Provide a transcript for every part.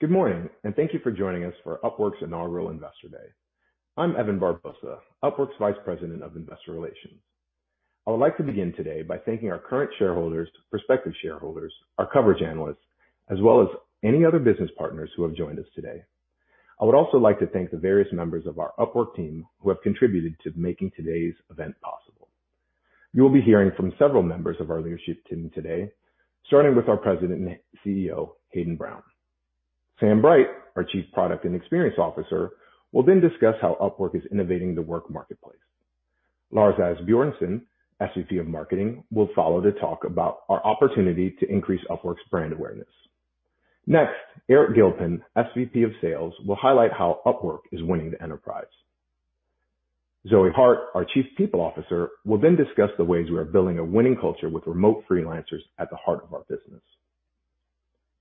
Good morning, and thank you for joining us for Upwork's inaugural Investor Day. I'm Evan Barbosa, Upwork's Vice President of Investor Relations. I would like to begin today by thanking our current shareholders, prospective shareholders, our coverage analysts, as well as any other business partners who have joined us today. I would also like to thank the various members of our Upwork team who have contributed to making today's event possible. You'll be hearing from several members of our leadership team today, starting with our President and CEO, Hayden Brown. Sam Bright, our Chief Product and Experience Officer, will then discuss how Upwork is innovating the Work Marketplace. Lars Asbjornsen, SVP of Marketing, will follow to talk about our opportunity to increase Upwork's brand awareness. Eric Gilpin, SVP of Sales, will highlight how Upwork is winning the enterprise. Zoë Harte, our Chief People Officer, will discuss the ways we are building a winning culture with remote freelancers at the heart of our business.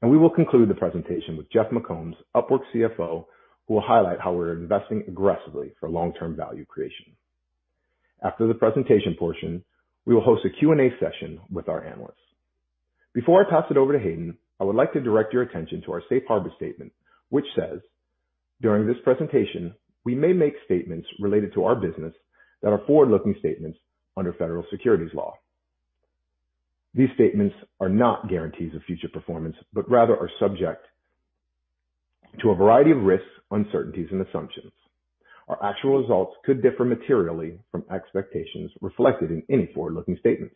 We will conclude the presentation with Jeff McCombs, Upwork's CFO, who will highlight how we're investing aggressively for long-term value creation. After the presentation portion, we will host a Q&A session with our analysts. Before I toss it over to Hayden, I would like to direct your attention to our safe harbor statement, which says, "During this presentation, we may make statements related to our business that are forward-looking statements under federal securities law. These statements are not guarantees of future performance, rather are subject to a variety of risks, uncertainties, and assumptions. Our actual results could differ materially from expectations reflected in any forward-looking statements.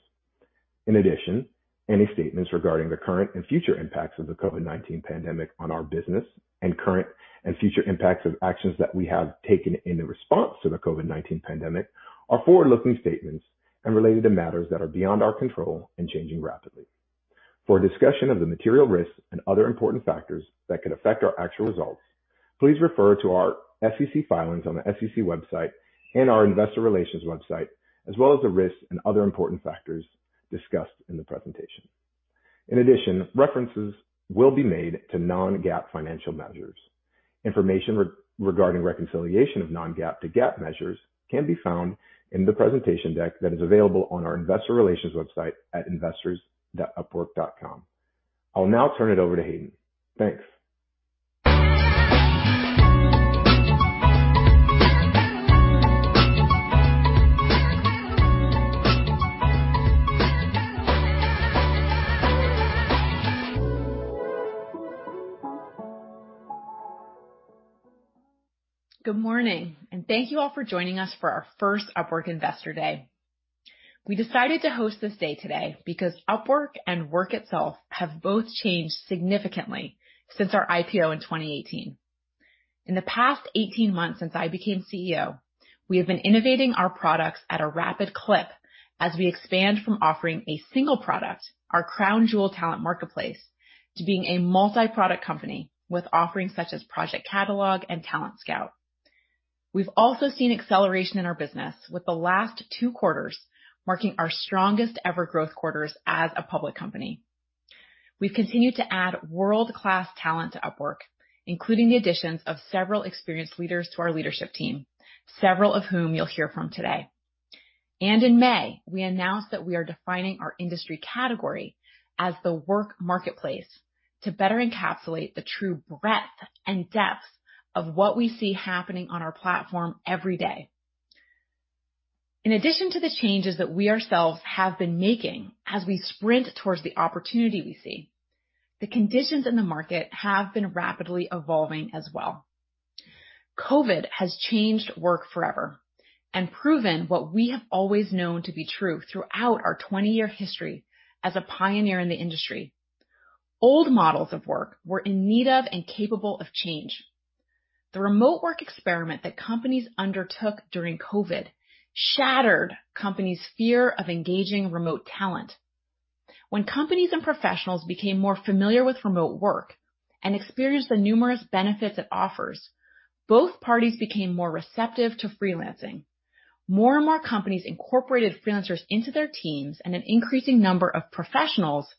Any statements regarding the current and future impacts of the COVID-19 pandemic on our business and current and future impacts of actions that we have taken in the response to the COVID-19 pandemic are forward-looking statements and related to matters that are beyond our control and changing rapidly. For a discussion of the material risks and other important factors that could affect our actual results, please refer to our SEC filings on the SEC website and our investor relations website, as well as the risks and other important factors discussed in the presentation. References will be made to non-GAAP financial measures. Information regarding reconciliation of non-GAAP to GAAP measures can be found in the presentation deck that is available on our investor relations website at investors.upwork.com. I'll now turn it over to Hayden. Thanks. Good morning, and thank you all for joining us for our first Upwork Investor Day. We decided to host this day today because Upwork and work itself have both changed significantly since our IPO in 2018. In the past 18 months since I became CEO, we have been innovating our products at a rapid clip as we expand from offering a single product, our crown jewel Talent Marketplace, to being a multi-product company with offerings such as Project Catalog and Talent Scout. We've also seen acceleration in our business, with the last two quarters marking our strongest-ever growth quarters as a public company. We've continued to add world-class talent to Upwork, including the additions of several experienced leaders to our leadership team, several of whom you'll hear from today. In May, we announced that we are defining our industry category as the Work Marketplace to better encapsulate the true breadth and depth of what we see happening on our platform every day. In addition to the changes that we ourselves have been making as we sprint towards the opportunity we see, the conditions in the market have been rapidly evolving as well. COVID has changed work forever and proven what we have always known to be true throughout our 20-year history as a pioneer in the industry. Old models of work were in need of and capable of change. The remote work experiment that companies undertook during COVID shattered companies' fear of engaging remote talent. When companies and professionals became more familiar with remote work and experienced the numerous benefits it offers, both parties became more receptive to freelancing. More and more companies incorporated freelancers into their teams, an increasing number of professionals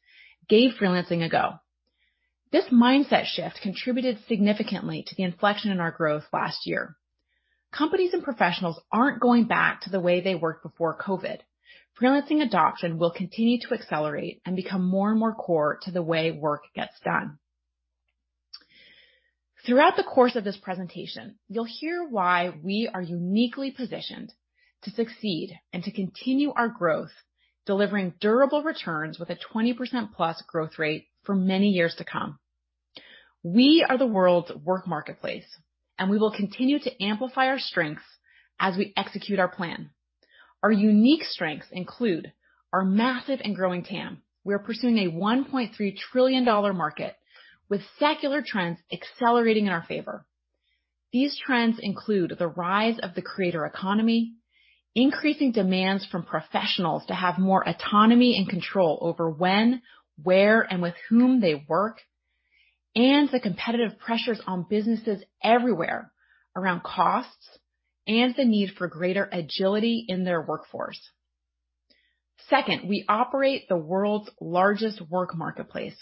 gave freelancing a go. This mindset shift contributed significantly to the inflection in our growth last year. Companies and professionals aren't going back to the way they worked before COVID. Freelancing adoption will continue to accelerate and become more and more core to the way work gets done. Throughout the course of this presentation, you'll hear why we are uniquely positioned to succeed and to continue our growth, delivering durable returns with a 20%+ growth rate for many years to come. We are the world's Work Marketplace, we will continue to amplify our strengths as we execute our plan. Our unique strengths include our massive and growing TAM. We are pursuing a $1.3 trillion market with secular trends accelerating in our favor. These trends include the rise of the creator economy, increasing demands from professionals to have more autonomy and control over when, where, and with whom they work, and the competitive pressures on businesses everywhere around costs and the need for greater agility in their workforce. Second, we operate the world's largest Work Marketplace.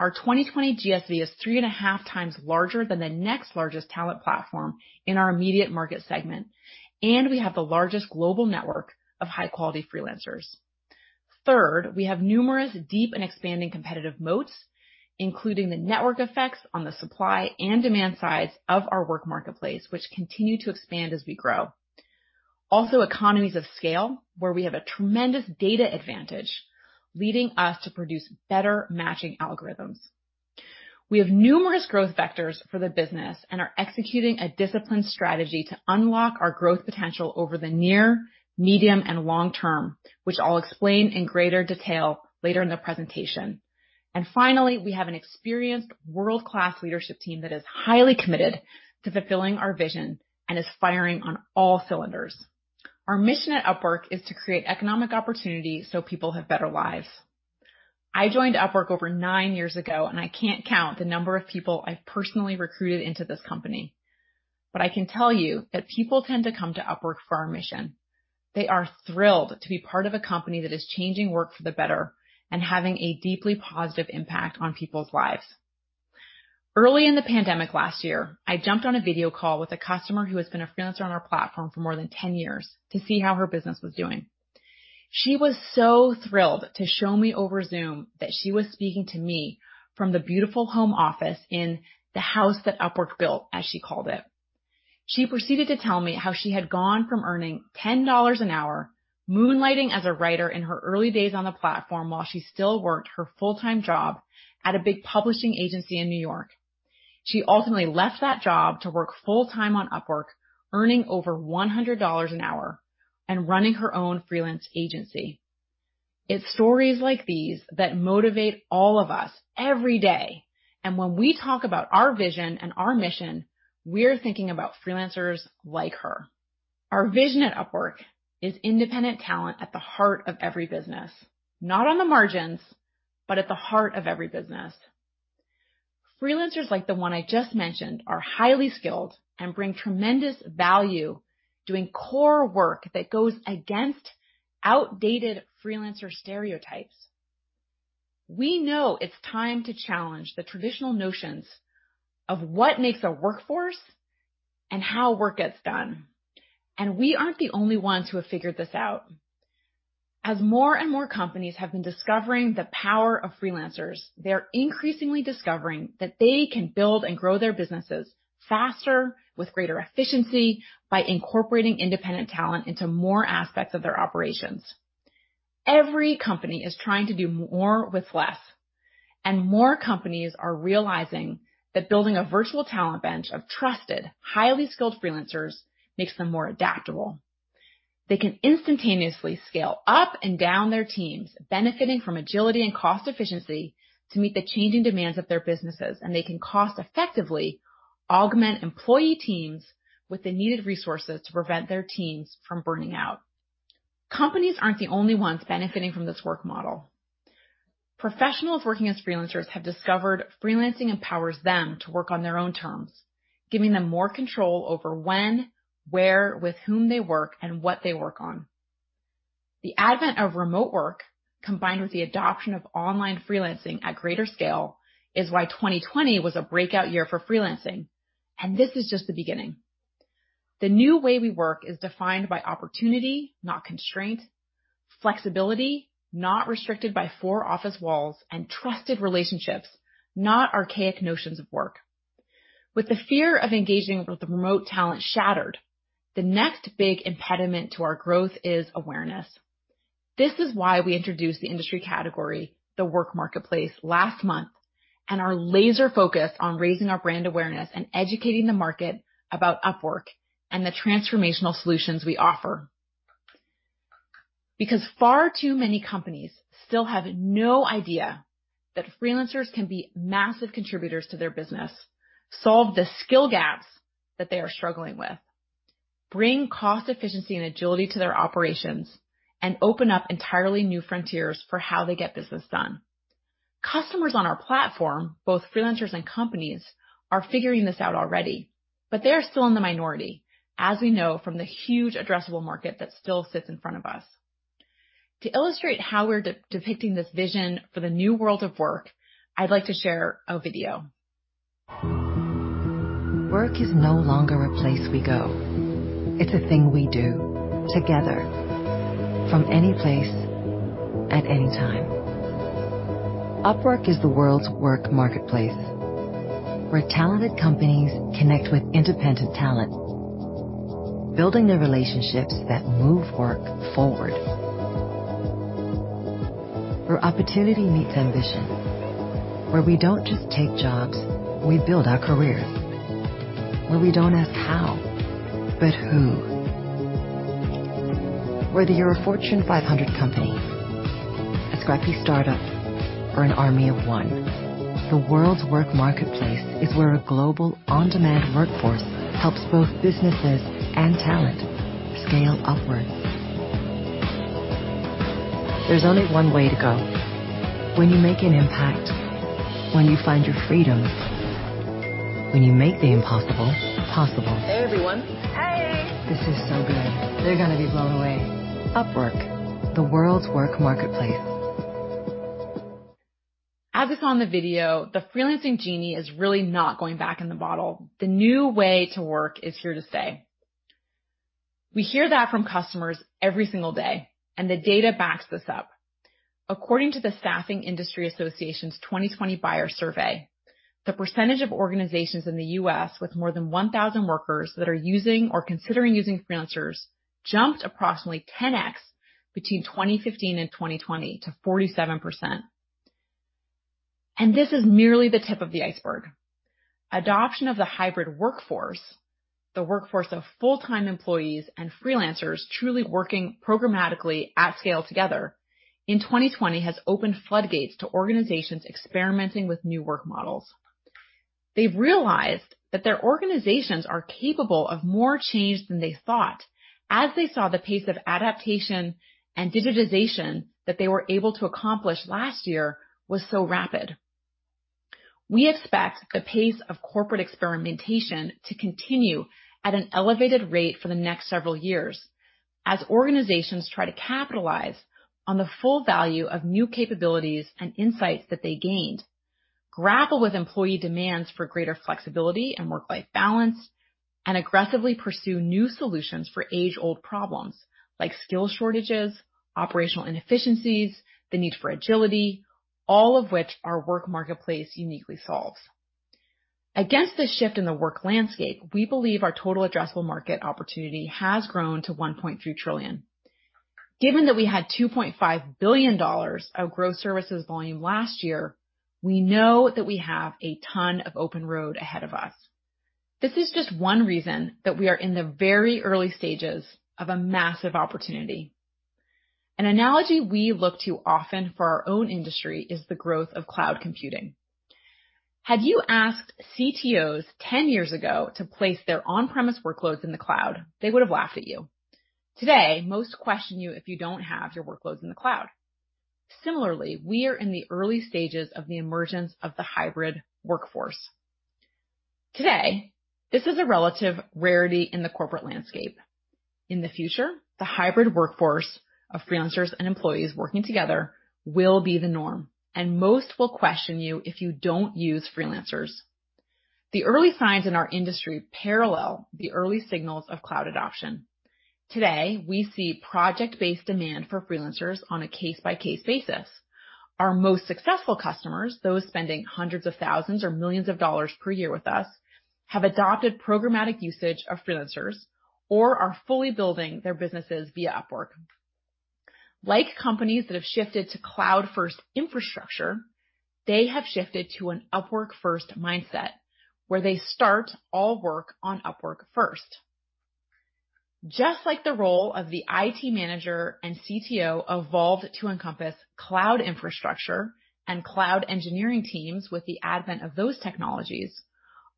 Our 2020 GSV is 3.5x larger than the next largest talent platform in our immediate market segment, and we have the largest global network of high-quality freelancers. Third, we have numerous deep and expanding competitive moats, including the network effects on the supply and demand sides of our Work Marketplace, which continue to expand as we grow. Also, economies of scale, where we have a tremendous data advantage, leading us to produce better matching algorithms. We have numerous growth vectors for the business and are executing a disciplined strategy to unlock our growth potential over the near, medium, and long term, which I'll explain in greater detail later in the presentation. Finally, we have an experienced world-class leadership team that is highly committed to fulfilling our vision and is firing on all cylinders. Our mission at Upwork is to create economic opportunity so people have better lives. I joined Upwork over nine years ago, and I can't count the number of people I've personally recruited into this company. I can tell you that people tend to come to Upwork for our mission. They are thrilled to be part of a company that is changing work for the better and having a deeply positive impact on people's lives. Early in the pandemic last year, I jumped on a video call with a customer who has been a freelancer on our platform for more than 10 years to see how her business was doing. She was so thrilled to show me over Zoom that she was speaking to me from the beautiful home office in the house that Upwork built, as she called it. She proceeded to tell me how she had gone from earning $10 an hour moonlighting as a writer in her early days on the platform while she still worked her full-time job at a big publishing agency in New York. She ultimately left that job to work full-time on Upwork, earning over $100 an hour and running her own freelance agency. It's stories like these that motivate all of us every day. When we talk about our vision and our mission, we are thinking about freelancers like her. Our vision at Upwork is independent talent at the heart of every business, not on the margins, but at the heart of every business. Freelancers like the one I just mentioned are highly skilled and bring tremendous value doing core work that goes against outdated freelancer stereotypes. We know it's time to challenge the traditional notions of what makes our workforce and how work gets done. We aren't the only ones who have figured this out. As more and more companies have been discovering the power of freelancers, they are increasingly discovering that they can build and grow their businesses faster with greater efficiency by incorporating independent talent into more aspects of their operations. Every company is trying to do more with less. More companies are realizing that building a virtual talent bench of trusted, highly skilled freelancers makes them more adaptable. They can instantaneously scale up and down their teams, benefiting from agility and cost efficiency to meet the changing demands of their businesses, and they can cost-effectively augment employee teams with the needed resources to prevent their teams from burning out. Companies aren't the only ones benefiting from this work model. Professionals working as freelancers have discovered freelancing empowers them to work on their own terms, giving them more control over when, where, with whom they work, and what they work on. The advent of remote work, combined with the adoption of online freelancing at greater scale, is why 2020 was a breakout year for freelancing, and this is just the beginning. The new way we work is defined by opportunity, not constraint, flexibility, not restricted by four office walls, and trusted relationships, not archaic notions of work. With the fear of engaging with remote talent shattered, the next big impediment to our growth is awareness. This is why we introduced the industry category, the Work Marketplace, last month, and are laser-focused on raising our brand awareness and educating the market about Upwork and the transformational solutions we offer. Far too many companies still have no idea that freelancers can be massive contributors to their business, solve the skill gaps that they are struggling with, bring cost efficiency and agility to their operations, and open up entirely new frontiers for how they get business done. Customers on our platform, both freelancers and companies, are figuring this out already, but they are still in the minority, as we know from the huge addressable market that still sits in front of us. To illustrate how we're depicting this vision for the new world of work, I'd like to share a video. Work is no longer a place we go. It's a thing we do together from any place at any time. Upwork is the world's Work Marketplace, where talented companies connect with independent talent, building the relationships that move work forward. Where opportunity meets ambition. Where we don't just take jobs, we build our careers. Where we don't ask how, but who. Whether you're a Fortune 500 company, a scrappy startup, or an army of one, the world's Work Marketplace is where a global on-demand workforce helps both businesses and talent scale Upwork. There's only one way to go. When you make an impact, when you find your freedom, when you make the impossible possible. Hey, everyone. Hey. This is so good. They're going to be blown away. Upwork, the world's Work Marketplace. As I saw in the video, the freelancing genie is really not going back in the bottle. The new way to work is here to stay. We hear that from customers every single day, and the data backs this up. According to the Staffing Industry Associations' 2020 Buyer Survey, the percentage of organizations in the U.S. with more than 1,000 workers that are using or considering using freelancers jumped approximately 10x between 2015 and 2020 to 47%. This is merely the tip of the iceberg. Adoption of the hybrid workforce, the workforce of full-time employees and freelancers truly working programmatically at scale together, in 2020 has opened floodgates to organizations experimenting with new work models. They've realized that their organizations are capable of more change than they thought, as they saw the pace of adaptation and digitization that they were able to accomplish last year was so rapid. We expect the pace of corporate experimentation to continue at an elevated rate for the next several years as organizations try to capitalize on the full value of new capabilities and insights that they gained, grapple with employee demands for greater flexibility and work-life balance, and aggressively pursue new solutions for age-old problems like skill shortages, operational inefficiencies, the need for agility, all of which our Work Marketplace uniquely solves. Against this shift in the work landscape, we believe our total addressable market opportunity has grown to $1.3 trillion. Given that we had $2.5 billion of gross services volume last year, we know that we have a ton of open road ahead of us. This is just one reason that we are in the very early stages of a massive opportunity. An analogy we look to often for our own industry is the growth of cloud computing. Had you asked CTOs 10 years ago to place their on-premise workloads in the cloud, they would have laughed at you. Today, most question you if you don't have your workloads in the cloud. Similarly, we are in the early stages of the emergence of the hybrid workforce. Today, this is a relative rarity in the corporate landscape. In the future, the hybrid workforce of freelancers and employees working together will be the norm, and most will question you if you don't use freelancers. The early signs in our industry parallel the early signals of cloud adoption. Today, we see project-based demand for freelancers on a case-by-case basis. Our most successful customers, those spending hundreds of thousands or millions of dollars per year with us, have adopted programmatic usage of freelancers or are fully building their businesses via Upwork. Companies that have shifted to cloud-first infrastructure, they have shifted to an Upwork-first mindset, where they start all work on Upwork first. Just like the role of the IT manager and CTO evolved to encompass cloud infrastructure and cloud engineering teams with the advent of those technologies,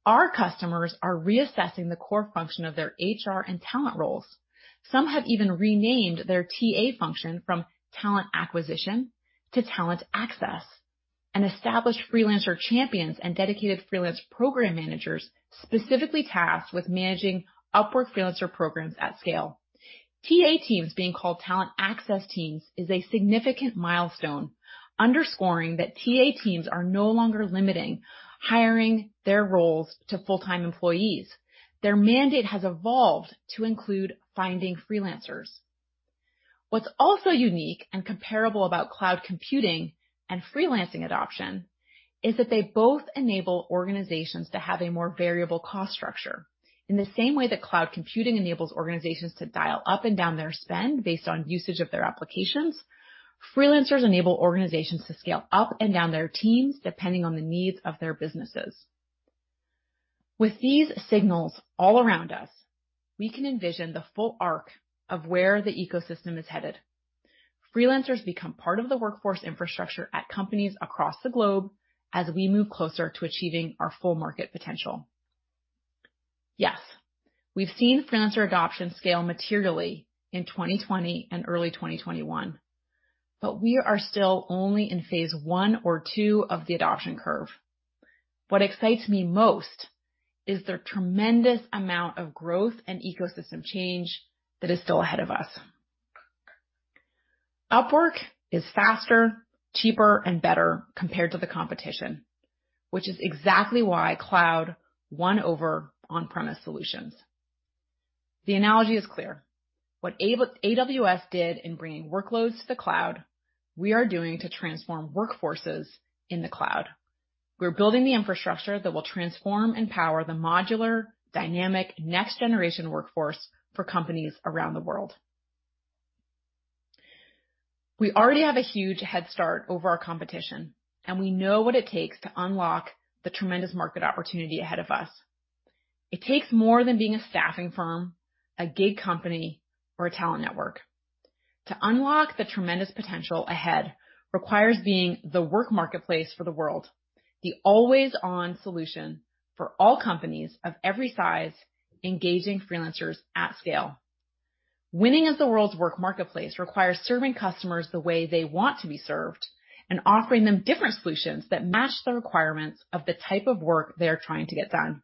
our customers are reassessing the core function of their HR and talent roles. Some have even renamed their TA function from talent acquisition to talent access and established freelancer champions and dedicated freelance program managers, specifically tasked with managing Upwork freelancer programs at scale. TA teams being called talent access teams is a significant milestone, underscoring that TA teams are no longer limiting hiring their roles to full-time employees. Their mandate has evolved to include finding freelancers. What's also unique and comparable about cloud computing and freelancing adoption is that they both enable organizations to have a more variable cost structure. In the same way that cloud computing enables organizations to dial up and down their spend based on usage of their applications, freelancers enable organizations to scale up and down their teams, depending on the needs of their businesses. With these signals all around us, we can envision the full arc of where the ecosystem is headed. Freelancers become part of the workforce infrastructure at companies across the globe as we move closer to achieving our full market potential. Yes, we've seen freelancer adoption scale materially in 2020 and early 2021, but we are still only in phase one or two of the adoption curve. What excites me most is the tremendous amount of growth and ecosystem change that is still ahead of us. Upwork is faster, cheaper, and better compared to the competition, which is exactly why cloud won over on-premise solutions. The analogy is clear. What AWS did in bringing workloads to the cloud, we are doing to transform workforces in the cloud. We're building the infrastructure that will transform and power the modular, dynamic, next-generation workforce for companies around the world. We already have a huge head start over our competition, we know what it takes to unlock the tremendous market opportunity ahead of us. It takes more than being a staffing firm, a gig company, or a talent network. To unlock the tremendous potential ahead requires being the Work Marketplace for the world, the always-on solution for all companies of every size, engaging freelancers at scale. Winning as the world's Work Marketplace requires serving customers the way they want to be served and offering them different solutions that match the requirements of the type of work they're trying to get done.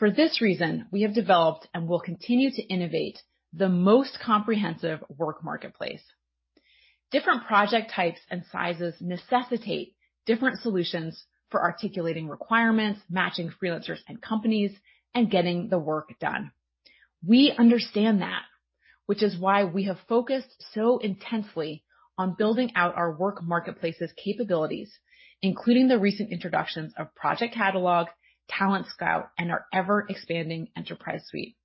For this reason, we have developed and will continue to innovate the most comprehensive Work Marketplace. Different project types and sizes necessitate different solutions for articulating requirements, matching freelancers and companies, and getting the work done. We understand that, which is why we have focused so intensely on building out our Work Marketplace's capabilities, including the recent introductions of Project Catalog, Talent Scout, and our ever-expanding Enterprise Suite.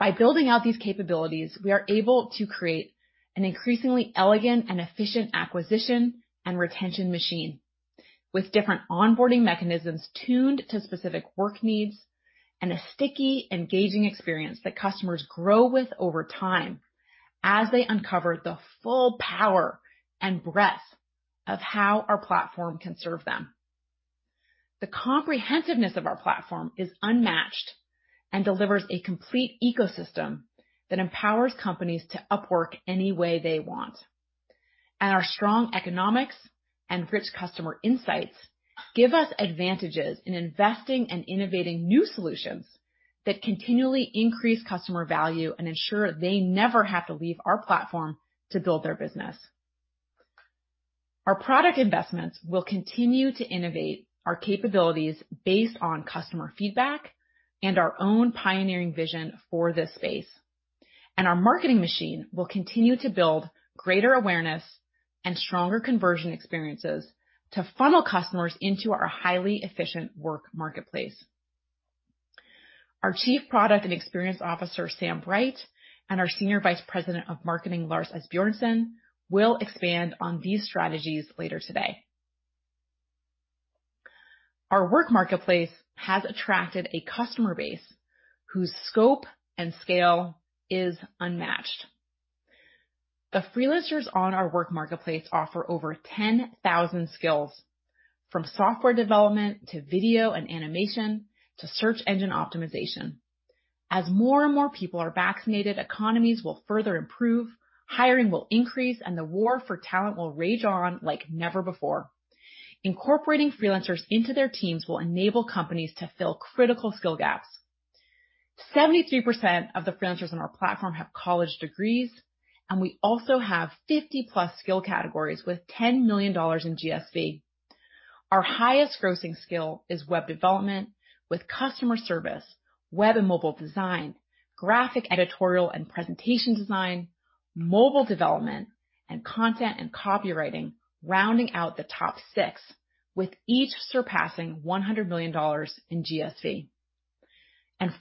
By building out these capabilities, we are able to create an increasingly elegant and efficient acquisition and retention machine with different onboarding mechanisms tuned to specific work needs and a sticky, engaging experience that customers grow with over time as they uncover the full power and breadth of how our platform can serve them. The comprehensiveness of our platform is unmatched and delivers a complete ecosystem that empowers companies to Upwork any way they want. Our strong economics and rich customer insights give us advantages in investing and innovating new solutions that continually increase customer value and ensure they never have to leave our platform to build their business. Our product investments will continue to innovate our capabilities based on customer feedback and our own pioneering vision for this space. Our marketing machine will continue to build greater awareness and stronger conversion experiences to funnel customers into our highly efficient Work Marketplace. Our Chief Product and Experience Officer, Sam Bright, and our Senior Vice President of Marketing, Lars Asbjornsen, will expand on these strategies later today. Our Work Marketplace has attracted a customer base whose scope and scale is unmatched. The freelancers on our Work Marketplace offer over 10,000 skills, from software development to video and animation to search engine optimization. As more and more people are vaccinated, economies will further improve, hiring will increase, and the war for talent will rage on like never before. Incorporating freelancers into their teams will enable companies to fill critical skill gaps. 73% of the freelancers on our platform have college degrees, and we also have 50+ skill categories with $10 million in GSV. Our highest grossing skill is web development, with customer service, web and mobile design, graphic, editorial, and presentation design, mobile development, and content and copywriting rounding out the top six, with each surpassing $100 million in GSV.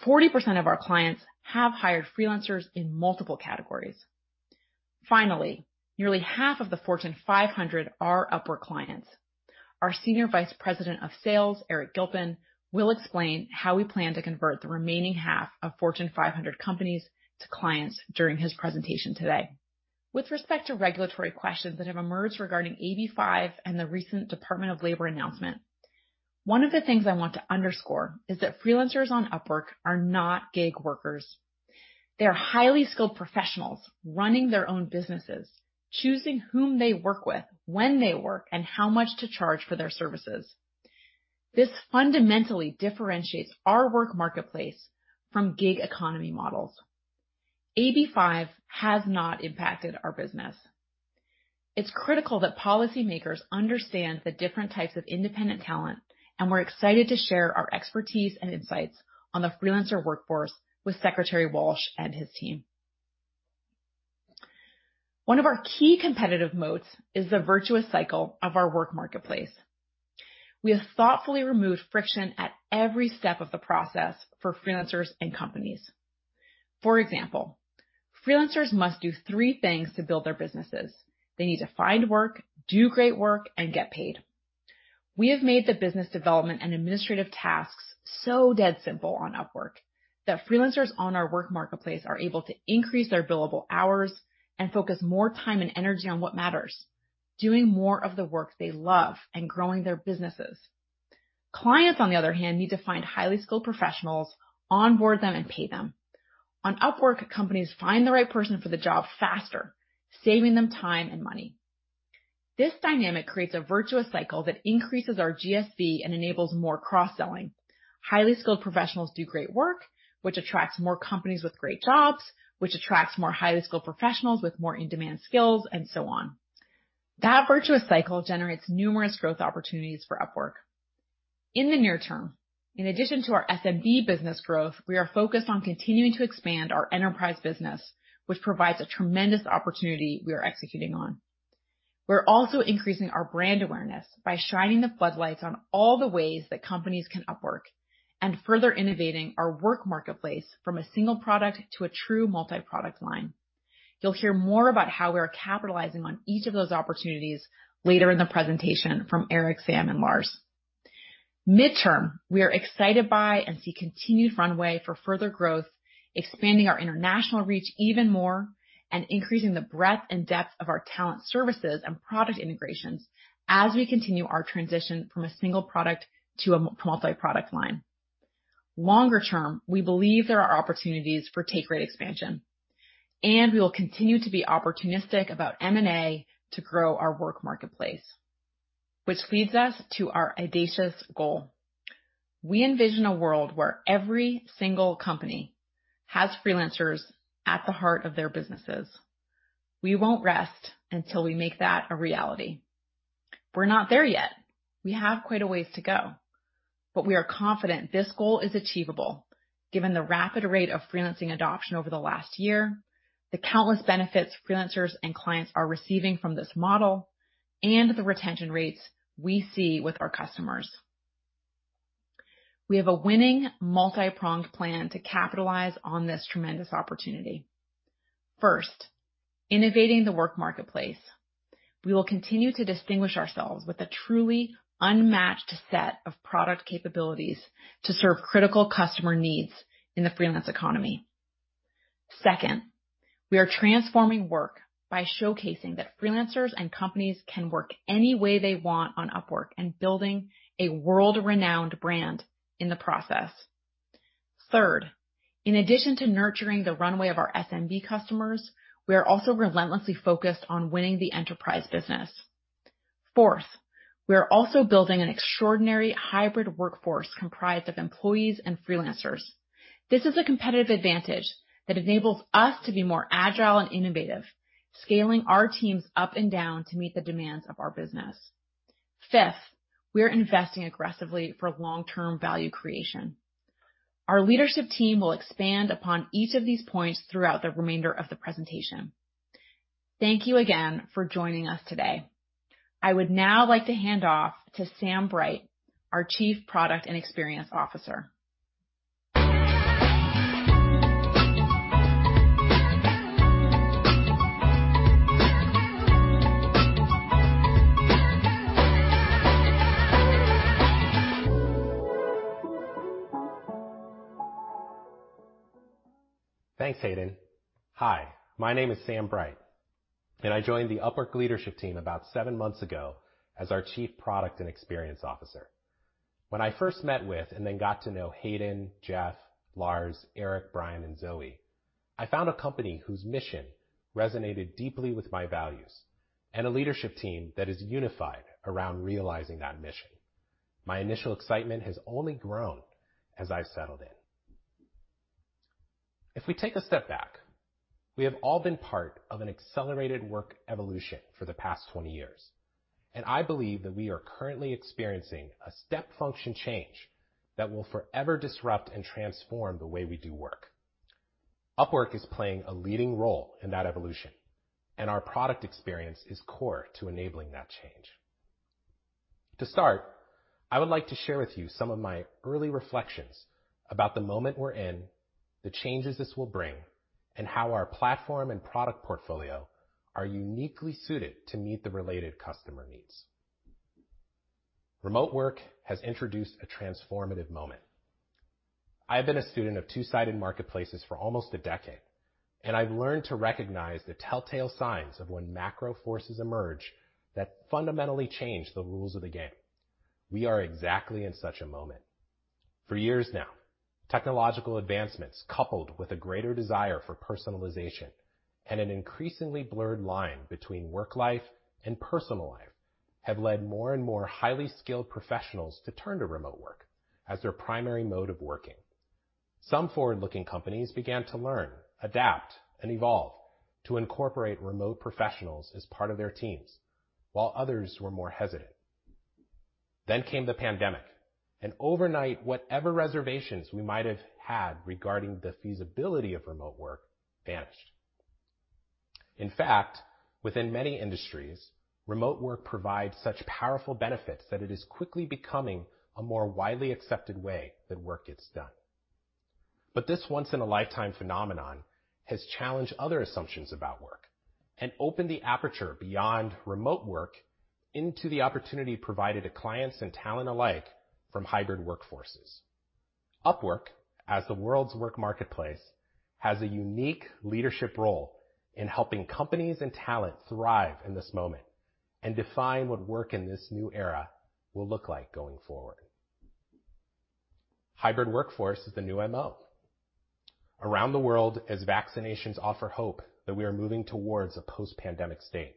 40% of our clients have hired freelancers in multiple categories. Finally, nearly half of the Fortune 500 are Upwork clients. Our Senior Vice President of Sales, Eric Gilpin, will explain how we plan to convert the remaining half of Fortune 500 companies to clients during his presentation today. With respect to regulatory questions that have emerged regarding AB5 and the recent Department of Labor announcement, one of the things I want to underscore is that freelancers on Upwork are not gig workers. They're highly skilled professionals running their own businesses, choosing whom they work with, when they work, and how much to charge for their services. This fundamentally differentiates our Work Marketplace from gig economy models. AB5 has not impacted our business. It's critical that policymakers understand the different types of independent talent, and we're excited to share our expertise and insights on the freelancer workforce with Secretary Walsh and his team. One of our key competitive moats is the virtuous cycle of our Work Marketplace. We have thoughtfully removed friction at every step of the process for freelancers and companies. For example, freelancers must do three things to build their businesses. They need to find work, do great work, and get paid. We have made the business development and administrative tasks so dead simple on Upwork that freelancers on our Work Marketplace are able to increase their billable hours and focus more time and energy on what matters, doing more of the work they love and growing their businesses. Clients, on the other hand, need to find highly skilled professionals, onboard them, and pay them. On Upwork, companies find the right person for the job faster, saving them time and money. This dynamic creates a virtuous cycle that increases our GSV and enables more cross-selling. Highly skilled professionals do great work, which attracts more companies with great jobs, which attracts more highly skilled professionals with more in-demand skills, and so on. That virtuous cycle generates numerous growth opportunities for Upwork. In the near term, in addition to our SMB business growth, we are focused on continuing to expand our enterprise business, which provides a tremendous opportunity we are executing on. We're also increasing our brand awareness by shining the floodlights on all the ways that companies can Upwork and further innovating our Work Marketplace from a single product to a true multi-product line. You'll hear more about how we are capitalizing on each of those opportunities later in the presentation from Eric, Sam, and Lars. Midterm, we are excited by and see continued runway for further growth, expanding our international reach even more, and increasing the breadth and depth of our talent services and product integrations as we continue our transition from a single product to a multi-product line. Longer term, we believe there are opportunities for take rate expansion, and we will continue to be opportunistic about M&A to grow our Work Marketplace. Which leads us to our audacious goal. We envision a world where every single company has freelancers at the heart of their businesses. We won't rest until we make that a reality. We're not there yet. We have quite a ways to go, but we are confident this goal is achievable given the rapid rate of freelancing adoption over the last year, the countless benefits freelancers and clients are receiving from this model, and the retention rates we see with our customers. We have a winning multi-pronged plan to capitalize on this tremendous opportunity. First, innovating the Work Marketplace. We will continue to distinguish ourselves with a truly unmatched set of product capabilities to serve critical customer needs in the freelance economy. Second, we are transforming work by showcasing that freelancers and companies can work any way they want on Upwork and building a world-renowned brand in the process. Third, in addition to nurturing the runway of our SMB customers, we are also relentlessly focused on winning the Enterprise business. Fourth, we are also building an extraordinary hybrid workforce comprised of employees and freelancers. This is a competitive advantage that enables us to be more agile and innovative, scaling our teams up and down to meet the demands of our business. Fifth, we are investing aggressively for long-term value creation. Our leadership team will expand upon each of these points throughout the remainder of the presentation. Thank you again for joining us today. I would now like to hand off to Sam Bright, our Chief Product and Experience Officer. Thanks, Hayden. Hi, my name is Sam Bright, and I joined the Upwork leadership team about seven months ago as our Chief Product and Experience Officer. When I first met with and then got to know Hayden, Jeff, Lars, Eric, Brian, and Zoë, I found a company whose mission resonated deeply with my values and a leadership team that is unified around realizing that mission. My initial excitement has only grown as I settled in. If we take a step back, we have all been part of an accelerated work evolution for the past 20 years, and I believe that we are currently experiencing a step function change that will forever disrupt and transform the way we do work. Upwork is playing a leading role in that evolution, and our product experience is core to enabling that change. To start, I would like to share with you some of my early reflections about the moment we're in, the changes this will bring, and how our platform and product portfolio are uniquely suited to meet the related customer needs. Remote work has introduced a transformative moment. I've been a student of two-sided marketplaces for almost a decade, and I've learned to recognize the telltale signs of when macro forces emerge that fundamentally change the rules of the game. We are exactly in such a moment. For years now, technological advancements, coupled with a greater desire for personalization and an increasingly blurred line between work life and personal life, have led more and more highly skilled professionals to turn to remote work as their primary mode of working. Some forward-looking companies began to learn, adapt, and evolve to incorporate remote professionals as part of their teams, while others were more hesitant. Came the pandemic, and overnight, whatever reservations we might have had regarding the feasibility of remote work vanished. In fact, within many industries, remote work provides such powerful benefits that it is quickly becoming a more widely accepted way that work gets done. This once-in-a-lifetime phenomenon has challenged other assumptions about work and opened the aperture beyond remote work into the opportunity provided to clients and talent alike from hybrid workforces. Upwork, as the world's Work Marketplace, has a unique leadership role in helping companies and talent thrive in this moment and define what work in this new era will look like going forward. Hybrid workforce is the new MO. Around the world, as vaccinations offer hope that we are moving towards a post-pandemic state,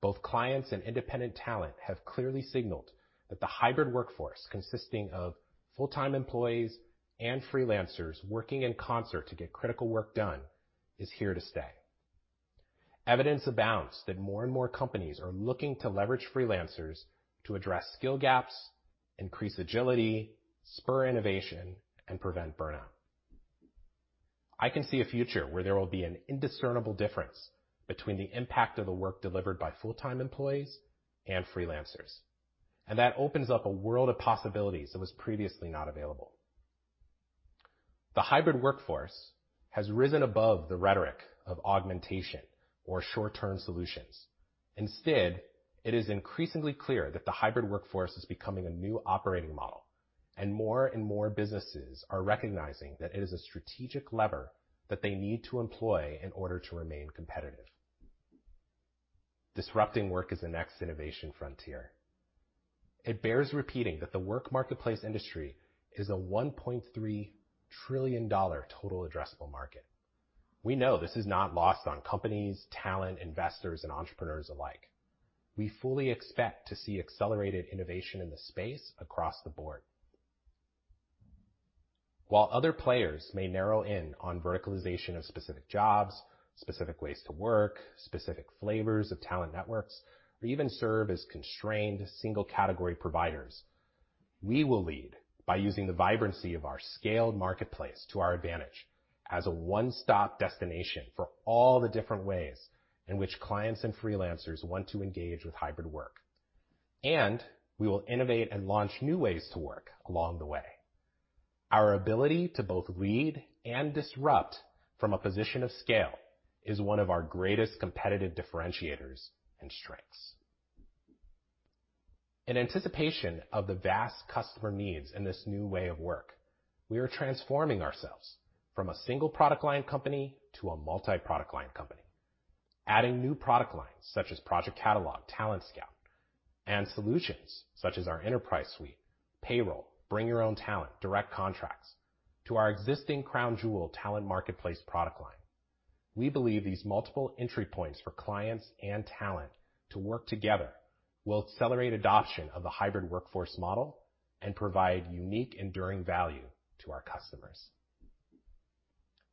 both clients and independent talent have clearly signaled that the hybrid workforce, consisting of full-time employees and freelancers working in concert to get critical work done, is here to stay. Evidence abounds that more and more companies are looking to leverage freelancers to address skill gaps, increase agility, spur innovation, and prevent burnout. I can see a future where there will be an indiscernible difference between the impact of the work delivered by full-time employees and freelancers, and that opens up a world of possibilities that was previously not available. The hybrid workforce has risen above the rhetoric of augmentation or short-term solutions. Instead, it is increasingly clear that the hybrid workforce is becoming a new operating model, and more and more businesses are recognizing that it is a strategic lever that they need to employ in order to remain competitive. Disrupting work is the next innovation frontier. It bears repeating that the Work Marketplace industry is a $1.3 trillion total addressable market. We know this is not lost on companies, talent, investors, and entrepreneurs alike. We fully expect to see accelerated innovation in the space across the board. While other players may narrow in on verticalization of specific jobs, specific ways to work, specific flavors of talent networks, or even serve as constrained single-category providers, we will lead by using the vibrancy of our scaled marketplace to our advantage as a one-stop destination for all the different ways in which clients and freelancers want to engage with hybrid work. We will innovate and launch new ways to work along the way. Our ability to both lead and disrupt from a position of scale is one of our greatest competitive differentiators and strengths. In anticipation of the vast customer needs in this new way of work, we are transforming ourselves from a single product line company to a multi-product line company, adding new product lines such as Project Catalog, Talent Scout, and solutions such as our Enterprise Suite, Payroll, Bring Your Own Talent, Direct Contracts, to our existing crown jewel Talent Marketplace product line. We believe these multiple entry points for clients and talent to work together will accelerate adoption of the hybrid workforce model and provide unique, enduring value to our customers.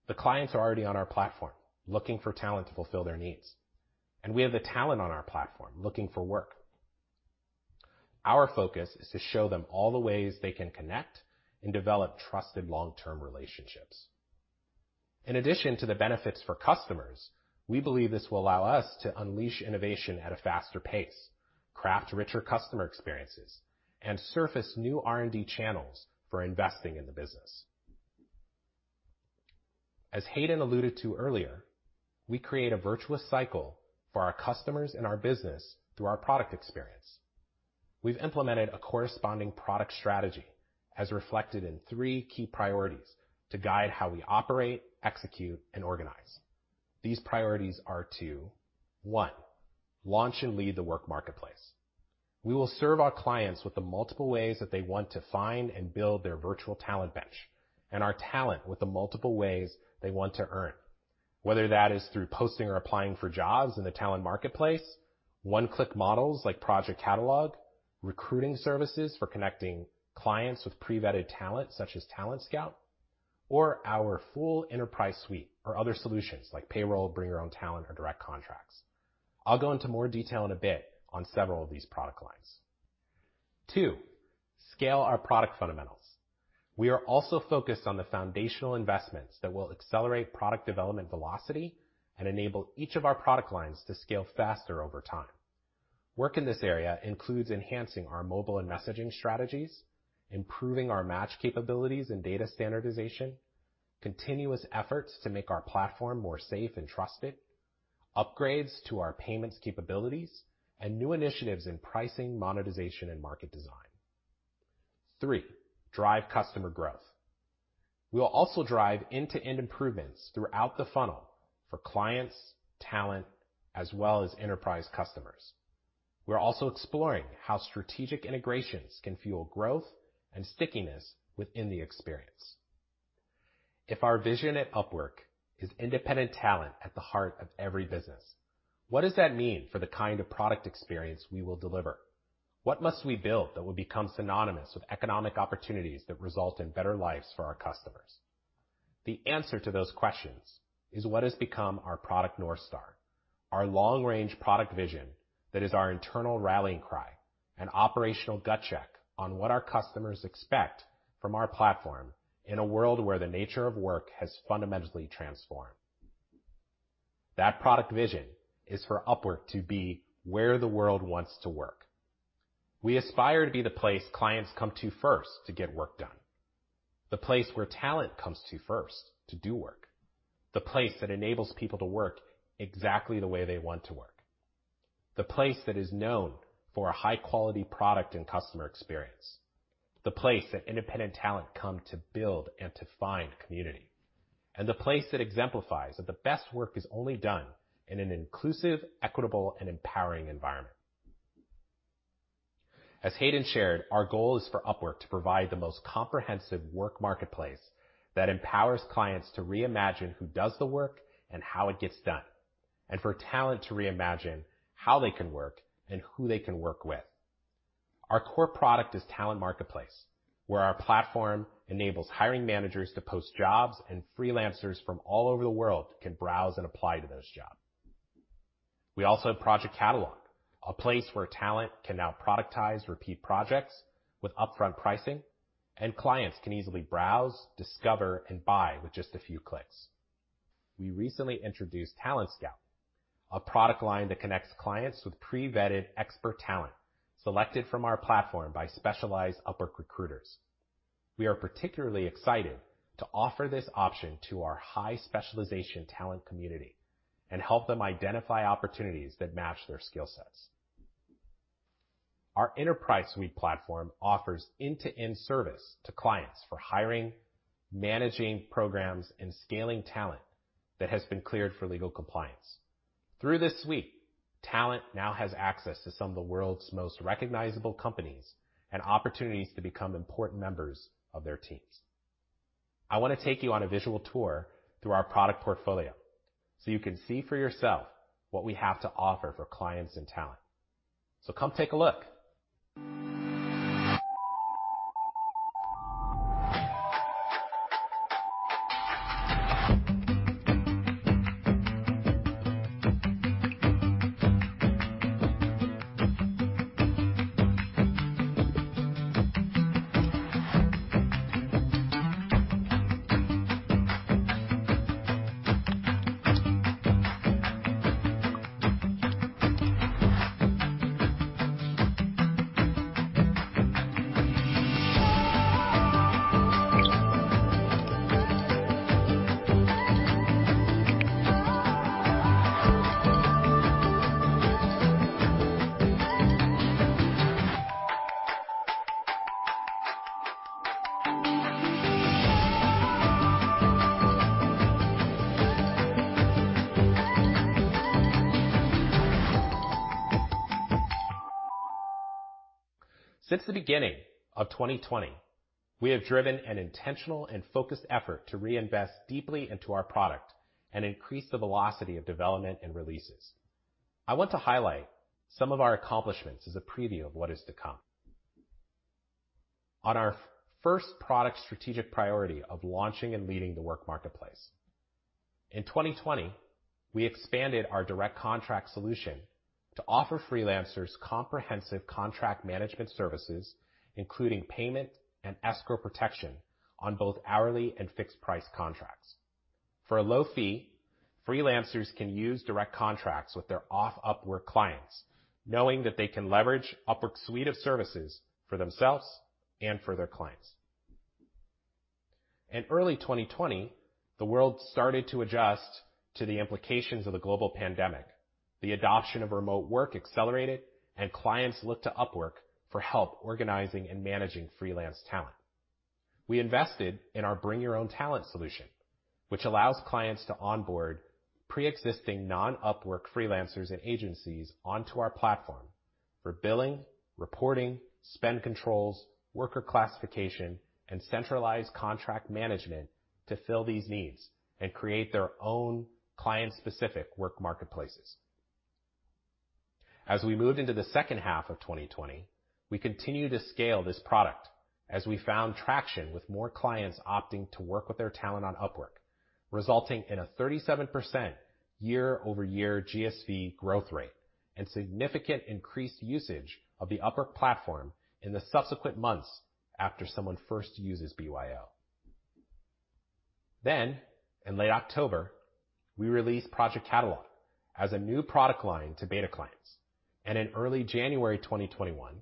The clients are already on our platform, looking for talent to fulfill their needs, and we have the talent on our platform looking for work. Our focus is to show them all the ways they can connect and develop trusted long-term relationships. In addition to the benefits for customers, we believe this will allow us to unleash innovation at a faster pace, craft richer customer experiences, and surface new R&D channels for investing in the business. As Hayden alluded to earlier, we create a virtuous cycle for our customers and our business through our product experience. We've implemented a corresponding product strategy as reflected in three key priorities to guide how we operate, execute, and organize. These priorities are to, one, launch and lead the Work Marketplace. We will serve our clients with the multiple ways that they want to find and build their virtual talent bench, and our talent with the multiple ways they want to earn, whether that is through posting or applying for jobs in the Talent Marketplace, one-click models like Project Catalog, recruiting services for connecting clients with pre-vetted talent such as Talent Scout, or our full Enterprise Suite or other solutions like Payroll, Bring Your Own Talent, or Direct Contracts. I'll go into more detail in a bit on several of these product lines. Two. Scale our product fundamentals. We are also focused on the foundational investments that will accelerate product development velocity and enable each of our product lines to scale faster over time. Work in this area includes enhancing our mobile and messaging strategies, improving our match capabilities and data standardization, continuous efforts to make our platform more safe and trusted, upgrades to our payments capabilities, and new initiatives in pricing, monetization, and market design. Three. Drive customer growth. We'll also drive end-to-end improvements throughout the funnel for clients, talent, as well as enterprise customers. We're also exploring how strategic integrations can fuel growth and stickiness within the experience. If our vision at Upwork is independent talent at the heart of every business, what does that mean for the kind of product experience we will deliver? What must we build that will become synonymous with economic opportunities that result in better lives for our customers? The answer to those questions is what has become our product North Star, our long-range product vision that is our internal rallying cry, an operational gut check on what our customers expect from our platform in a world where the nature of work has fundamentally transformed. That product vision is for Upwork to be where the world wants to work. We aspire to be the place clients come to first to get work done, the place where talent comes to first to do work, the place that enables people to work exactly the way they want to work, the place that is known for a high-quality product and customer experience, the place that independent talent come to build and to find community, and the place that exemplifies that the best work is only done in an inclusive, equitable, and empowering environment. As Hayden shared, our goal is for Upwork to provide the most comprehensive Work Marketplace that empowers clients to reimagine who does the work and how it gets done, and for talent to reimagine how they can work and who they can work with. Our core product is Talent Marketplace, where our platform enables hiring managers to post jobs and freelancers from all over the world can browse and apply to those jobs. We also have Project Catalog, a place where talent can now productize repeat projects with upfront pricing, and clients can easily browse, discover, and buy with just a few clicks. We recently introduced Talent Scout, a product line that connects clients with pre-vetted expert talent selected from our platform by specialized Upwork recruiters. We are particularly excited to offer this option to our high-specialization talent community and help them identify opportunities that match their skill sets. Our Enterprise Suite platform offers end-to-end service to clients for hiring, managing programs, and scaling talent that has been cleared for legal compliance. Through this suite, talent now has access to some of the world's most recognizable companies and opportunities to become important members of their teams. I want to take you on a visual tour through our product portfolio so you can see for yourself what we have to offer for clients and talent. Come take a look. Since the beginning of 2020, we have driven an intentional and focused effort to reinvest deeply into our product and increase the velocity of development and releases. I want to highlight some of our accomplishments as a preview of what is to come. On our first product strategic priority of launching and leading the Work Marketplace. In 2020, we expanded our Direct Contracts solution to offer freelancers comprehensive contract management services, including payment and escrow protection on both hourly and fixed price contracts. For a low fee, freelancers can use Direct Contracts with their off-Upwork clients, knowing that they can leverage Upwork's suite of services for themselves and for their clients. In early 2020, the world started to adjust to the implications of the global pandemic. The adoption of remote work accelerated, and clients looked to Upwork for help organizing and managing freelance talent. We invested in our Bring Your Own Talent solution, which allows clients to onboard preexisting non-Upwork freelancers and agencies onto our platform for billing, reporting, spend controls, worker classification, and centralized contract management to fill these needs and create their own client-specific Work Marketplaces. As we moved into the second half of 2020, we continued to scale this product as we found traction with more clients opting to work with their talent on Upwork, resulting in a 37% year-over-year GSV growth rate and significant increased usage of the Upwork platform in the subsequent months after someone first uses BYO. In late October, we released Project Catalog as a new product line to beta clients. In early January 2021,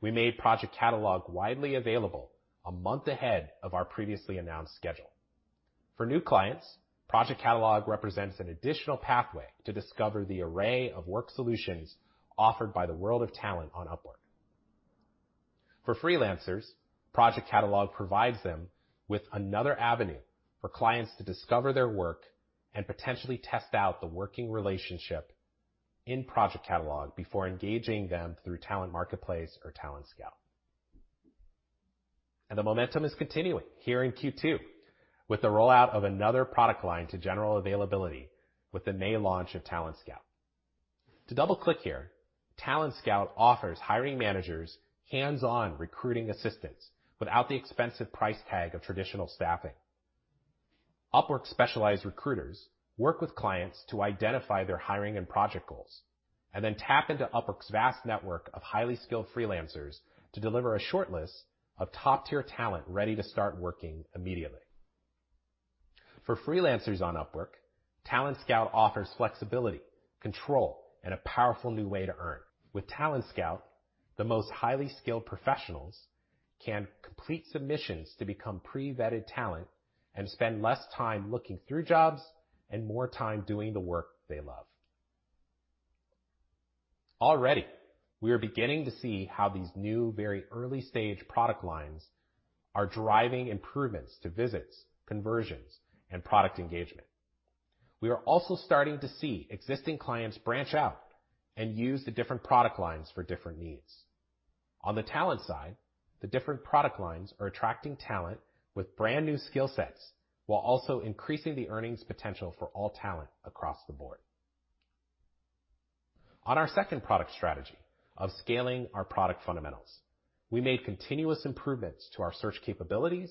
we made Project Catalog widely available a month ahead of our previously announced schedule. For new clients, Project Catalog represents an additional pathway to discover the array of work solutions offered by the world of talent on Upwork. For freelancers, Project Catalog provides them with another avenue for clients to discover their work and potentially test out the working relationship in Project Catalog before engaging them through Talent Marketplace or Talent Scout. The momentum is continuing here in Q2 with the rollout of another product line to general availability with the May launch of Talent Scout. To double-click here, Talent Scout offers hiring managers hands-on recruiting assistance without the expensive price tag of traditional staffing. Upwork specialized recruiters work with clients to identify their hiring and project goals and then tap into Upwork's vast network of highly skilled freelancers to deliver a shortlist of top-tier talent ready to start working immediately. For freelancers on Upwork, Talent Scout offers flexibility, control, and a powerful new way to earn. With Talent Scout, the most highly skilled professionals can complete submissions to become pre-vetted talent and spend less time looking through jobs and more time doing the work they love. Already, we are beginning to see how these new, very early-stage product lines are driving improvements to visits, conversions, and product engagement. We are also starting to see existing clients branch out and use the different product lines for different needs. On the talent side, the different product lines are attracting talent with brand new skill sets while also increasing the earnings potential for all talent across the board. On our second product strategy of scaling our product fundamentals, we made continuous improvements to our search capabilities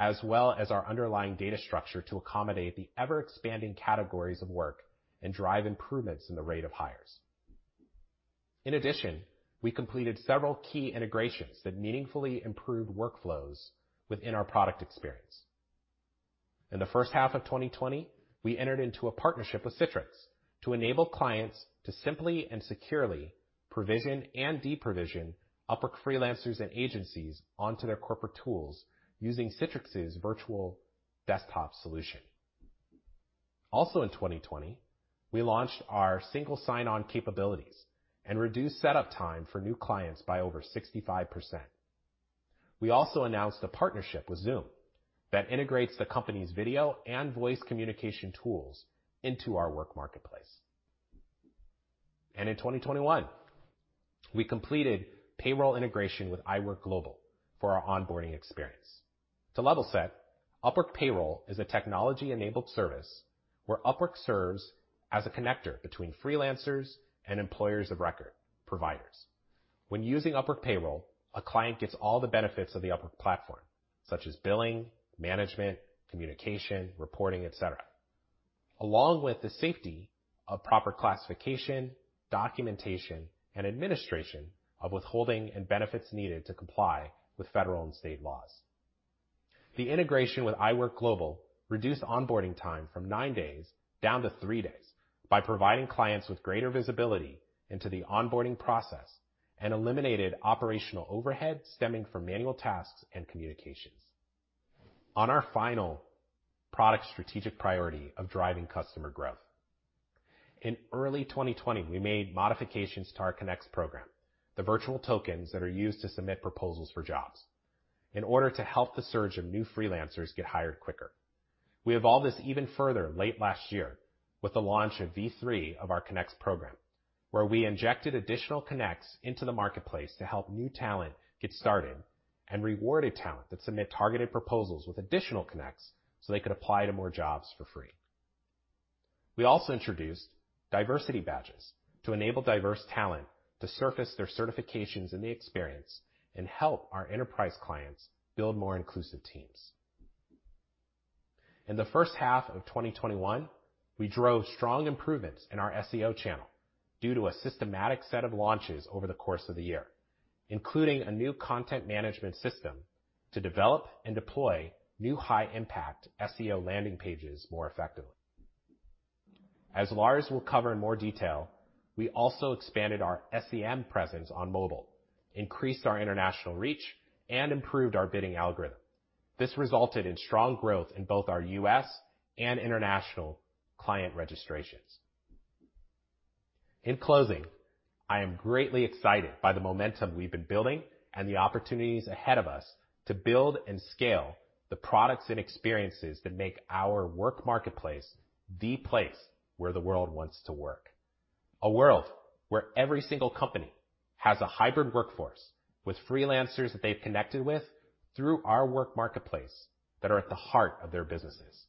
as well as our underlying data structure to accommodate the ever-expanding categories of work and drive improvements in the rate of hires. In addition, we completed several key integrations that meaningfully improved workflows within our product experience. In the first half of 2020, we entered into a partnership with Citrix to enable clients to simply and securely provision and deprovision Upwork freelancers and agencies onto their corporate tools using Citrix's virtual desktop solution. Also in 2020, we launched our single sign-on capabilities and reduced setup time for new clients by over 65%. We also announced a partnership with Zoom that integrates the company's video and voice communication tools into our Work Marketplace. In 2021, we completed payroll integration with iWorkGlobal for our onboarding experience. To level set, Upwork Payroll is a technology-enabled service where Upwork serves as a connector between freelancers and employers of record providers. When using Upwork Payroll, a client gets all the benefits of the Upwork platform, such as billing, management, communication, reporting, et cetera, along with the safety of proper classification, documentation, and administration of withholding and benefits needed to comply with federal and state laws. The integration with iWorkGlobal reduced onboarding time from nine days down to three days by providing clients with greater visibility into the onboarding process and eliminated operational overhead stemming from manual tasks and communications. On our final product strategic priority of driving customer growth, in early 2020, we made modifications to our Connects program, the virtual tokens that are used to submit proposals for jobs in order to help the surge of new freelancers get hired quicker. We evolved this even further late last year with the launch of V3 of our Connects program, where we injected additional Connects into the marketplace to help new talent get started and rewarded talent that submitted targeted proposals with additional Connects so they could apply to more jobs for free. We also introduced diversity badges to enable diverse talent to surface their certifications and the experience and help our enterprise clients build more inclusive teams. In the first half of 2021, we drove strong improvements in our SEO channel due to a systematic set of launches over the course of the year, including a new content management system to develop and deploy new high-impact SEO landing pages more effectively. As Lars will cover in more detail, we also expanded our SEM presence on mobile, increased our international reach, and improved our bidding algorithm. This resulted in strong growth in both our U.S. and international client registrations. In closing, I am greatly excited by the momentum we've been building and the opportunities ahead of us to build and scale the products and experiences that make our Work Marketplace the place where the world wants to work. A world where every single company has a hybrid workforce with freelancers that they've connected with through our Work Marketplace that are at the heart of their businesses.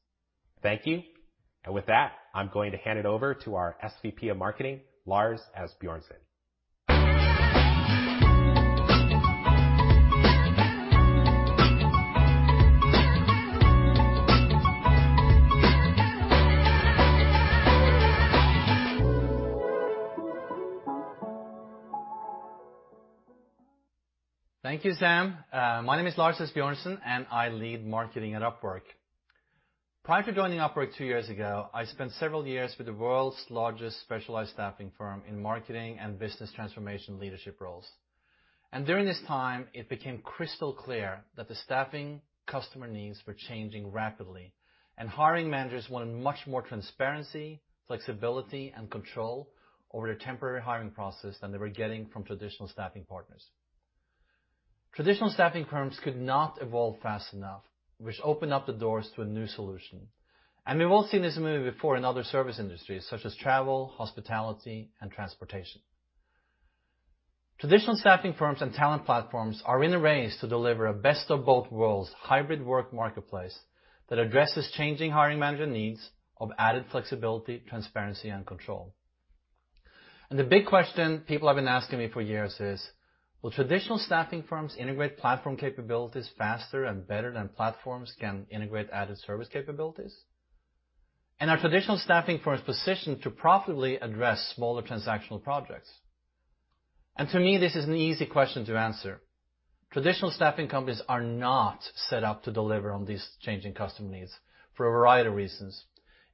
Thank you. With that, I'm going to hand it over to our SVP of Marketing, Lars Asbjornsen. Thank you, Sam. My name is Lars Asbjornsen, I lead marketing at Upwork. Prior to joining Upwork two years ago, I spent several years with the world's largest specialized staffing firm in marketing and business transformation leadership roles. During this time, it became crystal clear that the staffing customer needs were changing rapidly, and hiring managers wanted much more transparency, flexibility, and control over their temporary hiring process than they were getting from traditional staffing partners. Traditional staffing firms could not evolve fast enough, which opened up the doors to a new solution. We've all seen this movie before in other service industries such as travel, hospitality, and transportation. Traditional staffing firms and talent platforms are in a race to deliver a best-of-both-worlds hybrid Work Marketplace that addresses changing hiring manager needs of added flexibility, transparency, and control. The big question people have been asking me for years is, will traditional staffing firms integrate platform capabilities faster and better than platforms can integrate added service capabilities? Are traditional staffing firms positioned to profitably address smaller transactional projects? To me, this is an easy question to answer. Traditional staffing companies are not set up to deliver on these changing customer needs for a variety of reasons,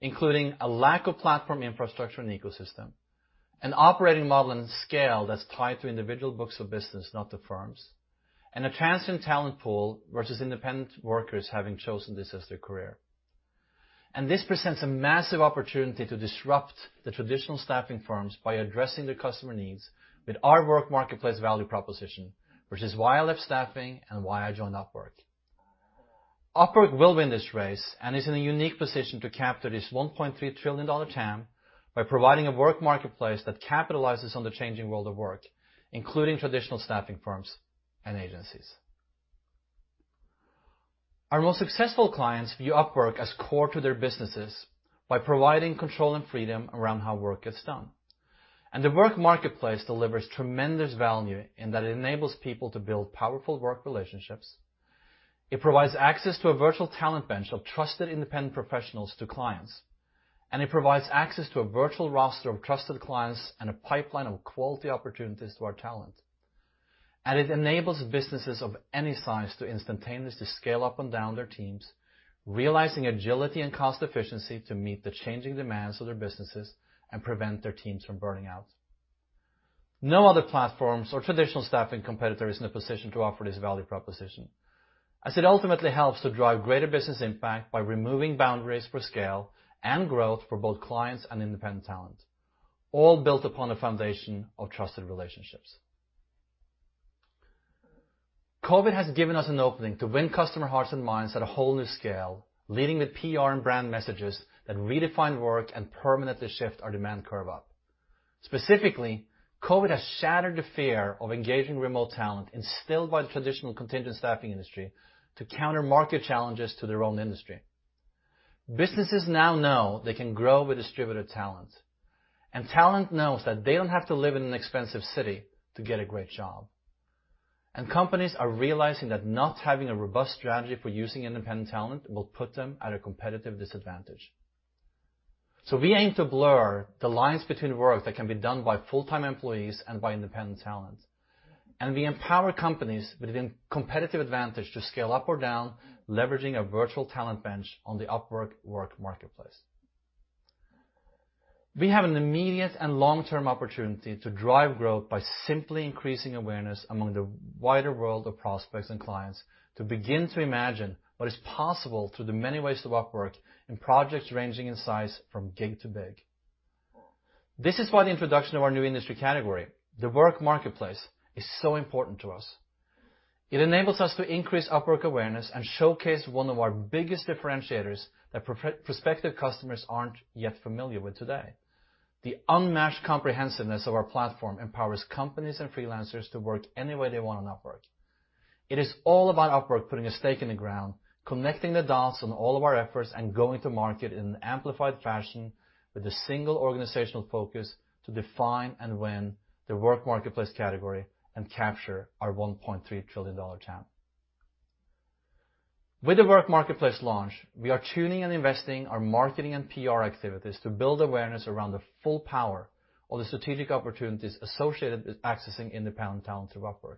including a lack of platform infrastructure and ecosystem, an operating model and scale that's tied to individual books of business, not to firms, and a transient talent pool versus independent workers having chosen this as their career. This presents a massive opportunity to disrupt the traditional staffing firms by addressing the customer needs with our Work Marketplace value proposition, which is why I left staffing and why I joined Upwork. Upwork will win this race and is in a unique position to capture this $1.3 trillion TAM by providing a work marketplace that capitalizes on the changing world of work, including traditional staffing firms and agencies. Our most successful clients view Upwork as core to their businesses by providing control and freedom around how work gets done. The work marketplace delivers tremendous value in that it enables people to build powerful work relationships. It provides access to a virtual talent bench of trusted independent professionals to clients, and it provides access to a virtual roster of trusted clients and a pipeline of quality opportunities to our talent. It enables businesses of any size to instantaneously scale up and down their teams, realizing agility and cost efficiency to meet the changing demands of their businesses and prevent their teams from burning out. No other platforms or traditional staffing competitor is in a position to offer this value proposition. As it ultimately helps to drive greater business impact by removing boundaries for scale and growth for both clients and independent talent, all built upon a foundation of trusted relationships. COVID has given us an opening to win customer hearts and minds at a whole new scale, leading with PR and brand messages that redefine work and permanently shift our demand curve up. Specifically, COVID has shattered the fear of engaging remote talent instilled by the traditional contingent staffing industry to counter market challenges to their own industry. Businesses now know they can grow with distributed talent, and talent knows that they don't have to live in an expensive city to get a great job. Companies are realizing that not having a robust strategy for using independent talent will put them at a competitive disadvantage. We aim to blur the lines between work that can be done by full-time employees and by independent talent, and we empower companies with a competitive advantage to scale up or down, leveraging a virtual talent bench on the Upwork Work Marketplace. We have an immediate and long-term opportunity to drive growth by simply increasing awareness among the wider world of prospects and clients to begin to imagine what is possible through the many ways to Upwork in projects ranging in size from gig to big. This is why the introduction of our new industry category, the Work Marketplace, is so important to us. It enables us to increase Upwork awareness and showcase one of our biggest differentiators that prospective customers aren't yet familiar with today. The unmatched comprehensiveness of our platform empowers companies and freelancers to work any way they want on Upwork. It is all about Upwork putting a stake in the ground, connecting the dots on all of our efforts, and going to market in an amplified fashion with a single organizational focus to define and win the Work Marketplace category and capture our $1.3 trillion TAM. With the Work Marketplace launch, we are tuning and investing our marketing and PR activities to build awareness around the full power of the strategic opportunities associated with accessing independent talent through Upwork.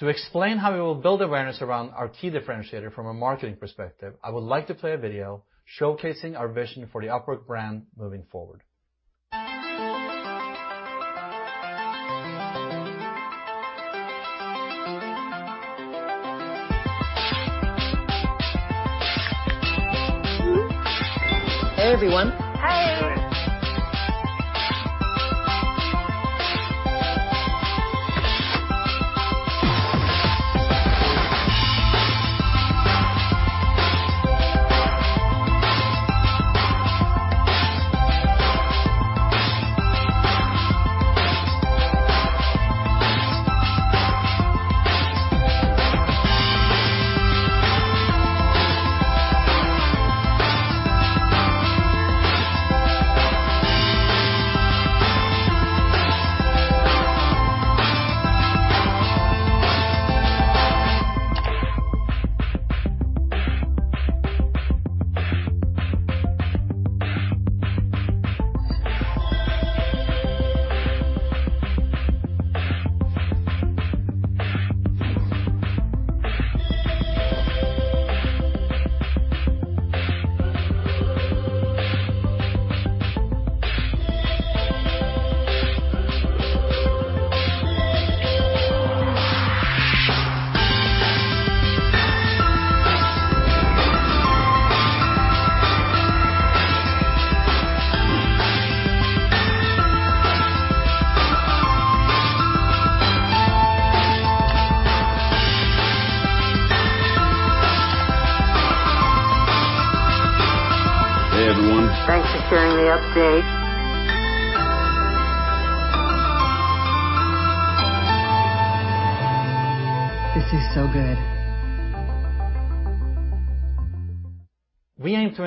To explain how we will build awareness around our key differentiator from a marketing perspective, I would like to play a video showcasing our vision for the Upwork brand moving forward. Hey, everyone.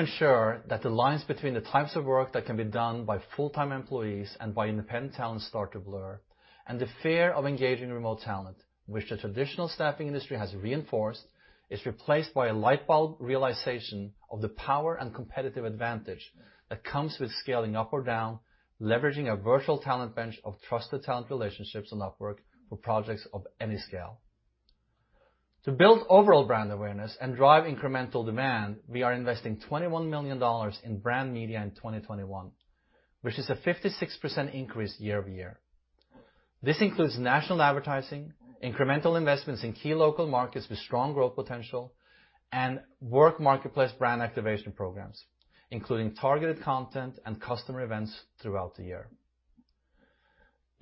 Hey. Hey, everyone. Thanks for joining the update. This is so good. We aim to ensure that the lines between the types of work that can be done by full-time employees and by independent talent start to blur, and the fear of engaging remote talent, which the traditional staffing industry has reinforced, is replaced by a light bulb realization of the power and competitive advantage that comes with scaling up or down, leveraging a virtual talent bench of trusted talent relationships on Upwork for projects of any scale. To build overall brand awareness and drive incremental demand, we are investing $21 million in brand media in 2021, which is a 56% increase year-over-year. This includes national advertising, incremental investments in key local markets with strong growth potential, and Work Marketplace brand activation programs, including targeted content and customer events throughout the year.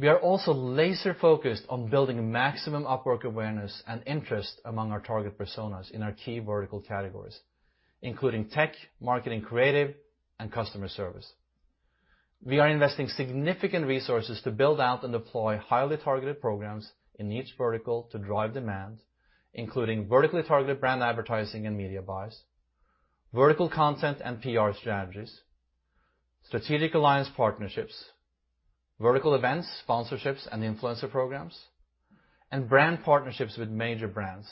We are also laser-focused on building maximum Upwork awareness and interest among our target personas in our key vertical categories, including tech, marketing, creative, and customer service. We are investing significant resources to build out and deploy highly targeted programs in each vertical to drive demand, including vertically targeted brand advertising and media buys, vertical content and PR strategies, strategic alliance partnerships, vertical events, sponsorships, and influencer programs, and brand partnerships with major brands.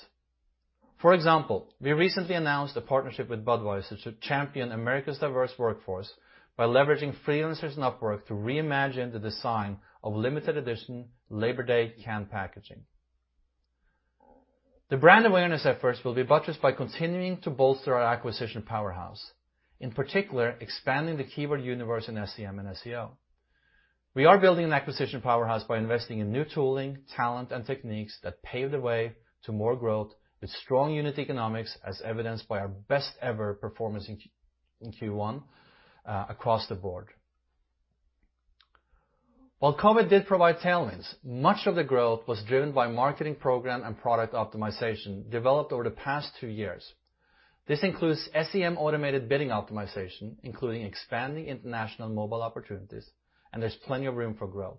For example, we recently announced a partnership with Budweiser to champion America's diverse workforce by leveraging freelancers on Upwork to reimagine the design of limited edition Labor Day can packaging. The brand awareness efforts will be buttressed by continuing to bolster our acquisition powerhouse, in particular, expanding the keyword universe in SEM and SEO. We are building an acquisition powerhouse by investing in new tooling, talent, and techniques that pave the way to more growth with strong unit economics, as evidenced by our best-ever performance in Q1 across the board. While COVID did provide tailwinds, much of the growth was driven by marketing program and product optimization developed over the past two years. This includes SEM automated bidding optimization, including expanding international mobile opportunities, and there's plenty of room for growth.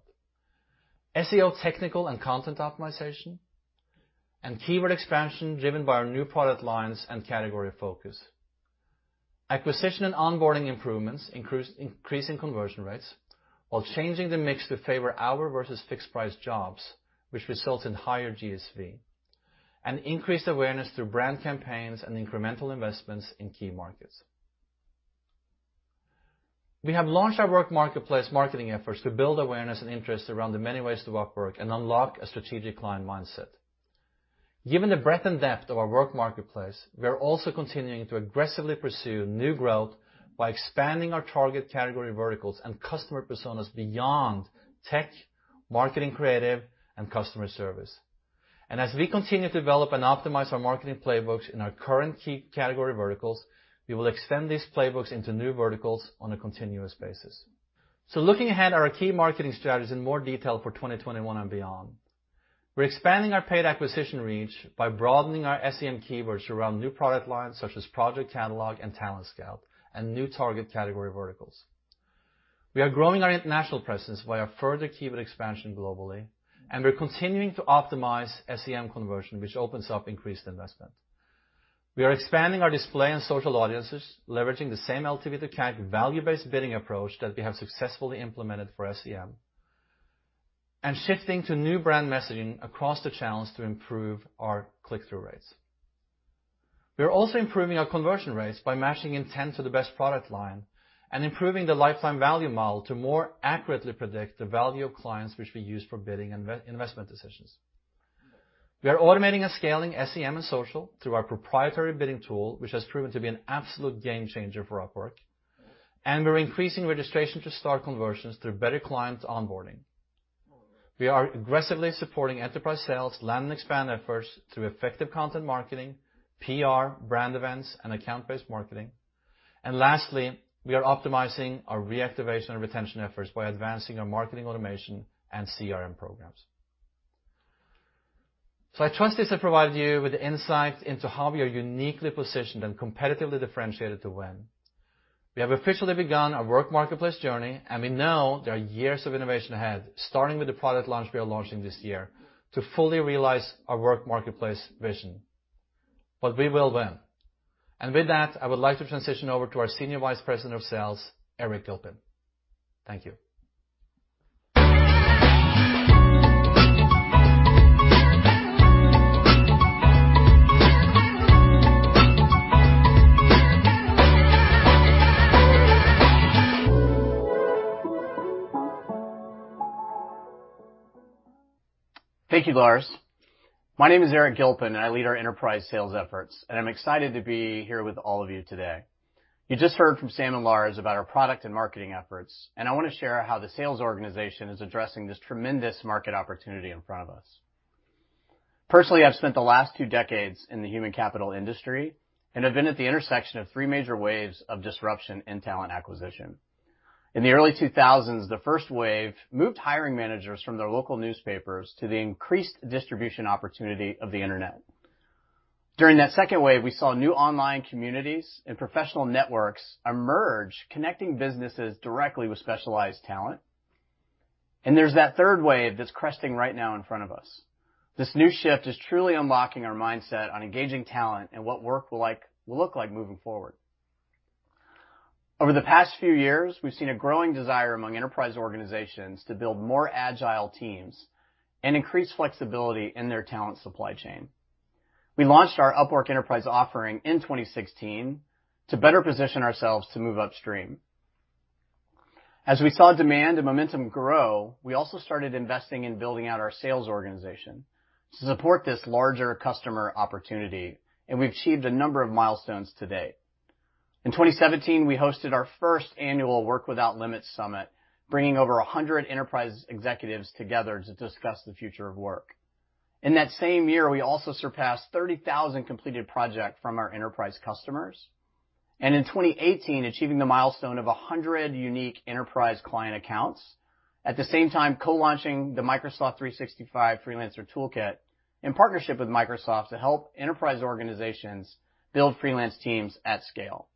SEO technical and content optimization, and keyword expansion driven by our new product lines and category focus. Acquisition and onboarding improvements, increasing conversion rates, while changing the mix to favor hour versus fixed price jobs, which results in higher GSV, and increased awareness through brand campaigns and incremental investments in key markets. We have launched our Work Marketplace marketing efforts to build awareness and interest around the many ways to work and unlock a strategic client mindset. Given the breadth and depth of our Work Marketplace, we are also continuing to aggressively pursue new growth by expanding our target category verticals and customer personas beyond tech, marketing creative, and customer service. As we continue to develop and optimize our marketing playbooks in our current key category verticals, we will extend these playbooks into new verticals on a continuous basis. Looking ahead at our key marketing strategies in more detail for 2021 and beyond. We're expanding our paid acquisition reach by broadening our SEM keywords around new product lines, such as Project Catalog and Talent Scout, and new target category verticals. We are growing our international presence via further keyword expansion globally, and we're continuing to optimize SEM conversion, which opens up increased investment. We are expanding our display and social audiences, leveraging the same LTV to CAC value-based bidding approach that we have successfully implemented for SEM, and shifting to new brand messaging across the channels to improve our click-through rates. We are also improving our conversion rates by matching intent to the best product line and improving the lifetime value model to more accurately predict the value of clients, which we use for bidding and investment decisions. We are automating and scaling SEM and social through our proprietary bidding tool, which has proven to be an absolute game changer for Upwork. We're increasing registration to start conversions through better client onboarding. We are aggressively supporting enterprise sales land and expand efforts through effective content marketing, PR, brand events, and account-based marketing. Lastly, we are optimizing our reactivation and retention efforts by advancing our marketing automation and CRM programs. I trust this has provided you with insight into how we are uniquely positioned and competitively differentiated to win. We have officially begun our Work Marketplace journey. We know there are years of innovation ahead, starting with the product launch we are launching this year to fully realize our Work Marketplace vision. We will win. With that, I would like to transition over to our Senior Vice President of Sales, Eric Gilpin. Thank you. Thank you, Lars. My name is Eric Gilpin, and I lead our enterprise sales efforts, and I'm excited to be here with all of you today. You just heard from Sam and Lars about our product and marketing efforts, and I want to share how the sales organization is addressing this tremendous market opportunity in front of us. Personally, I've spent the last two decades in the human capital industry and have been at the intersection of three major waves of disruption in talent acquisition. In the early 2000s, the first wave moved hiring managers from their local newspapers to the increased distribution opportunity of the internet. During that second wave, we saw new online communities and professional networks emerge, connecting businesses directly with specialized talent. There's that third wave that's cresting right now in front of us. This new shift is truly unlocking our mindset on engaging talent and what work will look like moving forward. Over the past few years, we've seen a growing desire among enterprise organizations to build more agile teams and increase flexibility in their talent supply chain. We launched our Upwork Enterprise offering in 2016 to better position ourselves to move upstream. As we saw demand and momentum grow, we also started investing in building out our sales organization to support this larger customer opportunity, and we've achieved a number of milestones to date. In 2017, we hosted our first annual Work Without Limits Summit, bringing over 100 enterprise executives together to discuss the future of work. In that same year, we also surpassed 30,000 completed projects from our enterprise customers. In 2018, achieving the milestone of 100 unique enterprise client accounts. At the same time, co-launching the Microsoft 365 freelance toolkit in partnership with Microsoft to help enterprise organizations build freelance teams at scale.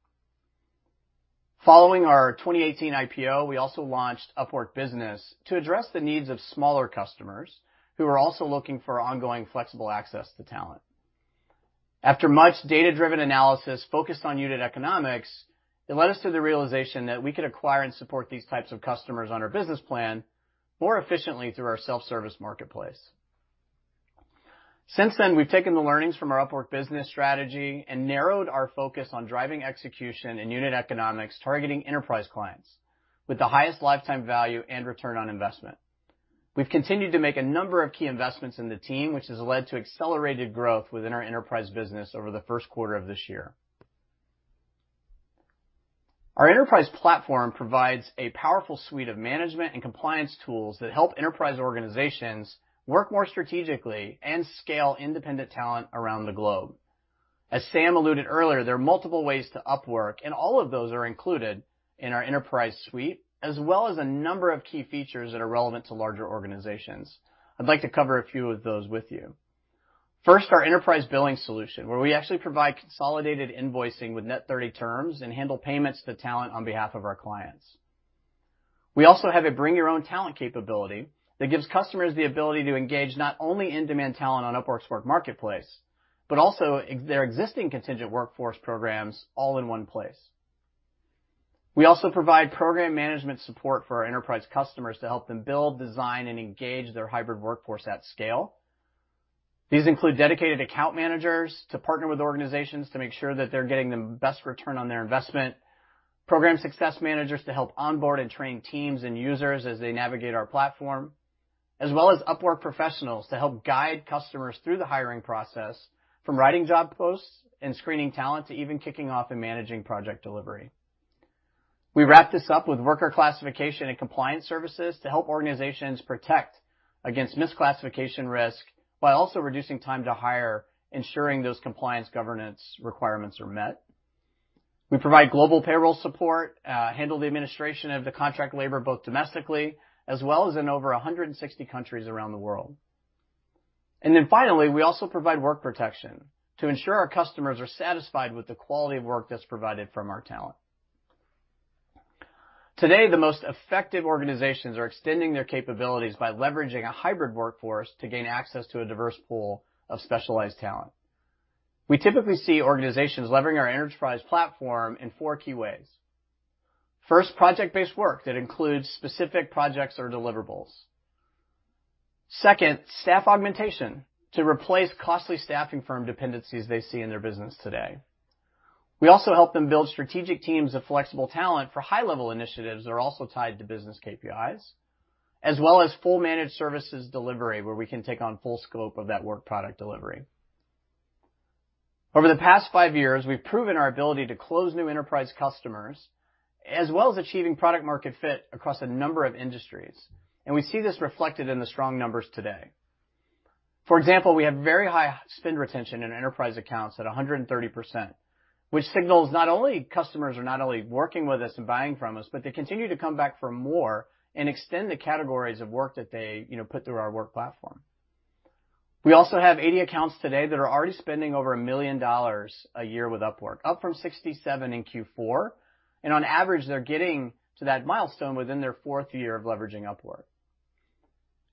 Following our 2018 IPO, we also launched Upwork Business to address the needs of smaller customers who are also looking for ongoing flexible access to talent. After much data-driven analysis focused on unit economics, it led us to the realization that we could acquire and support these types of customers on our business plan more efficiently through our self-service marketplace. Since then, we've taken the learnings from our Upwork Business strategy and narrowed our focus on driving execution and unit economics targeting enterprise clients with the highest lifetime value and return on investment. We've continued to make a number of key investments in the team, which has led to accelerated growth within our enterprise business over the first quarter of this year. Our enterprise platform provides a powerful suite of management and compliance tools that help enterprise organizations work more strategically and scale independent talent around the globe. As Sam alluded earlier, there are multiple ways to Upwork, and all of those are included in our Enterprise Suite, as well as a number of key features that are relevant to larger organizations. I'd like to cover a few of those with you. First, our enterprise billing solution, where we actually provide consolidated invoicing with net 30 terms and handle payments to talent on behalf of our clients. We also have a Bring Your Own Talent capability that gives customers the ability to engage not only in-demand talent on Upwork's Work Marketplace, but also their existing contingent workforce programs all in one place. We also provide program management support for our enterprise customers to help them build, design, and engage their hybrid workforce at scale. These include dedicated account managers to partner with organizations to make sure that they're getting the best return on their investment, program success managers to help onboard and train teams and users as they navigate our platform, as well as Upwork professionals to help guide customers through the hiring process from writing job posts and screening talent to even kicking off and managing project delivery. We wrap this up with worker classification and compliance services to help organizations protect against misclassification risk while also reducing time to hire, ensuring those compliance governance requirements are met. We provide global payroll support, handle the administration of the contract labor both domestically as well as in over 160 countries around the world. Finally, we also provide work protection to ensure our customers are satisfied with the quality of work that's provided from our talent. Today, the most effective organizations are extending their capabilities by leveraging a hybrid workforce to gain access to a diverse pool of specialized talent. We typically see organizations leveraging our enterprise platform in four key ways. First, project-based work that includes specific projects or deliverables. Second, staff augmentation to replace costly staffing firm dependencies they see in their business today. We also help them build strategic teams of flexible talent for high-level initiatives that are also tied to business KPIs, as well as full managed services delivery, where we can take on full scope of that work product delivery. Over the past five years, we've proven our ability to close new enterprise customers, as well as achieving product market fit across a number of industries, and we see this reflected in the strong numbers today. For example, we have very high spend retention in enterprise accounts at 130%, which signals customers are not only working with us and buying from us, but they continue to come back for more and extend the categories of work that they put through our work platform. We also have 80 accounts today that are already spending over $1 million a year with Upwork, up from 67 in Q4. On average, they're getting to that milestone within their fourth year of leveraging Upwork.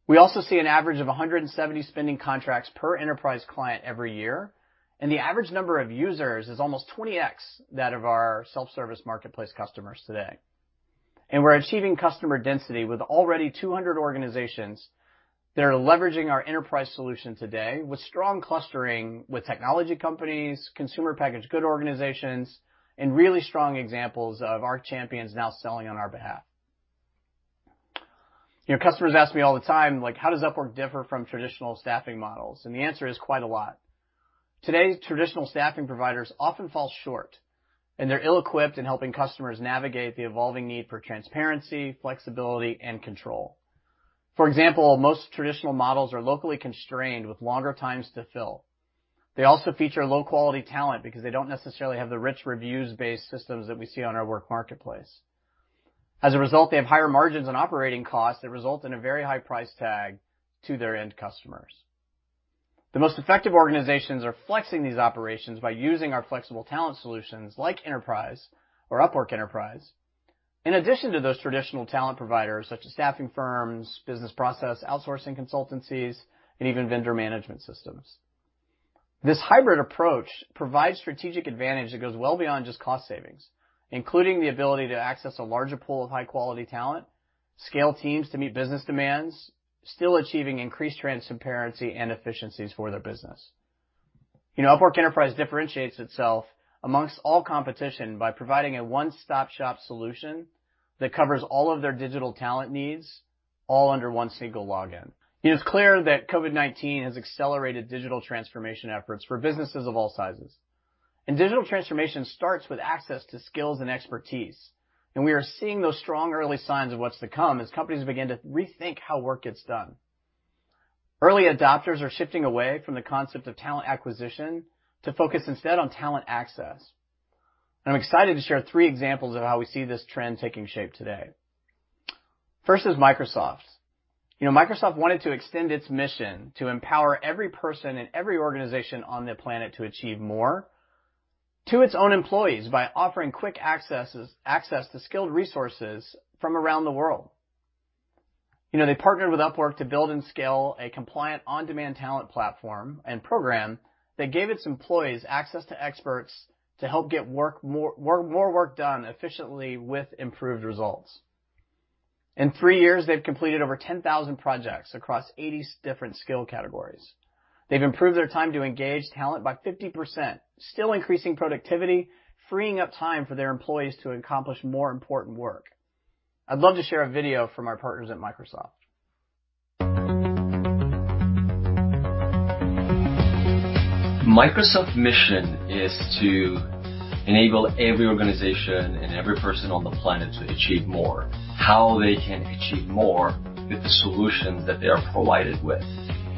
We also see an average of 170 spending contracts per enterprise client every year, and the average number of users is almost 20x that of our self-service marketplace customers today. We're achieving customer density with already 200 organizations that are leveraging our enterprise solution today with strong clustering with technology companies, consumer packaged good organizations, and really strong examples of our champions now selling on our behalf. Customers ask me all the time, how does Upwork differ from traditional staffing models? The answer is quite a lot. Today's traditional staffing providers often fall short, and they're ill-equipped in helping customers navigate the evolving need for transparency, flexibility, and control. For example, most traditional models are locally constrained with longer times to fill. They also feature low-quality talent because they don't necessarily have the rich reviews-based systems that we see on our Work Marketplace. As a result, they have higher margins and operating costs that result in a very high price tag to their end customers. The most effective organizations are flexing these operations by using our flexible talent solutions like Enterprise or Upwork Enterprise. In addition to those traditional talent providers, such as staffing firms, business process outsourcing consultancies, and even vendor management systems. This hybrid approach provides strategic advantage that goes well beyond just cost savings, including the ability to access a larger pool of high-quality talent, scale teams to meet business demands, still achieving increased transparency and efficiencies for their business. Upwork Enterprise differentiates itself amongst all competition by providing a one-stop-shop solution that covers all of their digital talent needs all under one single login. It is clear that COVID-19 has accelerated digital transformation efforts for businesses of all sizes. Digital transformation starts with access to skills and expertise, and we are seeing those strong early signs of what's to come as companies begin to rethink how work gets done. Early adopters are shifting away from the concept of talent acquisition to focus instead on talent access. I'm excited to share three examples of how we see this trend taking shape today. First is Microsoft's. Microsoft wanted to extend its mission to empower every person and every organization on the planet to achieve more to its own employees by offering quick access to skilled resources from around the world. They partnered with Upwork to build and scale a compliant on-demand talent platform and program that gave its employees access to experts to help get more work done efficiently with improved results. In three years, they've completed over 10,000 projects across 80 different skill categories. They've improved their time to engage talent by 50%, still increasing productivity, freeing up time for their employees to accomplish more important work. I'd love to share a video from our partners at Microsoft. Microsoft's mission is to enable every organization and every person on the planet to achieve more, how they can achieve more with the solutions that they are provided with.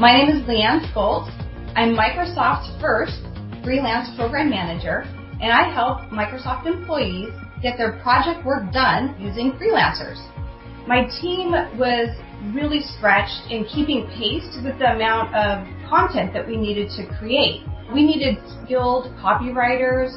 My name is Liane Scult. I'm Microsoft's first Freelance Program Manager, and I help Microsoft employees get their project work done using freelancers. My team was really stretched in keeping pace with the amount of content that we needed to create. We needed skilled copywriters,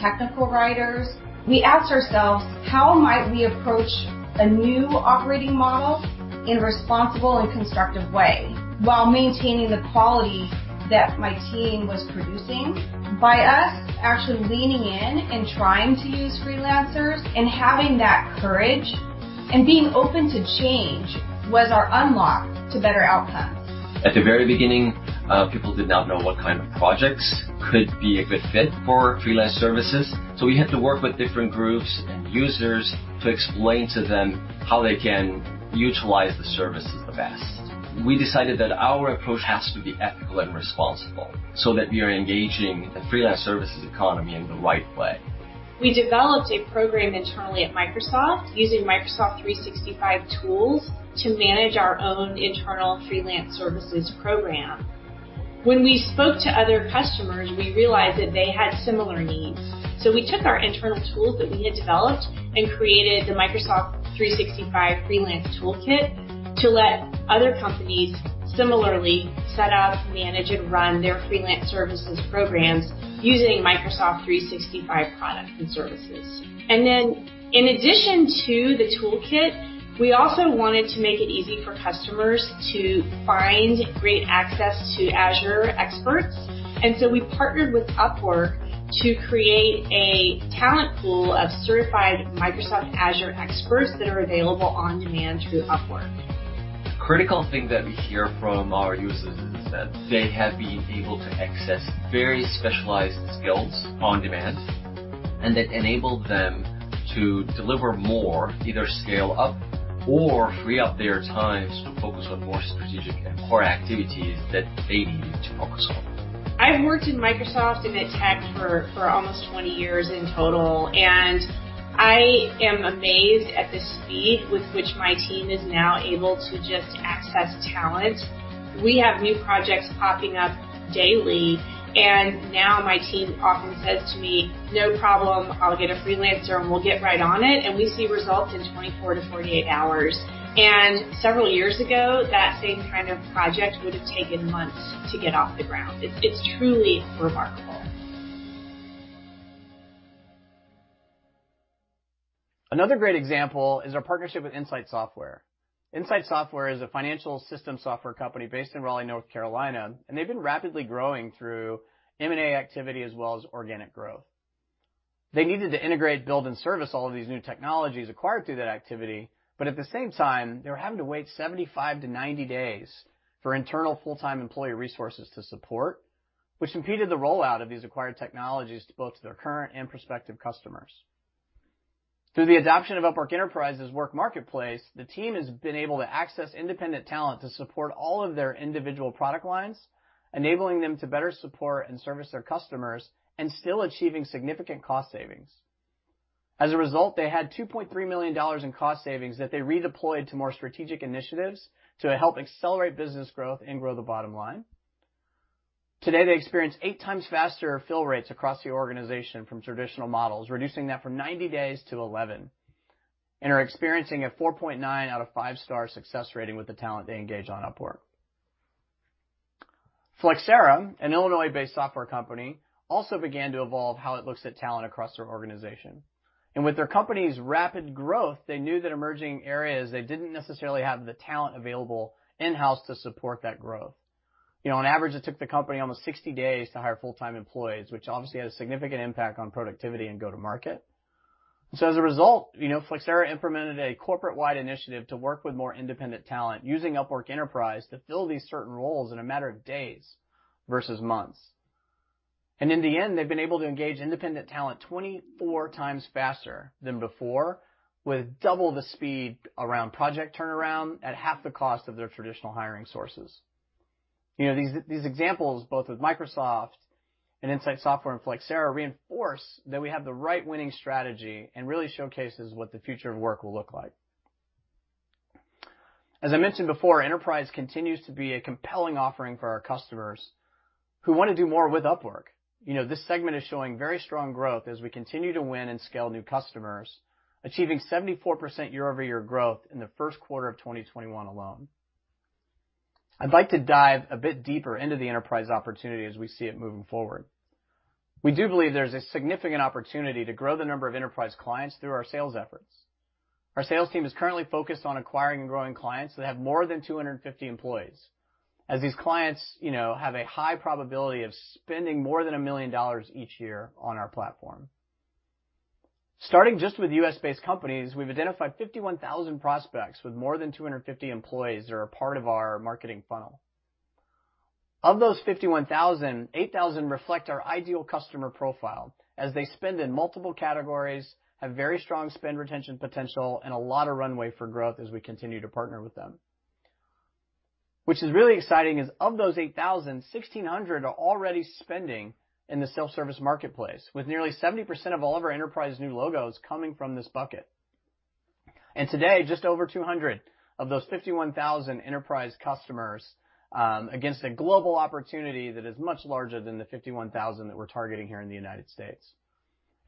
technical writers. We asked ourselves, "How might we approach a new operating model in a responsible and constructive way while maintaining the quality that my team was producing?" By us actually leaning in and trying to use freelancers and having that courage and being open to change was our unlock to better outcomes. At the very beginning, people did not know what kind of projects could be a good fit for freelance services. We had to work with different groups and users to explain to them how they can utilize the services the best. We decided that our approach has to be ethical and responsible, so that we are engaging the freelance services economy in the right way. We developed a program internally at Microsoft using Microsoft 365 tools to manage our own internal freelance services program. When we spoke to other customers, we realized that they had similar needs. We took our internal tools that we had developed and created the Microsoft 365 freelance toolkit to let other companies similarly set up, manage, and run their freelance services programs using Microsoft 365 products and services. In addition to the toolkit, we also wanted to make it easy for customers to find great access to Azure experts. We partnered with Upwork to create a talent pool of certified Microsoft Azure experts that are available on demand through Upwork. The critical thing that we hear from our users is that they have been able to access very specialized skills on demand. That enabled them to deliver more, either scale up or free up their time to focus on more strategic and core activities that they need to focus on. I've worked in Microsoft and at tech for almost 20 years in total, and I am amazed at the speed with which my team is now able to just access talent. We have new projects popping up daily. Now my team often says to me, "No problem, I'll get a freelancer, and we'll get right on it," and we see results in 24-48 hours. Several years ago, that same kind of project would've taken months to get off the ground. It's truly remarkable. Another great example is our partnership with insightsoftware. insightsoftware is a financial system software company based in Raleigh, North Carolina, and they've been rapidly growing through M&A activity as well as organic growth. They needed to integrate, build, and service all of these new technologies acquired through that activity, but at the same time, they were having to wait 75-90 days for internal full-time employee resources to support, which impeded the rollout of these acquired technologies both to their current and prospective customers. Through the adoption of Upwork Enterprise's Work Marketplace, the team has been able to access independent talent to support all of their individual product lines, enabling them to better support and service their customers, and still achieving significant cost savings. As a result, they had $2.3 million in cost savings that they redeployed to more strategic initiatives to help accelerate business growth and grow the bottom line. Today, they experience eight times faster fill rates across the organization from traditional models, reducing that from 90 days to 11, and are experiencing a 4.9 out of 5-star success rating with the talent they engage on Upwork. Flexera, an Illinois-based software company, also began to evolve how it looks at talent across their organization. With their company's rapid growth, they knew that emerging areas, they didn't necessarily have the talent available in-house to support that growth. On average, it took the company almost 60 days to hire full-time employees, which obviously had a significant impact on productivity and go-to-market. As a result, Flexera implemented a corporate-wide initiative to work with more independent talent using Upwork Enterprise to fill these certain roles in a matter of days versus months. In the end, they've been able to engage independent talent 24 times faster than before with double the speed around project turnaround at half the cost of their traditional hiring sources. These examples, both with Microsoft and insightsoftware and Flexera, reinforce that we have the right winning strategy and really showcases what the future of work will look like. As I mentioned before, Enterprise continues to be a compelling offering for our customers who want to do more with Upwork. This segment is showing very strong growth as we continue to win and scale new customers, achieving 74% year-over-year growth in the first quarter of 2021 alone. I'd like to dive a bit deeper into the Enterprise opportunity as we see it moving forward. We do believe there's a significant opportunity to grow the number of Enterprise clients through our sales efforts. Our sales team is currently focused on acquiring and growing clients that have more than 250 employees, as these clients have a high probability of spending more than $1 million each year on our platform. Starting just with U.S.-based companies, we've identified 51,000 prospects with more than 250 employees that are a part of our marketing funnel. Of those 51,000, 8,000 reflect our ideal customer profile, as they spend in multiple categories, have very strong spend retention potential, and a lot of runway for growth as we continue to partner with them. Which is really exciting is of those 8,000, 1,600 are already spending in the self-service marketplace, with nearly 70% of all of our enterprise new logos coming from this bucket. Today, just over 200 of those 51,000 enterprise customers, against a global opportunity that is much larger than the 51,000 that we're targeting here in the United States.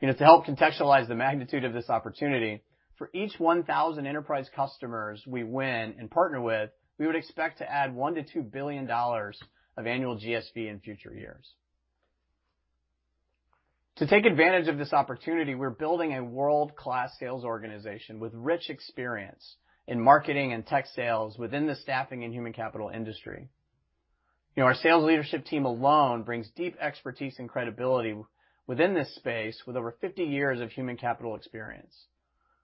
To help contextualize the magnitude of this opportunity, for each 1,000 enterprise customers we win and partner with, we would expect to add $1 billion-$2 billion of annual GSV in future years. To take advantage of this opportunity, we're building a world-class sales organization with rich experience in marketing and tech sales within the staffing and human capital industry. Our sales leadership team alone brings deep expertise and credibility within this space with over 50 years of human capital experience.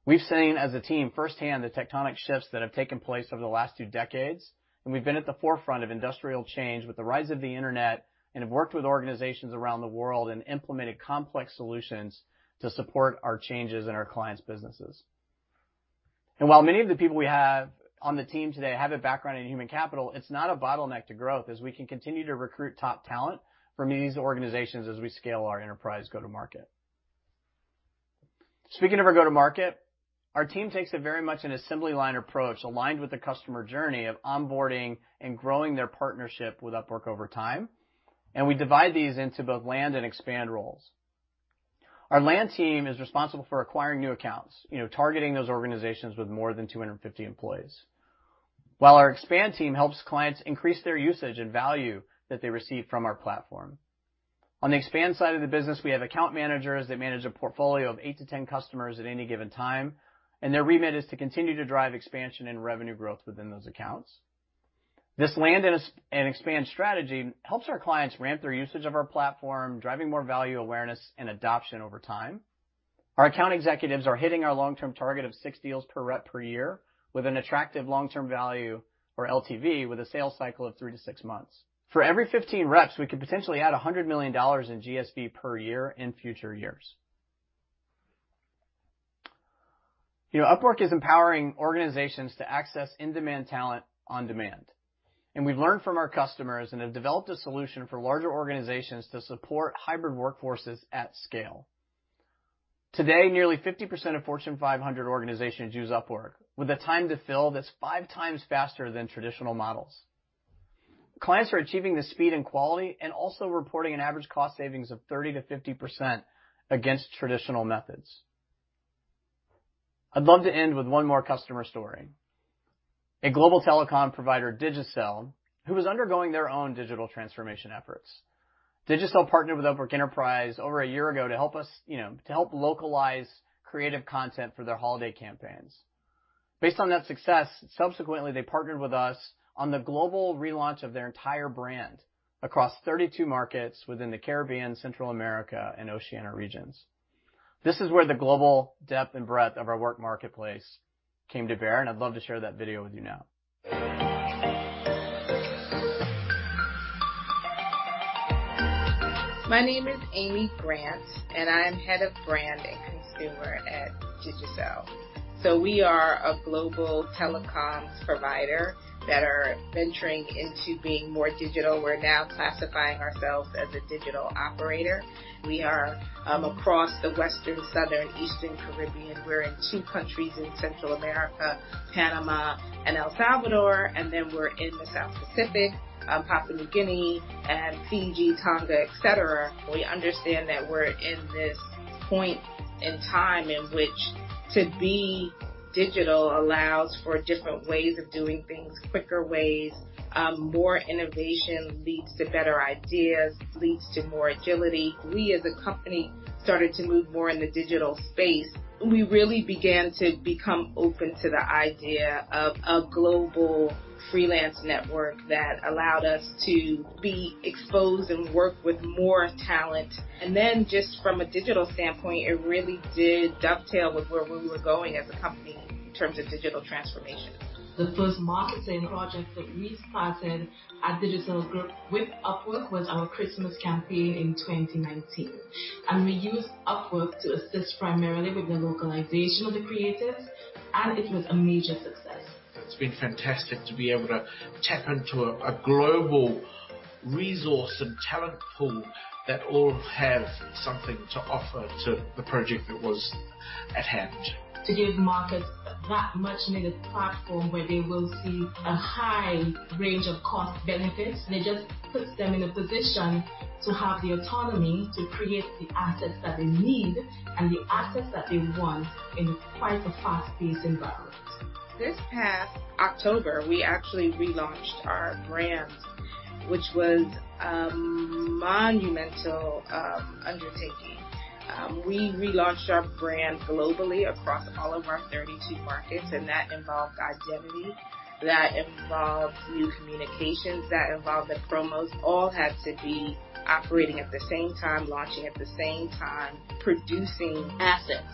We've seen, as a team, firsthand the tectonic shifts that have taken place over the last two decades. We've been at the forefront of industrial change with the rise of the internet and have worked with organizations around the world and implemented complex solutions to support our changes in our clients' businesses. While many of the people we have on the team today have a background in human capital, it's not a bottleneck to growth, as we can continue to recruit top talent from these organizations as we scale our enterprise go-to-market. Speaking of our go-to-market, our team takes a very much an assembly line approach aligned with the customer journey of onboarding and growing their partnership with Upwork over time. We divide these into both land and expand roles. Our land team is responsible for acquiring new accounts, targeting those organizations with more than 250 employees, while our expand team helps clients increase their usage and value that they receive from our platform. On the expand side of the business, we have account managers that manage a portfolio of 8-10 customers at any given time. Their remit is to continue to drive expansion and revenue growth within those accounts. This land and expand strategy helps our clients ramp their usage of our platform, driving more value awareness and adoption over time. Our account executives are hitting our long-term target of six deals per rep per year with an attractive long-term value or LTV with a sales cycle of three to six months. For every 15 reps, we could potentially add $100 million in GSV per year in future years. Upwork is empowering organizations to access in-demand talent on demand, we've learned from our customers and have developed a solution for larger organizations to support hybrid workforces at scale. Today, nearly 50% of Fortune 500 organizations use Upwork with a time to fill that's five times faster than traditional models. Clients are achieving the speed and quality and also reporting an average cost savings of 30%-50% against traditional methods. I'd love to end with one more customer story. A global telecom provider, Digicel, who was undergoing their own digital transformation efforts. Digicel partnered with Upwork Enterprise over one year ago to help localize creative content for their holiday campaigns. Based on that success, subsequently, they partnered with us on the global relaunch of their entire brand across 32 markets within the Caribbean, Central America, and Oceania regions. This is where the global depth and breadth of our Work Marketplace came to bear, and I'd love to share that video with you now. My name is Amy Grant, and I am Head of Brand and Consumer at Digicel. We are a global telecoms provider that are venturing into being more digital. We're now classifying ourselves as a digital operator. We are across the Western, Southern, Eastern Caribbean. We're in two countries in Central America, Panama and El Salvador, and then we're in the South Pacific, Papua New Guinea and Fiji, Tonga, et cetera. We understand that we're in this point in time in which to be digital allows for different ways of doing things, quicker ways. More innovation leads to better ideas, leads to more agility. We, as a company, started to move more in the digital space. We really began to become open to the idea of a global freelance network that allowed us to be exposed and work with more talent. Just from a digital standpoint, it really did dovetail with where we were going as a company in terms of digital transformation. The first marketing project that we started at Digicel Group with Upwork was our Christmas campaign in 2019. We used Upwork to assist primarily with the localization of the creatives, and it was a major success. It's been fantastic to be able to tap into a global resource and talent pool that all have something to offer to the project that was at hand. To give markets that much-needed platform where they will see a high range of cost benefits, and it just puts them in a position to have the autonomy to create the assets that they need and the assets that they want in quite a fast-paced environment. This past October, we actually relaunched our brand, which was a monumental undertaking. We relaunched our brand globally across all of our 32 markets. That involved identity, that involved new communications, that involved the promos, all had to be operating at the same time, launching at the same time, producing assets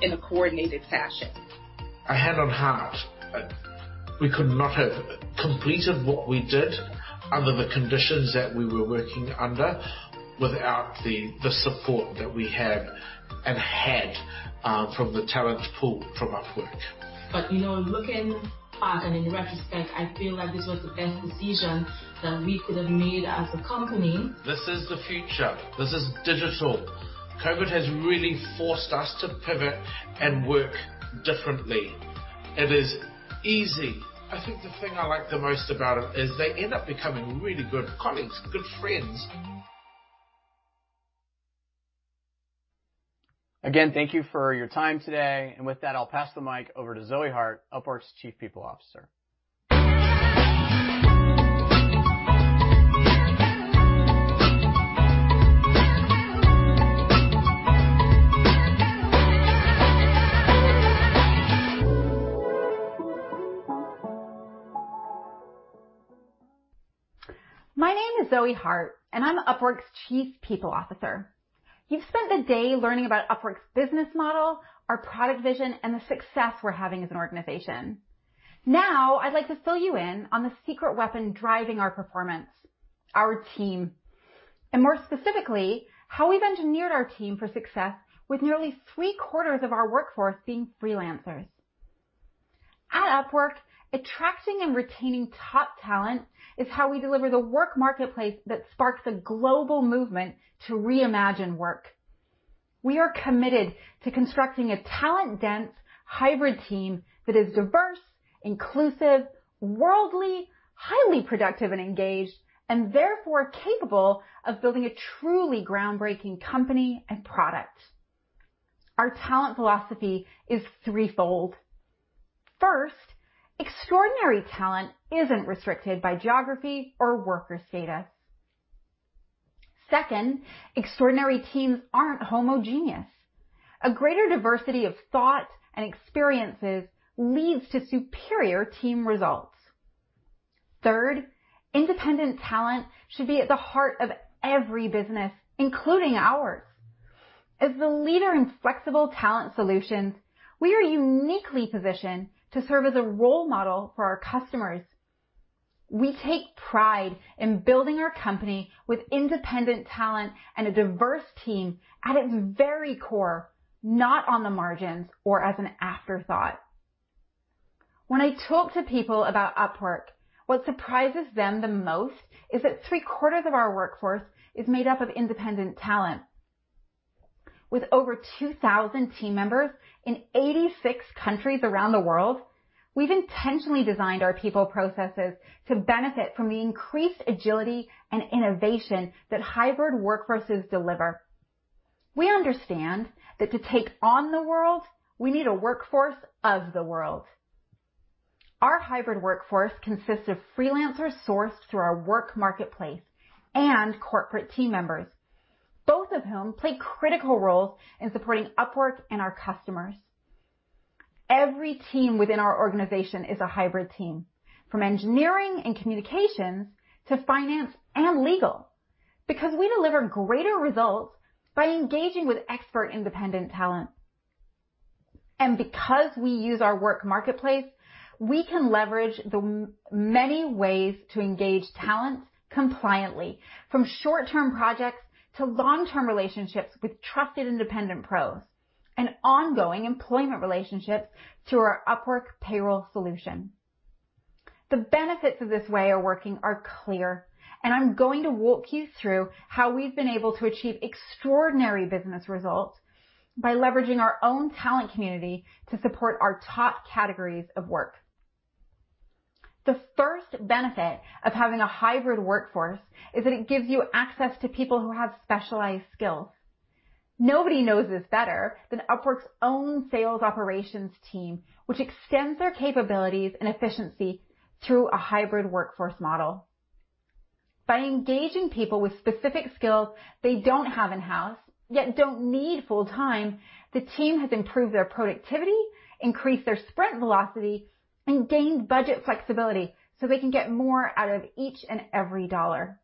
in a coordinated fashion. A hand on heart, we could not have completed what we did under the conditions that we were working under, without the support that we have and had from the talent pool from Upwork. Looking back and in retrospect, I feel like this was the best decision that we could have made as a company. This is the future. This is digital. COVID has really forced us to pivot and work differently. It is easy. I think the thing I like the most about it is they end up becoming really good colleagues, good friends. Again, thank you for your time today. With that, I'll pass the mic over to Zoë Harte, Upwork's Chief People Officer. My name is Zoë Harte, and I'm Upwork's Chief People Officer. You've spent the day learning about Upwork's business model, our product vision, and the success we're having as an organization. Now, I'd like to fill you in on the secret weapon driving our performance, our team, and more specifically, how we've engineered our team for success with nearly 3/4 of our workforce being freelancers. At Upwork, attracting and retaining top talent is how we deliver the Work Marketplace that sparks a global movement to reimagine work. We are committed to constructing a talent-dense hybrid team that is diverse, inclusive, worldly, highly productive and engaged, and therefore capable of building a truly groundbreaking company and product. Our talent philosophy is threefold. First, extraordinary talent isn't restricted by geography or worker status. Second, extraordinary teams aren't homogeneous. A greater diversity of thought and experiences leads to superior team results. Third, independent talent should be at the heart of every business, including ours. As the leader in flexible talent solutions, we are uniquely positioned to serve as a role model for our customers. We take pride in building our company with independent talent and a diverse team at its very core, not on the margins or as an afterthought. When I talk to people about Upwork, what surprises them the most is that 3/4 of our workforce is made up of independent talent. With over 2,000 team members in 86 countries around the world, we've intentionally designed our people processes to benefit from the increased agility and innovation that hybrid workforces deliver. We understand that to take on the world, we need a workforce of the world. Our hybrid workforce consists of freelancers sourced through our Work Marketplace and corporate team members, both of whom play critical roles in supporting Upwork and our customers. Every team within our organization is a hybrid team, from engineering and communications to finance and legal, because we deliver greater results by engaging with expert independent talent. Because we use our Work Marketplace, we can leverage the many ways to engage talent compliantly, from short-term projects to long-term relationships with trusted independent pros and ongoing employment relationships through our Upwork Payroll solution. The benefits of this way of working are clear, and I'm going to walk you through how we've been able to achieve extraordinary business results by leveraging our own talent community to support our top categories of work. The first benefit of having a hybrid workforce is that it gives you access to people who have specialized skills. Nobody knows this better than Upwork's own sales operations team, which extends their capabilities and efficiency through a hybrid workforce model. By engaging people with specific skills they don't have in-house, yet don't need full-time, the team has improved their productivity, increased their sprint velocity, and gained budget flexibility so they can get more out of each and every dollar.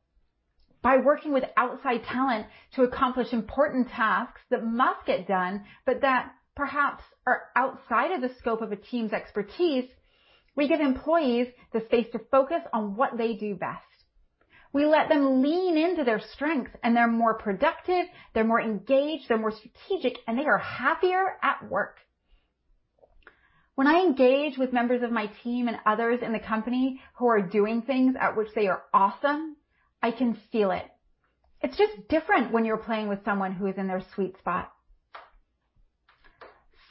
By working with outside talent to accomplish important tasks that must get done but that perhaps are outside of the scope of a team's expertise, we give employees the space to focus on what they do best. We let them lean into their strengths. They're more productive, they're more engaged, they're more strategic, and they are happier at work. When I engage with members of my team and others in the company who are doing things at which they are awesome, I can feel it. It's just different when you're playing with someone who is in their sweet spot.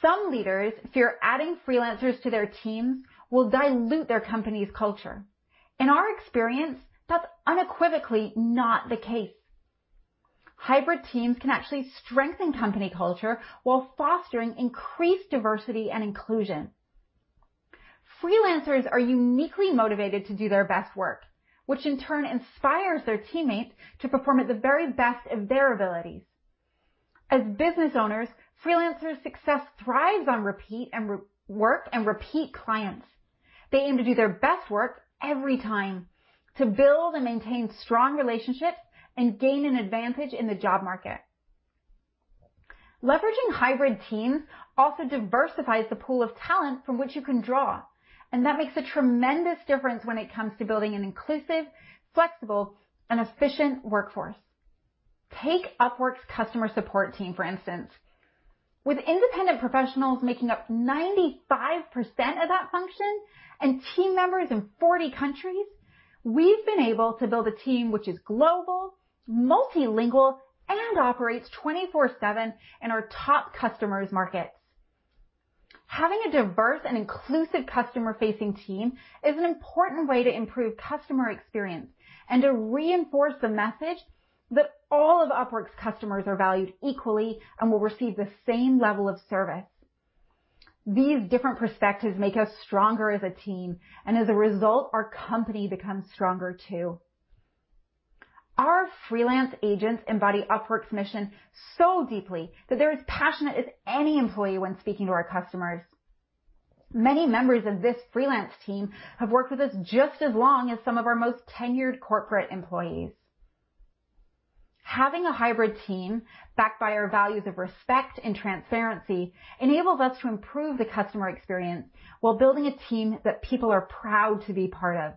Some leaders fear adding freelancers to their teams will dilute their company's culture. In our experience, that's unequivocally not the case. Hybrid teams can actually strengthen company culture while fostering increased diversity and inclusion. Freelancers are uniquely motivated to do their best work, which in turn inspires their teammates to perform at the very best of their abilities. As business owners, freelancers' success thrives on repeat work and repeat clients. They aim to do their best work every time to build and maintain strong relationships and gain an advantage in the job market. Leveraging hybrid teams also diversifies the pool of talent from which you can draw, and that makes a tremendous difference when it comes to building an inclusive, flexible, and efficient workforce. Take Upwork's customer support team, for instance. With independent professionals making up 95% of that function and team members in 40 countries, we've been able to build a team which is global, multilingual, and operates 24/7 in our top customers' markets. Having a diverse and inclusive customer-facing team is an important way to improve customer experience and to reinforce the message that all of Upwork's customers are valued equally and will receive the same level of service. These different perspectives make us stronger as a team, and as a result, our company becomes stronger too. Our freelance agents embody Upwork's mission so deeply that they're as passionate as any employee when speaking to our customers. Many members of this freelance team have worked with us just as long as some of our most tenured corporate employees. Having a hybrid team backed by our values of respect and transparency enables us to improve the customer experience while building a team that people are proud to be part of.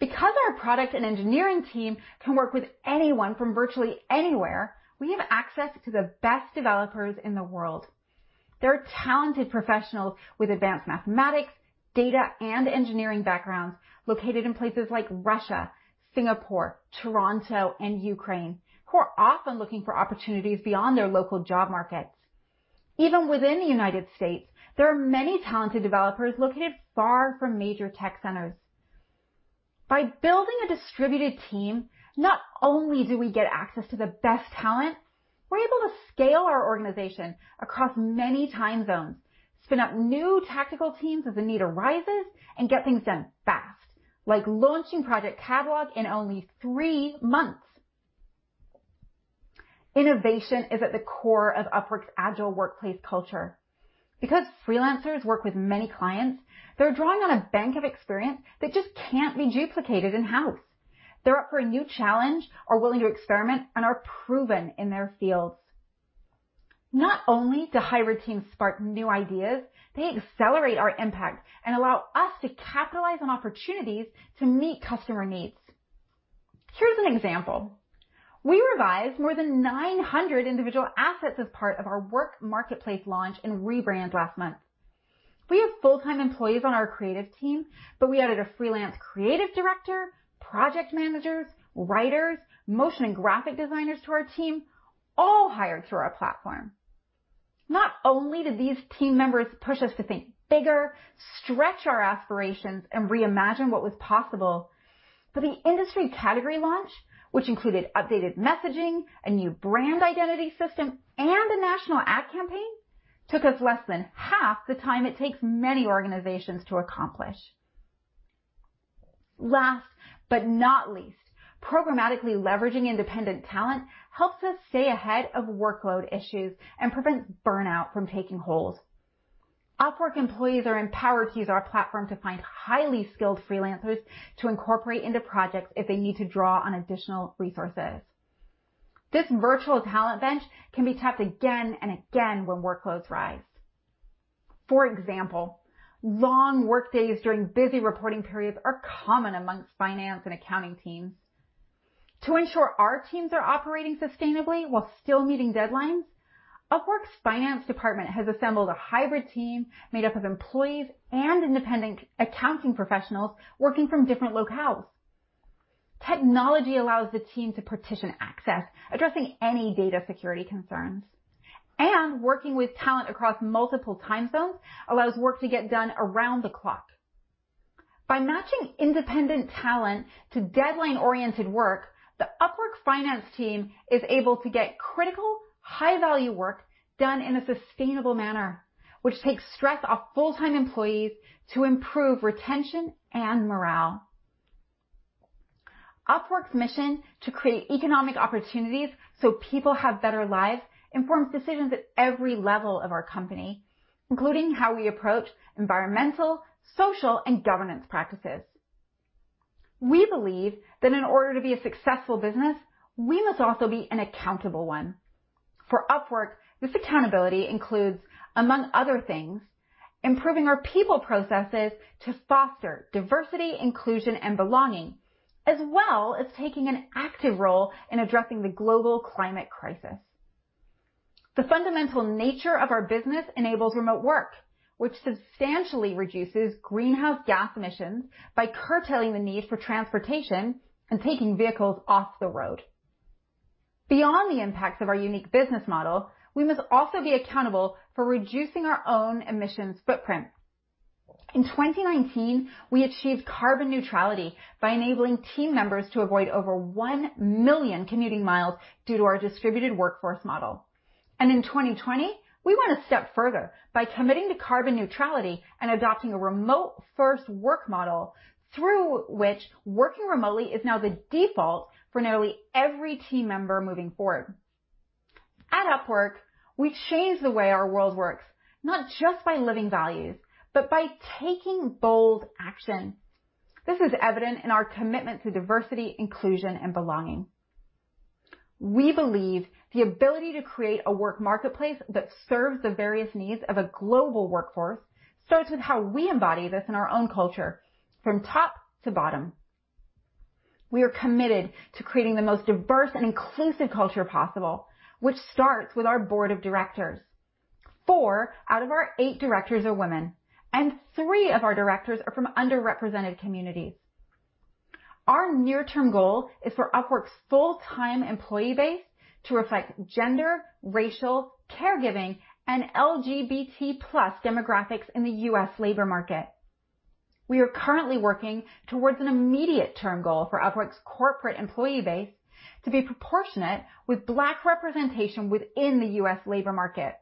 Because our product and engineering team can work with anyone from virtually anywhere, we have access to the best developers in the world. They're talented professionals with advanced mathematics, data, and engineering backgrounds located in places like Russia, Singapore, Toronto, and Ukraine, who are often looking for opportunities beyond their local job markets. Even within the United States, there are many talented developers located far from major tech centers. By building a distributed team, not only do we get access to the best talent, we are able to scale our organization across many time zones, spin up new tactical teams as the need arises, and get things done fast, like launching Project Catalog in only three months. Innovation is at the core of Upwork's agile workplace culture. Because freelancers work with many clients, they are drawing on a bank of experience that just can't be duplicated in-house. They are up for a new challenge, are willing to experiment, and are proven in their fields. Not only do hybrid teams spark new ideas, they accelerate our impact and allow us to capitalize on opportunities to meet customer needs. Here's an example. We revised more than 900 individual assets as part of our Work Marketplace launch and rebrand last month. We have full-time employees on our creative team, we added a freelance creative director, project managers, writers, motion and graphic designers to our team, all hired through our platform. Not only did these team members push us to think bigger, stretch our aspirations, and reimagine what was possible, the industry category launch, which included updated messaging, a new brand identity system, and a national ad campaign, took us less than half the time it takes many organizations to accomplish. Last but not least, programmatically leveraging independent talent helps us stay ahead of workload issues and prevents burnout from taking hold. Upwork employees are empowered to use our platform to find highly skilled freelancers to incorporate into projects if they need to draw on additional resources. This virtual talent bench can be tapped again and again when workloads rise. For example, long workdays during busy reporting periods are common amongst finance and accounting teams. To ensure our teams are operating sustainably while still meeting deadlines, Upwork's finance department has assembled a hybrid team made up of employees and independent accounting professionals working from different locales. Technology allows the team to partition access, addressing any data security concerns, and working with talent across multiple time zones allows work to get done around the clock. By matching independent talent to deadline-oriented work, the Upwork finance team is able to get critical, high-value work done in a sustainable manner, which takes stress off full-time employees to improve retention and morale. Upwork's mission to create economic opportunities so people have better lives informs decisions at every level of our company, including how we approach environmental, social, and governance practices. We believe that in order to be a successful business, we must also be an accountable one. For Upwork, this accountability includes, among other things, improving our people processes to foster diversity, inclusion, and belonging, as well as taking an active role in addressing the global climate crisis. The fundamental nature of our business enables remote work, which substantially reduces greenhouse gas emissions by curtailing the need for transportation and taking vehicles off the road. Beyond the impacts of our unique business model, we must also be accountable for reducing our own emissions footprint. In 2019, we achieved carbon neutrality by enabling team members to avoid over 1 million commuting miles due to our distributed workforce model. In 2020, we went a step further by committing to carbon neutrality and adopting a remote-first work model through which working remotely is now the default for nearly every team member moving forward. At Upwork, we change the way our world works, not just by living values, but by taking bold action. This is evident in our commitment to diversity, inclusion, and belonging. We believe the ability to create a Work Marketplace that serves the various needs of a global workforce starts with how we embody this in our own culture from top to bottom. We are committed to creating the most diverse and inclusive culture possible, which starts with our Board of Directors. four out of our eight directors are women, and three of our directors are from underrepresented communities. Our near-term goal is for Upwork's full-time employee base to reflect gender, racial, caregiving, and LGBT+ demographics in the U.S. labor market. We are currently working towards an immediate term goal for Upwork's corporate employee base to be proportionate with black representation within the U.S. labor market,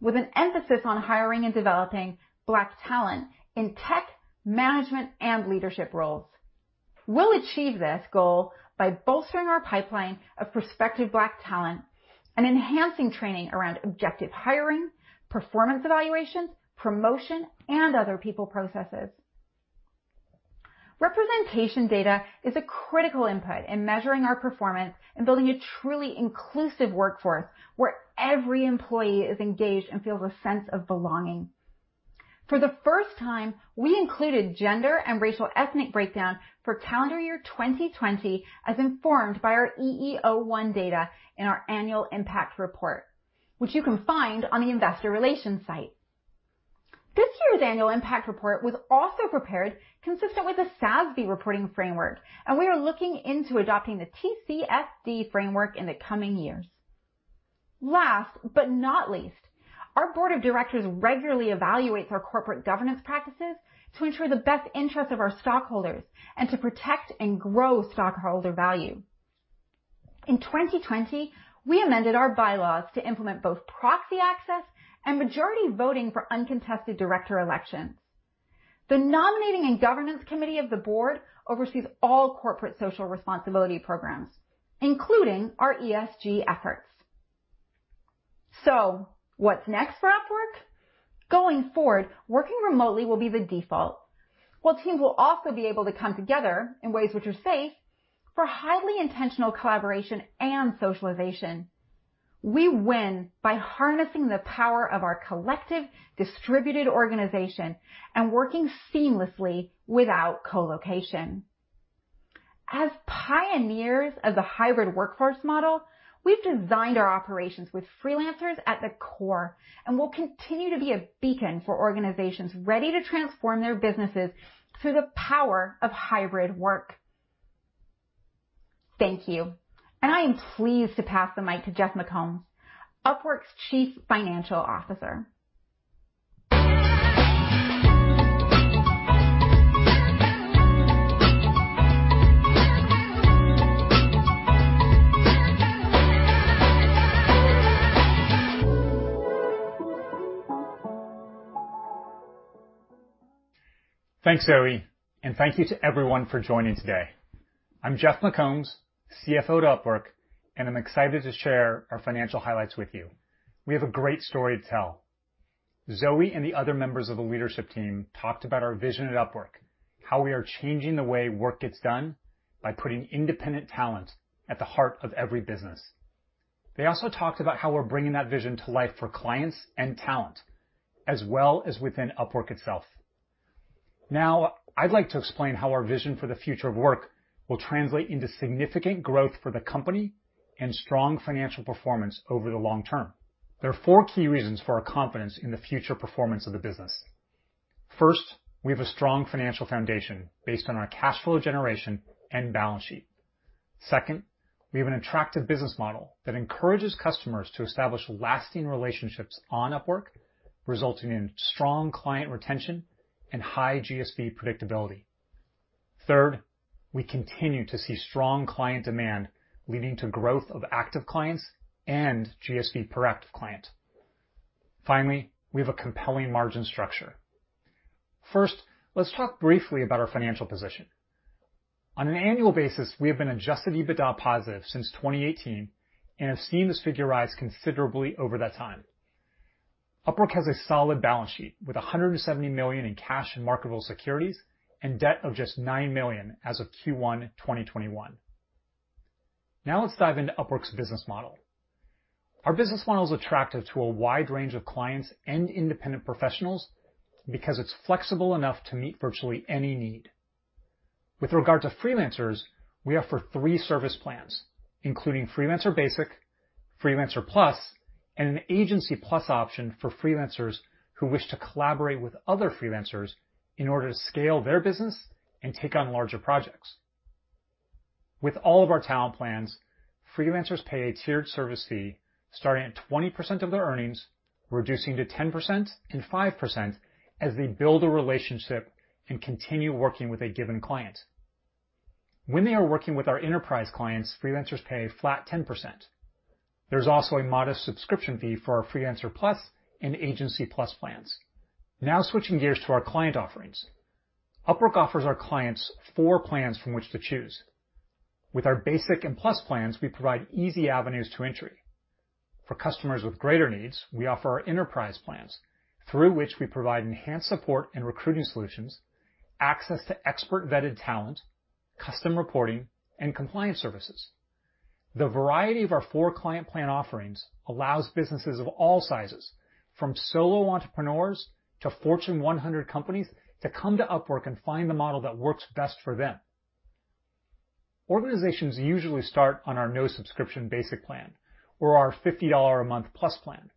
with an emphasis on hiring and developing black talent in tech, management, and leadership roles. We'll achieve this goal by bolstering our pipeline of prospective black talent and enhancing training around objective hiring, performance evaluations, promotion, and other people processes. Representation data is a critical input in measuring our performance and building a truly inclusive workforce where every employee is engaged and feels a sense of belonging. For the first time, we included gender and racial ethnic breakdown for calendar year 2020 as informed by our EEO-1 data in our annual impact report, which you can find on the investor relations site. This year's annual impact report was also prepared consistent with the SASB reporting framework, and we are looking into adopting the TCFD framework in the coming years. Last but not least, our board of directors regularly evaluates our corporate governance practices to ensure the best interest of our stockholders and to protect and grow stockholder value. In 2020, we amended our bylaws to implement both proxy access and majority voting for uncontested director elections. The nominating and governance committee of the board oversees all corporate social responsibility programs, including our ESG efforts. What's next for Upwork? Going forward, working remotely will be the default, while teams will also be able to come together in ways which are safe for highly intentional collaboration and socialization. We win by harnessing the power of our collective distributed organization and working seamlessly without co-location. As pioneers of the hybrid workforce model, we've designed our operations with freelancers at the core and will continue to be a beacon for organizations ready to transform their businesses through the power of hybrid work. Thank you. I am pleased to pass the mic to Jeff McCombs, Upwork's Chief Financial Officer. Thanks, Zoë, and thank you to everyone for joining today. I'm Jeff McCombs, CFO at Upwork, and I'm excited to share our financial highlights with you. We have a great story to tell. Zoë and the other members of the leadership team talked about our vision at Upwork, how we are changing the way work gets done by putting independent talent at the heart of every business. They also talked about how we're bringing that vision to life for clients and talent, as well as within Upwork itself. Now, I'd like to explain how our vision for the future of work will translate into significant growth for the company and strong financial performance over the long term. There are four key reasons for our confidence in the future performance of the business. First, we have a strong financial foundation based on our cash flow generation and balance sheet. Second, we have an attractive business model that encourages customers to establish lasting relationships on Upwork, resulting in strong client retention and high GSV predictability. Third, we continue to see strong client demand leading to growth of active clients and GSV per active client. We have a compelling margin structure. First, let's talk briefly about our financial position. On an annual basis, we have been adjusted EBITDA positive since 2018, and have seen this figure rise considerably over that time. Upwork has a solid balance sheet with $170 million in cash and marketable securities and debt of just $9 million as of Q1 2021. Now let's dive into Upwork's business model. Our business model is attractive to a wide range of clients and independent professionals because it's flexible enough to meet virtually any need. With regard to freelancers, we offer three service plans, including Freelancer Basic, Freelancer Plus, and an Agency Plus option for freelancers who wish to collaborate with other freelancers in order to scale their business and take on larger projects. With all of our talent plans, freelancers pay a tiered service fee starting at 20% of their earnings, reducing to 10% and 5% as they build a relationship and continue working with a given client. When they are working with our enterprise clients, freelancers pay a flat 10%. There's also a modest subscription fee for our Freelancer Plus and Agency Plus plans. Now switching gears to our client offerings. Upwork offers our clients four plans from which to choose. With our Basic and Plus plans, we provide easy avenues to entry. For customers with greater needs, we offer our Enterprise plans through which we provide enhanced support and recruiting solutions, access to Expert-Vetted talent, custom reporting, and compliance services. The variety of our four client plan offerings allows businesses of all sizes, from solo entrepreneurs to Fortune 100 companies, to come to Upwork and find the model that works best for them. Organizations usually start on our no-subscription Basic plan or our $50 a month Plus plan.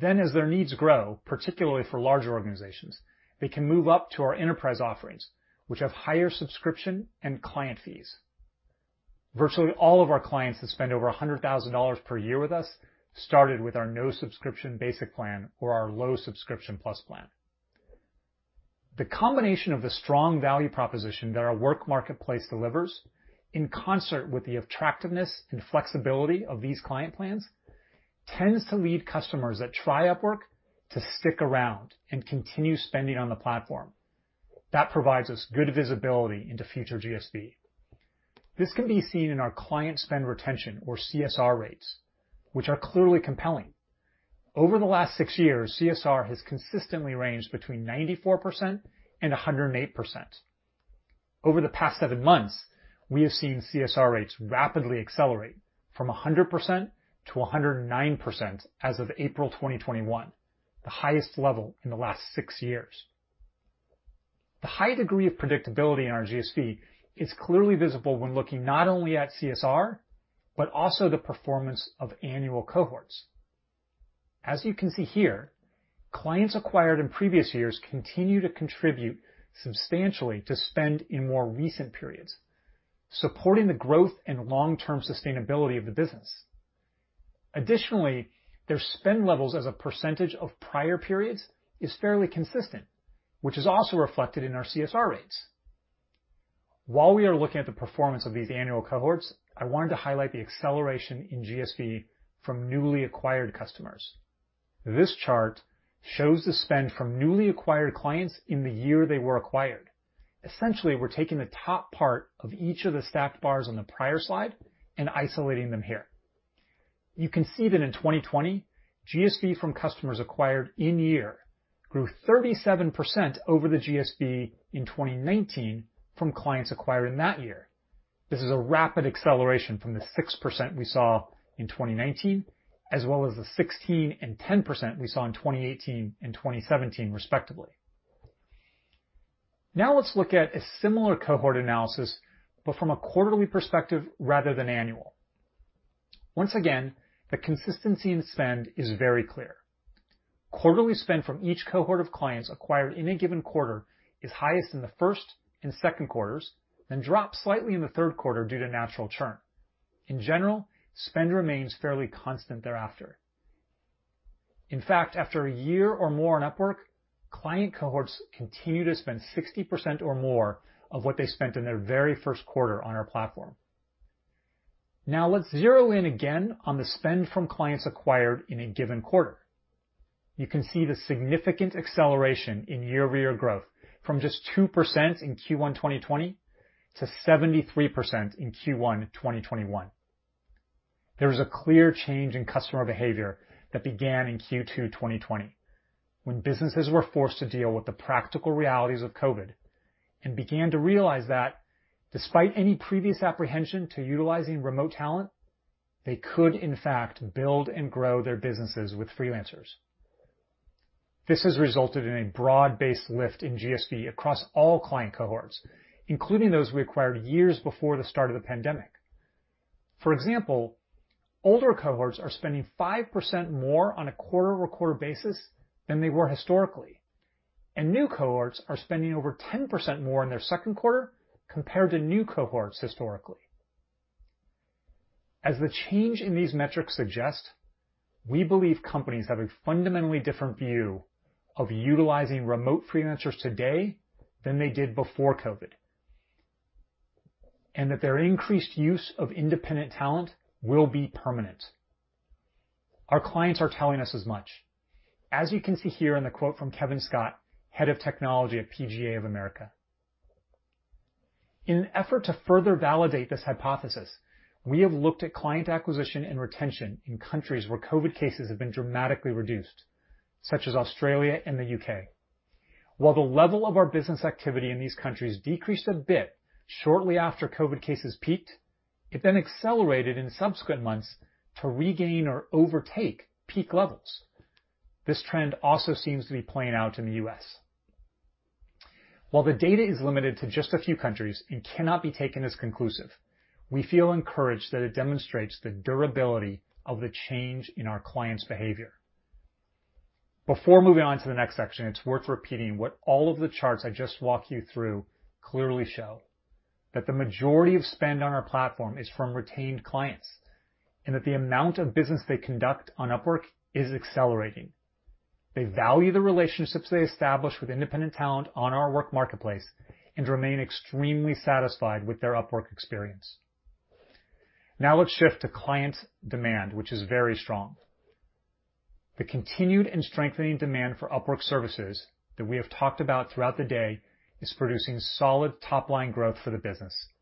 Then as their needs grow, particularly for larger organizations, they can move up to our Enterprise offerings, which have higher subscription and client fees. Virtually all of our clients that spend over $100,000 per year with us started with our no-subscription Basic plan or our low-subscription Plus plan. The combination of the strong value proposition that our Work Marketplace delivers, in concert with the attractiveness and flexibility of these client plans, tends to lead customers that try Upwork to stick around and continue spending on the platform. That provides us good visibility into future GSV. This can be seen in our client spend retention or CSR rates, which are clearly compelling. Over the last six years, CSR has consistently ranged between 94%-108%. Over the past seven months, we have seen CSR rates rapidly accelerate from 100%-109% as of April 2021, the highest level in the last six years. The high degree of predictability on our GSV is clearly visible when looking not only at CSR, but also the performance of annual cohorts. As you can see here, clients acquired in previous years continue to contribute substantially to spend in more recent periods, supporting the growth and long-term sustainability of the business. Additionally, their spend levels as a percentage of prior periods is fairly consistent, which is also reflected in our CSR rates. While we are looking at the performance of these annual cohorts, I wanted to highlight the acceleration in GSV from newly acquired customers. This chart shows the spend from newly acquired clients in the year they were acquired. Essentially, we're taking the top part of each of the stacked bars on the prior slide and isolating them here. You can see that in 2020, GSV from customers acquired in-year grew 37% over the GSV in 2019 from clients acquired in that year. This is a rapid acceleration from the 6% we saw in 2019, as well as the 16% and 10% we saw in 2018 and 2017 respectively. Now let's look at a similar cohort analysis, but from a quarterly perspective rather than annual. Once again, the consistency in spend is very clear. Quarterly spend from each cohort of clients acquired in a given quarter is highest in the first and second quarters, then drops slightly in the third quarter due to natural churn. In general, spend remains fairly constant thereafter. In fact, after a year or more on Upwork, client cohorts continue to spend 60% or more of what they spent in their very first quarter on our platform. Now let's zero in again on the spend from clients acquired in a given quarter. You can see the significant acceleration in year-over-year growth from just 2% in Q1 2020 to 73% in Q1 2021. There was a clear change in customer behavior that began in Q2 2020 when businesses were forced to deal with the practical realities of COVID and began to realize that despite any previous apprehension to utilizing remote talent, they could in fact build and grow their businesses with freelancers. This has resulted in a broad-based lift in GSV across all client cohorts, including those we acquired years before the start of the pandemic. For example, older cohorts are spending 5% more on a quarter-over-quarter basis than they were historically, and new cohorts are spending over 10% more in their second quarter compared to new cohorts historically. As the change in these metrics suggests, we believe companies have a fundamentally different view of utilizing remote freelancers today than they did before COVID, and that their increased use of independent talent will be permanent. Our clients are telling us as much. As you can see here in the quote from Kevin Scott, Head of Technology at PGA of America. In an effort to further validate this hypothesis, we have looked at client acquisition and retention in countries where COVID cases have been dramatically reduced, such as Australia and the U.K. While the level of our business activity in these countries decreased a bit shortly after COVID cases peaked, it then accelerated in subsequent months to regain or overtake peak levels. This trend also seems to be playing out in the U.S. While the data is limited to just a few countries and cannot be taken as conclusive, we feel encouraged that it demonstrates the durability of the change in our clients' behavior. Before moving on to the next section, it's worth repeating what all of the charts I just walked you through clearly show, that the majority of spend on our platform is from retained clients, and that the amount of business they conduct on Upwork is accelerating. They value the relationships they establish with independent talent on our Work Marketplace and remain extremely satisfied with their Upwork experience. Now let's shift to client demand, which is very strong. The continued and strengthening demand for Upwork services that we have talked about throughout the day is producing solid top-line growth for the business.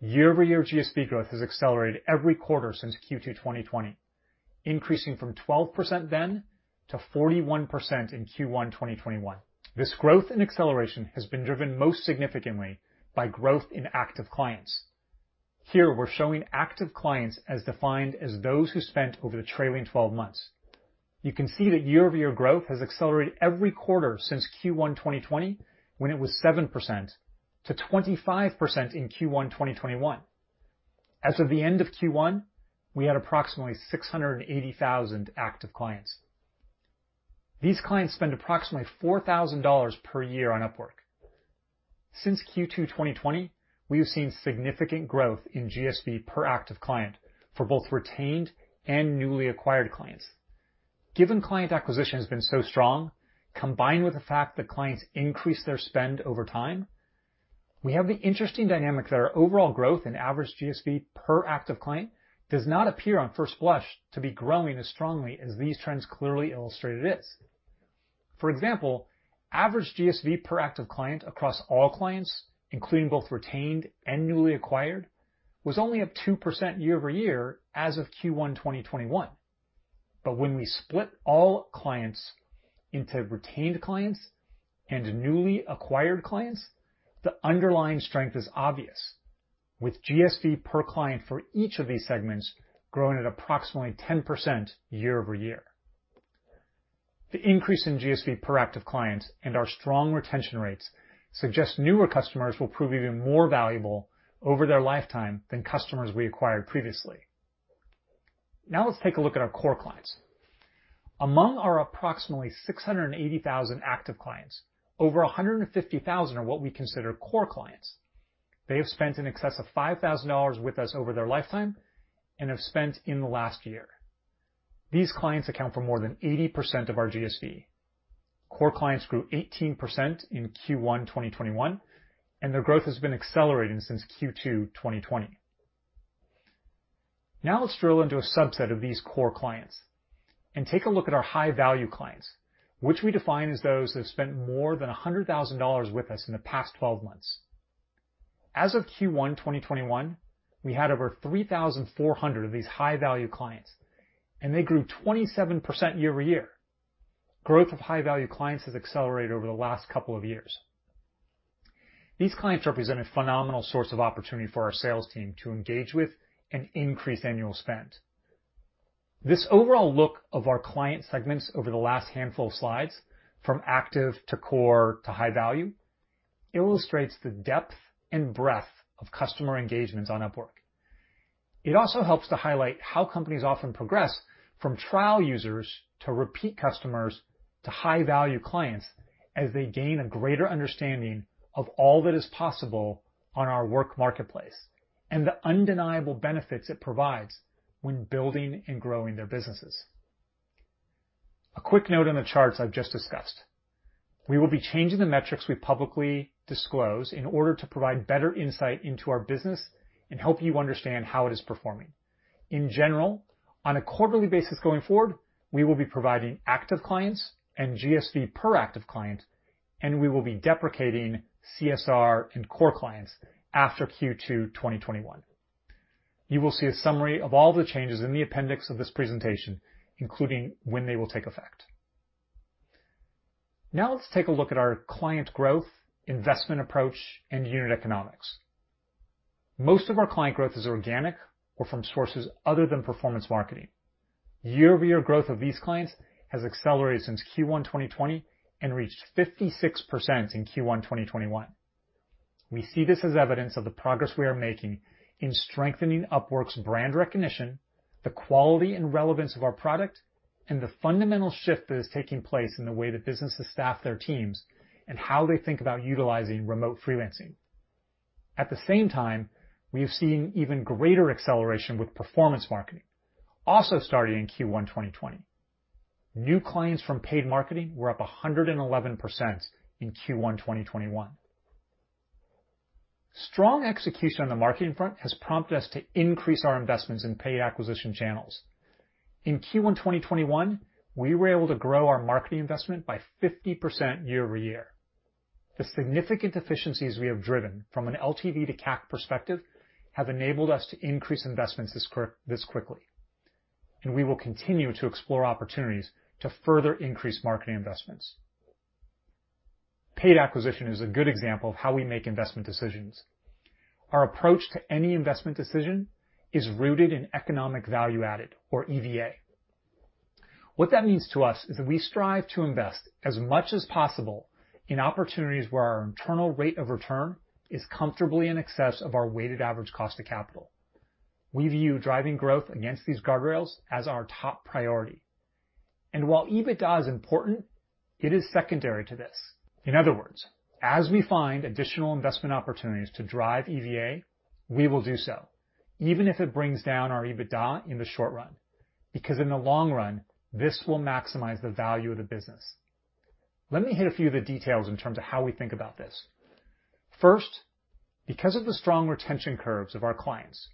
Year-over-year GSV growth has accelerated every quarter since Q2 2020, increasing from 12% then to 41% in Q1 2021. This growth and acceleration has been driven most significantly by growth in active clients. Here, we're showing active clients as defined as those who spent over the trailing 12 months. You can see that year-over-year growth has accelerated every quarter since Q1 2020, when it was 7%, to 25% in Q1 2021. As of the end of Q1, we had approximately 680,000 active clients. These clients spend approximately $4,000 per year on Upwork. Since Q2 2020, we have seen significant growth in GSV per active client for both retained and newly acquired clients. Given client acquisition has been so strong, combined with the fact that clients increase their spend over time, we have the interesting dynamic that our overall growth in average GSV per active client does not appear on first blush to be growing as strongly as these trends clearly illustrated is. For example, average GSV per active client across all clients, including both retained and newly acquired, was only up 2% year-over-year as of Q1 2021. When we split all clients into retained clients and newly acquired clients, the underlying strength is obvious. With GSV per client for each of these segments growing at approximately 10% year-over-year. The increase in GSV per active client and our strong retention rates suggest newer customers will prove even more valuable over their lifetime than customers we acquired previously. Let's take a look at our core clients. Among our approximately 680,000 active clients, over 150,000 are what we consider core clients. They have spent in excess of $5,000 with us over their lifetime and have spent in the last year. These clients account for more than 80% of our GSV. Core clients grew 18% in Q1 2021. Their growth has been accelerating since Q2 2020. Now let's drill into a subset of these core clients and take a look at our high-value clients, which we define as those that have spent more than $100,000 with us in the past 12 months. As of Q1 2021, we had over 3,400 of these high-value clients. They grew 27% year-over-year. Growth of high-value clients has accelerated over the last couple of years. These clients represent a phenomenal source of opportunity for our sales team to engage with and increase annual spend. This overall look of our client segments over the last handful of slides, from active to core to high value, illustrates the depth and breadth of customer engagements on Upwork. It also helps to highlight how companies often progress from trial users to repeat customers to high-value clients as they gain a greater understanding of all that is possible on our Work Marketplace and the undeniable benefits it provides when building and growing their businesses. A quick note on the charts I've just discussed. We will be changing the metrics we publicly disclose in order to provide better insight into our business and help you understand how it is performing. In general, on a quarterly basis going forward, we will be providing active clients and GSV per active client, and we will be deprecating CSR and core clients after Q2 2021. You will see a summary of all the changes in the appendix of this presentation, including when they will take effect. Let's take a look at our client growth, investment approach, and unit economics. Most of our client growth is organic or from sources other than performance marketing. Year-over-year growth of these clients has accelerated since Q1 2020 and reached 56% in Q1 2021. We see this as evidence of the progress we are making in strengthening Upwork's brand recognition, the quality and relevance of our product, and the fundamental shift that is taking place in the way that businesses staff their teams and how they think about utilizing remote freelancing. At the same time, we have seen even greater acceleration with performance marketing, also starting in Q1 2020. New clients from paid marketing were up 111% in Q1 2021. Strong execution on the marketing front has prompted us to increase our investments in pay acquisition channels. In Q1 2021, we were able to grow our marketing investment by 50% year-over-year. The significant efficiencies we have driven from an LTV to CAC perspective have enabled us to increase investments this quickly, and we will continue to explore opportunities to further increase marketing investments. Paid acquisition is a good example of how we make investment decisions. Our approach to any investment decision is rooted in economic value added, or EVA. What that means to us is that we strive to invest as much as possible in opportunities where our internal rate of return is comfortably in excess of our weighted average cost of capital. We view driving growth against these guardrails as our top priority. While EBITDA is important, it is secondary to this. In other words, as we find additional investment opportunities to drive EVA, we will do so, even if it brings down our EBITDA in the short run, because in the long run, this will maximize the value of the business. Let me hit a few of the details in terms of how we think about this. First, because of the strong retention curves of our clients,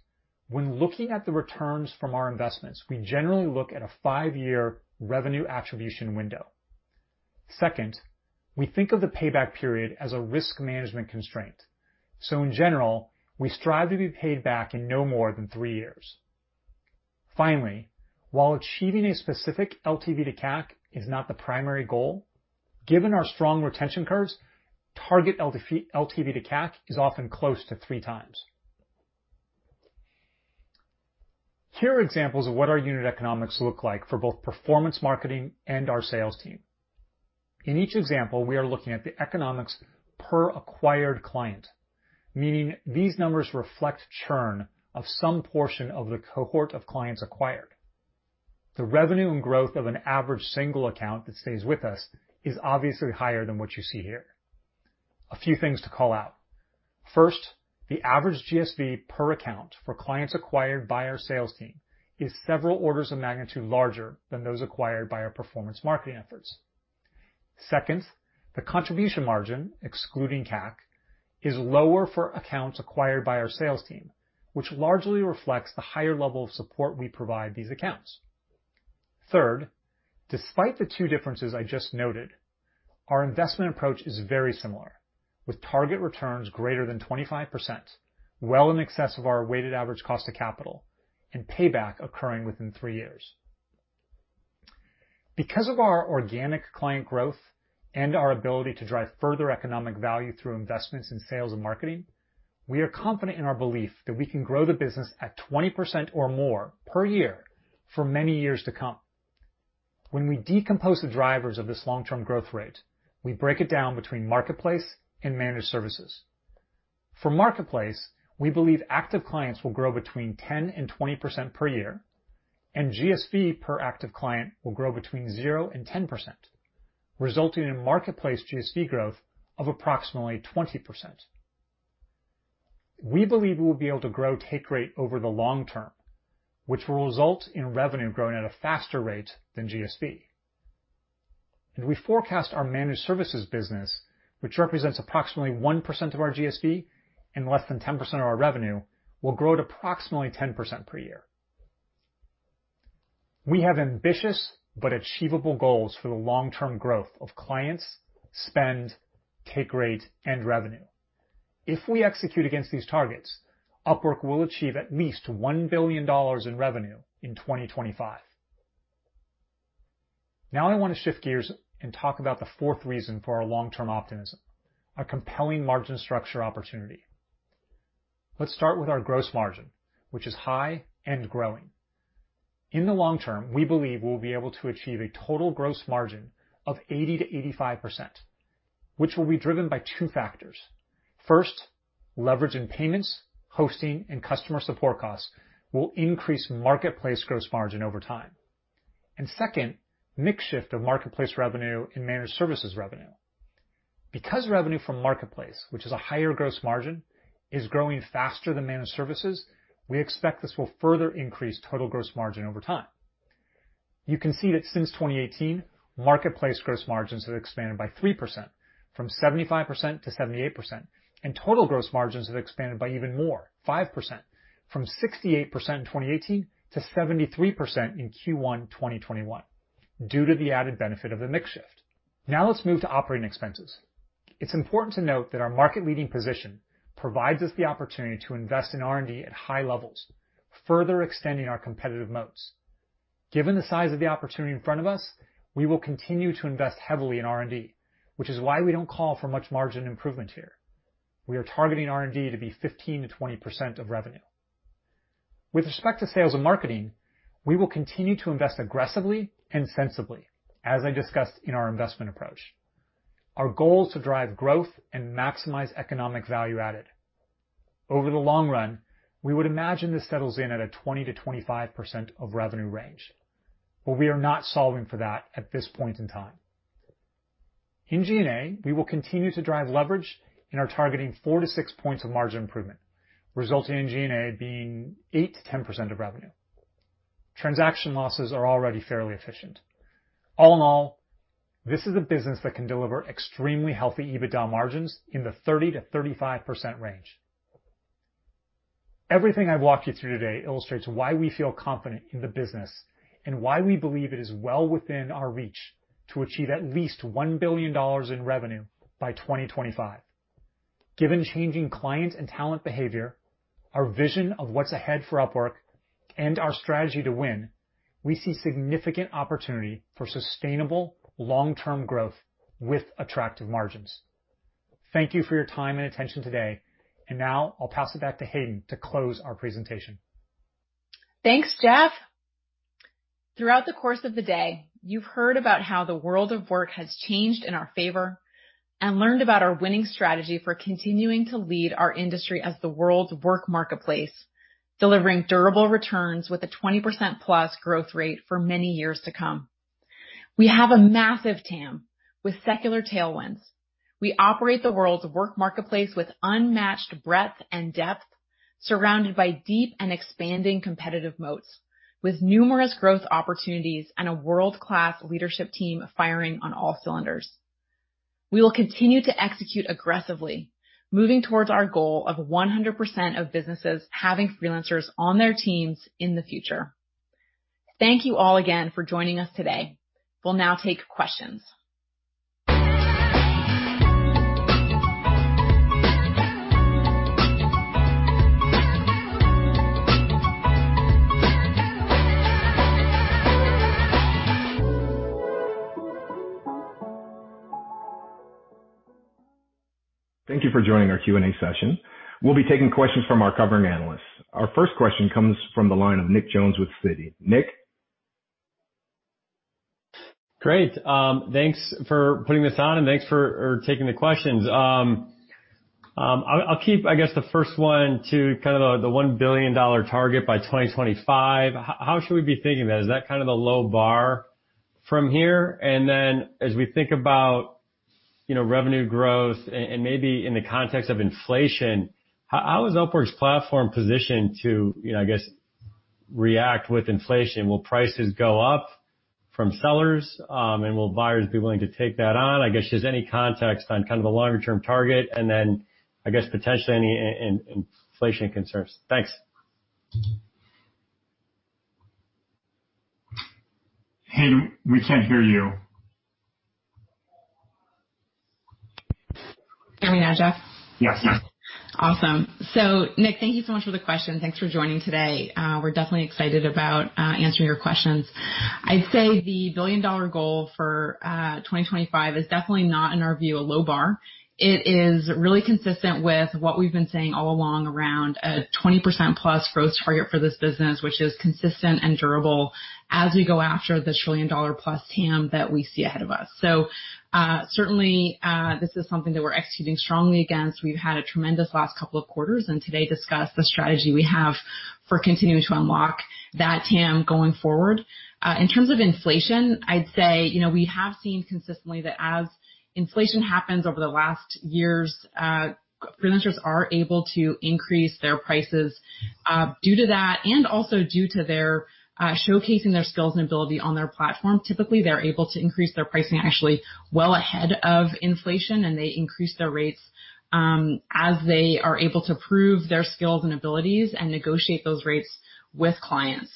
when looking at the returns from our investments, we generally look at a five-year revenue attribution window. Second, we think of the payback period as a risk management constraint. In general, we strive to be paid back in no more than three years. Finally, while achieving a specific LTV to CAC is not the primary goal, given our strong retention curves, target LTV to CAC is often close to 3x. Here are examples of what our unit economics look like for both performance marketing and our sales team. In each example, we are looking at the economics per acquired client, meaning these numbers reflect churn of some portion of the cohort of clients acquired. The revenue and growth of an average single account that stays with us is obviously higher than what you see here. A few things to call out. First, the average GSV per account for clients acquired by our sales team is several orders of magnitude larger than those acquired by our performance marketing efforts. Second, the contribution margin, excluding CAC, is lower for accounts acquired by our sales team, which largely reflects the higher level of support we provide these accounts. Third, despite the two differences I just noted, our investment approach is very similar, with target returns greater than 25%, well in excess of our weighted average cost of capital, and payback occurring within three years. Because of our organic client growth and our ability to drive further economic value through investments in sales and marketing, we are confident in our belief that we can grow the business at 20% or more per year for many years to come. When we decompose the drivers of this long-term growth rate, we break it down between marketplace and managed services. For marketplace, we believe active clients will grow between 10% and 20% per year, and GSV per active client will grow between 0% and 10%, resulting in marketplace GSV growth of approximately 20%. We believe we'll be able to grow take rate over the long term, which will result in revenue growing at a faster rate than GSV. We forecast our managed services business, which represents approximately 1% of our GSV and less than 10% of our revenue, will grow at approximately 10% per year. We have ambitious but achievable goals for the long-term growth of clients, spend, take rate, and revenue. If we execute against these targets, Upwork will achieve at least $1 billion in revenue in 2025. Now I want to shift gears and talk about the fourth reason for our long-term optimism, a compelling margin structure opportunity. Let's start with our gross margin, which is high and growing. In the long term, we believe we'll be able to achieve a total gross margin of 80%-85%, which will be driven by two factors. First, leverage in payments, hosting, and customer support costs will increase marketplace gross margin over time. Second, mix shift of marketplace revenue and managed services revenue. Because revenue from marketplace, which is a higher gross margin, is growing faster than managed services, we expect this will further increase total gross margin over time. You can see that since 2018, marketplace gross margins have expanded by 3%, from 75% to 78%, and total gross margins have expanded by even more, 5%, from 68% in 2018 to 73% in Q1 2021, due to the added benefit of the mix shift. Now let's move to operating expenses. It's important to note that our market-leading position provides us the opportunity to invest in R&D at high levels, further extending our competitive moats. Given the size of the opportunity in front of us, we will continue to invest heavily in R&D, which is why we don't call for much margin improvement here. We are targeting R&D to be 15%-20% of revenue. With respect to sales and marketing, we will continue to invest aggressively and sensibly, as I discussed in our investment approach. Our goal is to drive growth and maximize economic value added. Over the long run, we would imagine this settles in at a 20%-25% of revenue range. We are not solving for that at this point in time. In G&A, we will continue to drive leverage and are targeting 4-6 points of margin improvement, resulting in G&A being 8%-10% of revenue. Transaction losses are already fairly efficient. All in all, this is a business that can deliver extremely healthy EBITDA margins in the 30%-35% range. Everything I've walked you through today illustrates why we feel confident in the business and why we believe it is well within our reach to achieve at least $1 billion in revenue by 2025. Given changing client and talent behavior, our vision of what's ahead for Upwork, and our strategy to win, we see significant opportunity for sustainable long-term growth with attractive margins. Thank you for your time and attention today, and now I'll pass it back to Hayden to close our presentation. Thanks, Jeff. Throughout the course of the day, you've heard about how the world of work has changed in our favor and learned about our winning strategy for continuing to lead our industry as the world's Work Marketplace, delivering durable returns with a 20%+ growth rate for many years to come. We have a massive TAM with secular tailwinds. We operate the world's Work Marketplace with unmatched breadth and depth, surrounded by deep and expanding competitive moats, with numerous growth opportunities and a world-class leadership team firing on all cylinders. We will continue to execute aggressively, moving towards our goal of 100% of businesses having freelancers on their teams in the future. Thank you all again for joining us today. We'll now take questions. Thank you for joining our Q&A session. We'll be taking questions from our covering analysts. Our first question comes from the line of Nick Jones with Citi. Nick. Great. Thanks for putting this on, thanks for taking the questions. I'll keep, I guess, the first one to the $1 billion target by 2025. How should we be thinking of that? Is that a low bar from here? Then as we think about revenue growth and maybe in the context of inflation, how is Upwork's platform positioned to, I guess, react with inflation? Will prices go up from sellers? Will buyers be willing to take that on? I guess, just any context on the longer-term target and then, I guess, potentially any inflation concerns. Thanks. Hayden, we can't hear you. Can you hear me now, Jeff? Yes. Awesome. Nick, thank you so much for the question. Thanks for joining today. We're definitely excited about answering your questions. I'd say the $1 billion goal for 2025 is definitely not, in our view, a low bar. It is really consistent with what we've been saying all along around a 20%+ growth target for this business, which is consistent and durable as we go after the $1+ trillion TAM that we see ahead of us. Certainly, this is something we're executing strongly against. We've had a tremendous last couple of quarters and today discussed the strategy we have for continuing to unlock that TAM going forward. In terms of inflation, I'd say we have seen consistently that as inflation happens over the last years, freelancers are able to increase their prices due to that and also due to their showcasing their skills and ability on their platform. Typically, they're able to increase their pricing actually well ahead of inflation, and they increase their rates as they are able to prove their skills and abilities and negotiate those rates with clients.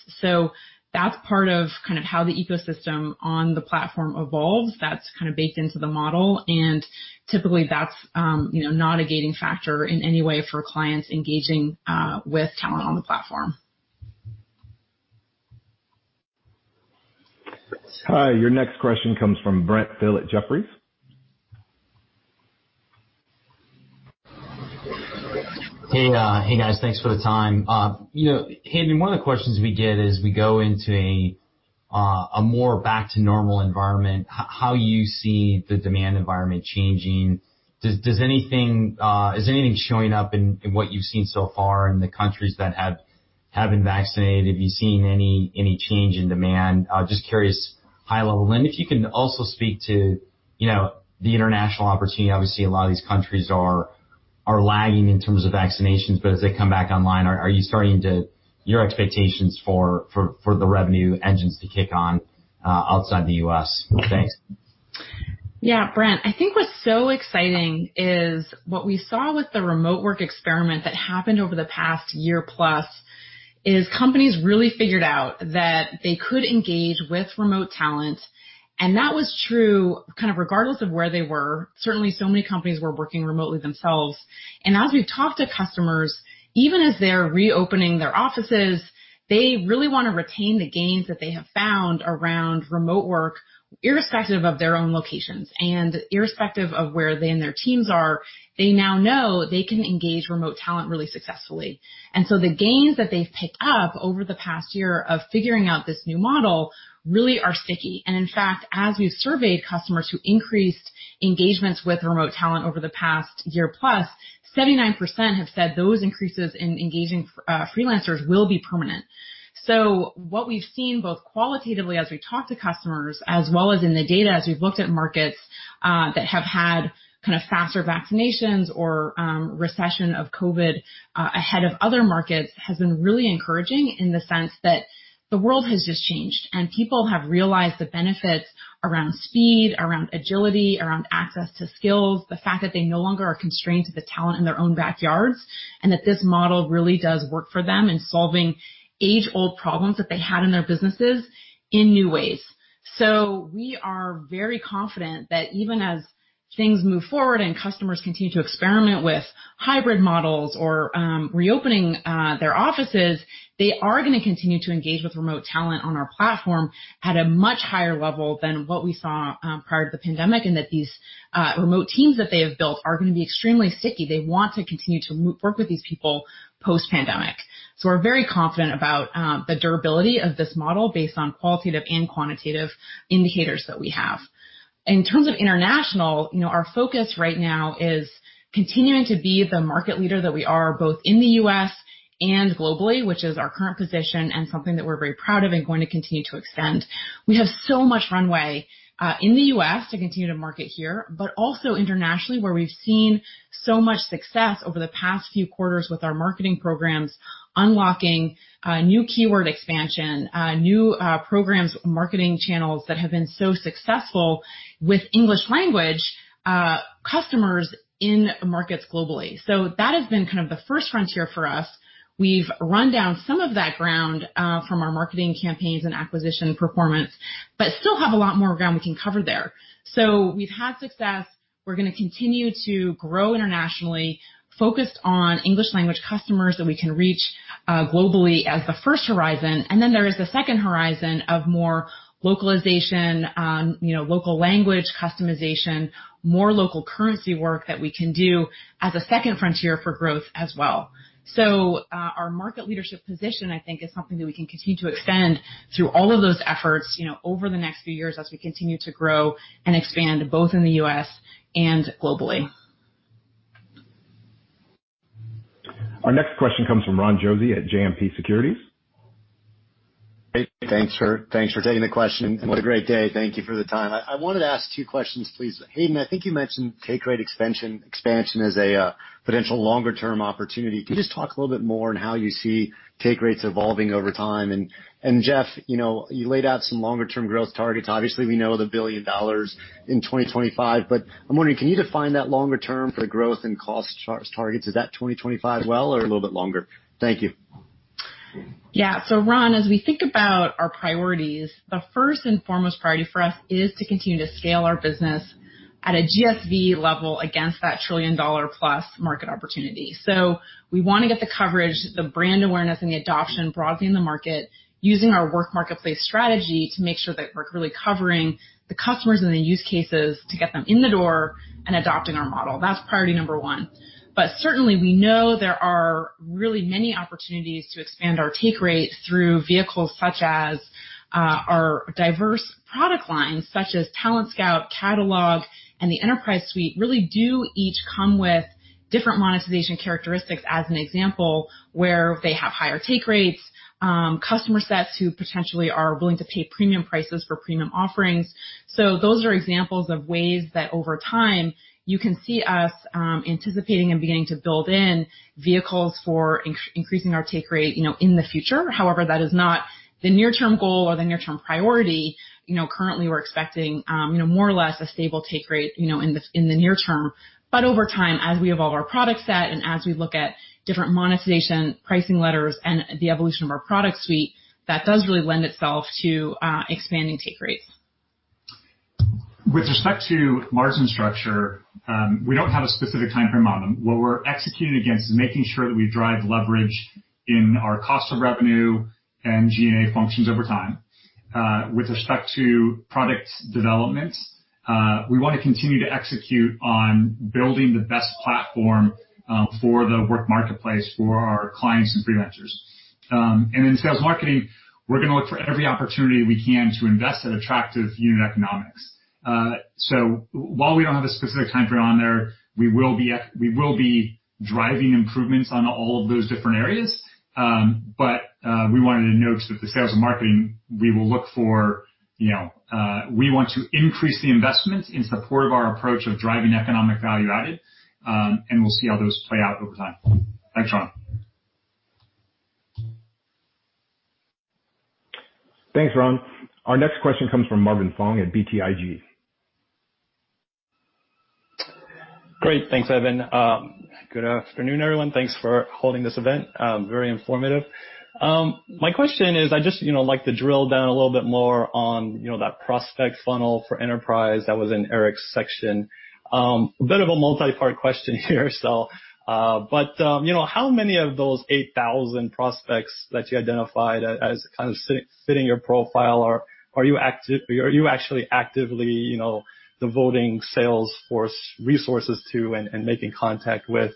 That's part of how the ecosystem on the platform evolves. That's baked into the model, and typically that's not a gating factor in any way for clients engaging with talent on the platform. Your next question comes from Brent Thill at Jefferies. Hey, guys. Thanks for the time. Hayden, one of the questions we get as we go into a more back-to-normal environment, how you see the demand environment changing? Is anything showing up in what you've seen so far in the countries that have been vaccinated? Have you seen any change in demand? Just curious high level. If you can also speak to the international opportunity. Obviously, a lot of these countries are lagging in terms of vaccinations, but as they come back online, are you starting to your expectations for the revenue engines to kick on outside the U.S.? Thanks. Yeah, Brent. I think what's so exciting is what we saw with the remote work experiment that happened over the past year-plus is companies really figured out that they could engage with remote talent, and that was true regardless of where they were. Certainly, so many companies were working remotely themselves, and as we've talked to customers, even as they're reopening their offices, they really want to retain the gains that they have found around remote work, irrespective of their own locations and irrespective of where they and their teams are. They now know they can engage remote talent really successfully. The gains that they've picked up over the past year of figuring out this new model really are sticky. In fact, as we surveyed customers who increased engagements with remote talent over the past year-plus, 79% have said those increases in engaging freelancers will be permanent. What we've seen both qualitatively as we talk to customers as well as in the data as we've looked at markets that have had faster vaccinations or recession of COVID ahead of other markets has been really encouraging in the sense that the world has just changed, and people have realized the benefits around speed, around agility, around access to skills, the fact that they no longer are constrained to the talent in their own backyards, and that this model really does work for them in solving age-old problems that they had in their businesses in new ways. We are very confident that even as things move forward and customers continue to experiment with hybrid models or reopening their offices, they are going to continue to engage with remote talent on our platform at a much higher level than what we saw prior to the pandemic, and that these remote teams that they have built are going to be extremely sticky. They want to continue to work with these people post-pandemic. We're very confident about the durability of this model based on qualitative and quantitative indicators that we have. In terms of international, our focus right now is continuing to be the market leader that we are both in the U.S. and globally, which is our current position and something that we're very proud of and going to continue to extend. We have so much runway in the U.S. to continue to market here, also internationally, where we've seen so much success over the past few quarters with our marketing programs, unlocking new keyword expansion, new programs, marketing channels that have been so successful with English language customers in markets globally. That has been kind of the first frontier for us. We've run down some of that ground from our marketing campaigns and acquisition performance, still have a lot more ground we can cover there. We've had success. We're going to continue to grow internationally, focused on English language customers that we can reach globally as the first horizon. There is the second horizon of more localization, local language customization, more local currency work that we can do as a second frontier for growth as well. Our market leadership position, I think, is something that we can continue to extend through all of those efforts over the next few years as we continue to grow and expand both in the U.S. and globally. Our next question comes from Ron Josey at JMP Securities. Hey, thanks for taking the question, and what a great day. Thank you for the time. I wanted to ask two questions, please. Hayden, I think you mentioned take rate expansion as a potential longer-term opportunity. Can you just talk a little bit more on how you see take rates evolving over time? Jeff, you laid out some longer-term growth targets. Obviously, we know the $1 billion in 2025, but I'm wondering, can you define that longer-term for the growth and cost targets? Is that 2025 well or a little bit longer? Thank you. Yeah. Ron, as we think about our priorities, the first and foremost priority for us is to continue to scale our business at a GSV level against that $1+ trillion market opportunity. We want to get the coverage, the brand awareness, and the adoption broadly in the market using our Work Marketplace strategy to make sure that we're really covering the customers and the use cases to get them in the door and adopting our model. That's priority number one. Certainly, we know there are really many opportunities to expand our take rate through vehicles such as our diverse product lines, such as Talent Scout, Catalog, and the Enterprise Suite, really do each come with different monetization characteristics as an example, where they have higher take rates, customer sets who potentially are willing to pay premium prices for premium offerings. Those are examples of ways that over time you can see us anticipating and beginning to build in vehicles for increasing our take rate in the future. However, that is not the near-term goal or the near-term priority. Currently, we're expecting more or less a stable take rate in the near term. Over time, as we evolve our product set and as we look at different monetization pricing letters and the evolution of our product suite, that does really lend itself to expanding take rates. With respect to margin structure, we don't have a specific time frame on them. What we're executing against is making sure that we drive leverage in our cost of revenue and G&A functions over time. With respect to product development, we want to continue to execute on building the best platform for the Work Marketplace for our clients and freelancers. In sales marketing, we're going to look for every opportunity that we can to invest at attractive unit economics. While we don't have a specific time frame on there, we will be driving improvements on all of those different areas. We wanted to note that the sales and marketing, we want to increase the investment in support of our approach of driving economic value added, and we'll see how those play out over time. Thanks, Ron. Thanks, Ron. Our next question comes from Marvin Fong at BTIG. Great. Thanks, Evan. Good afternoon, everyone. Thanks for holding this event. Very informative. My question is, I'd just like to drill down a little bit more on that prospect funnel for Enterprise that was in Eric's section. A bit of a multi-part question here but how many of those 8,000 prospects that you identified as kind of fitting your profile are you actually actively devoting sales force resources to and making contact with?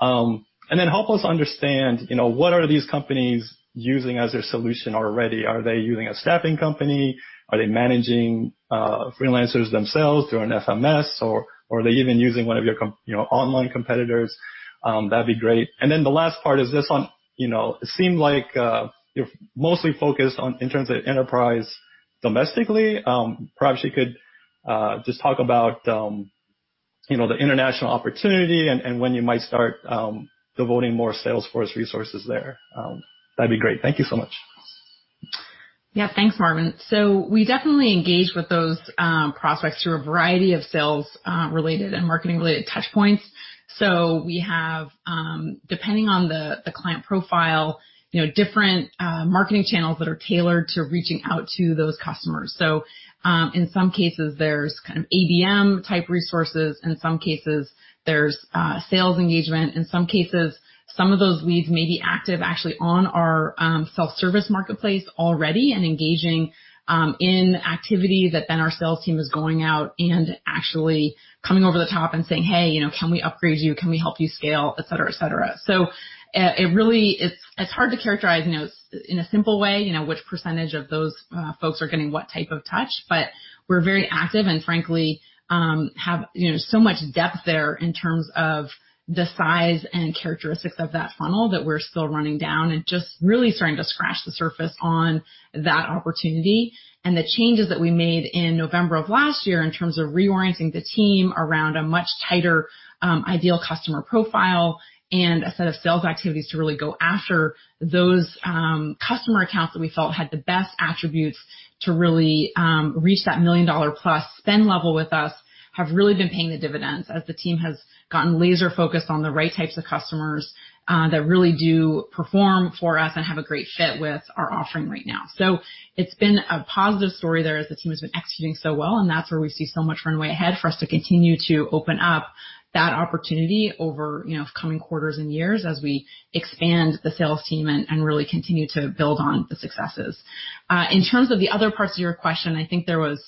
Help us understand, what are these companies using as their solution already? Are they using a staffing company? Are they managing freelancers themselves through an FMS, or are they even using one of your online competitors? That'd be great. The last part is this on, it seemed like you're mostly focused on in terms of Enterprise domestically. Perhaps you could just talk about the international opportunity and when you might start devoting more sales force resources there. That'd be great. Thank you so much. Thanks, Marvin. We definitely engage with those prospects through a variety of sales-related and marketing-related touchpoints. We have, depending on the client profile, different marketing channels that are tailored to reaching out to those customers. In some cases, there's kind of ABM type resources. In some cases, there's sales engagement. In some cases, some of those leads may be active actually on our self-service marketplace already and engaging in activity that then our sales team is going out and actually coming over the top and saying, "Hey, can we upgrade you? Can we help you scale?" Et cetera. It's hard to characterize in a simple way, which percentage of those folks are getting what type of touch. We're very active and frankly, have so much depth there in terms of the size and characteristics of that funnel that we're still running down and just really starting to scratch the surface on that opportunity. The changes that we made in November of last year in terms of realigning the team around a much tighter, ideal customer profile and a set of sales activities to really go after those customer accounts that we felt had the best attributes to really reach that $1+ million spend level with us have really been paying the dividends as the team has gotten laser-focused on the right types of customers that really do perform for us and have a great fit with our offering right now. It's been a positive story there as the team's been executing so well, and that's where we see so much runway ahead for us to continue to open up that opportunity over coming quarters and years as we expand the sales team and really continue to build on the successes. In terms of the other parts of your question, I think there was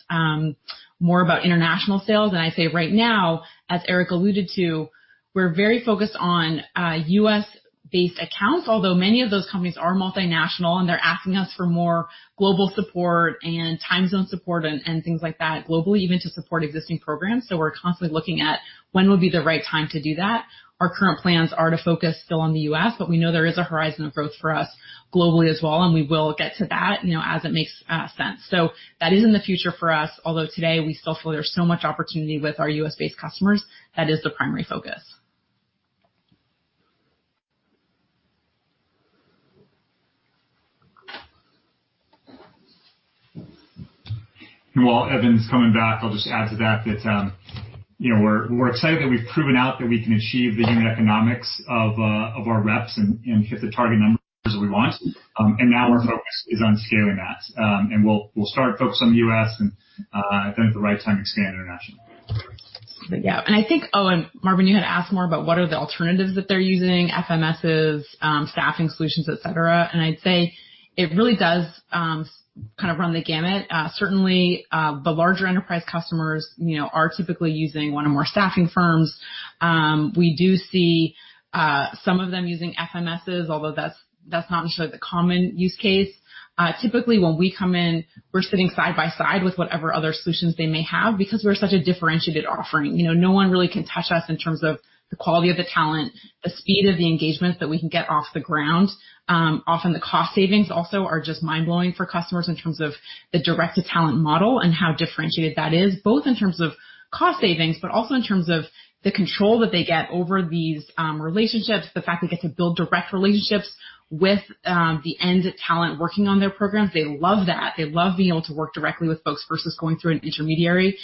more about international sales. I'd say right now, as Eric alluded to, we're very focused on U.S.-based accounts, although many of those companies are multinational, and they're asking us for more global support and time zone support and things like that globally, even to support existing programs. We're constantly looking at when would be the right time to do that. Our current plans are to focus still on the U.S., but we know there is a horizon of growth for us globally as well, and we will get to that, as it makes sense. That is in the future for us. Although today we still feel there's so much opportunity with our U.S.-based customers. That is the primary focus. While Evan's coming back, I'll just add to that we're excited that we've proven out that we can achieve the unit economics of our reps and hit the target numbers that we want. Now our focus is on scaling that. We'll start to focus on the U.S. and then at the right time, expand internationally. Marvin, you had asked more about what are the alternatives that they're using, FMSs, staffing solutions, et cetera. I'd say it really does kind of run the gamut. Certainly, the larger enterprise customers are typically using one or more staffing firms. We do see some of them using FMSs, although that's not necessarily the common use case. Typically, when we come in, we're sitting side by side with whatever other solutions they may have because we're such a differentiated offering. No one really can touch us in terms of the quality of the talent, the speed of the engagement that we can get off the ground. Often the cost savings also are just mind-blowing for customers in terms of the direct-to-talent model and how differentiated that is, both in terms of cost savings, but also in terms of the control that they get over these relationships, the fact that they can build direct relationships with the end talent working on their programs. They love that. They love being able to work directly with folks versus going through an intermediary.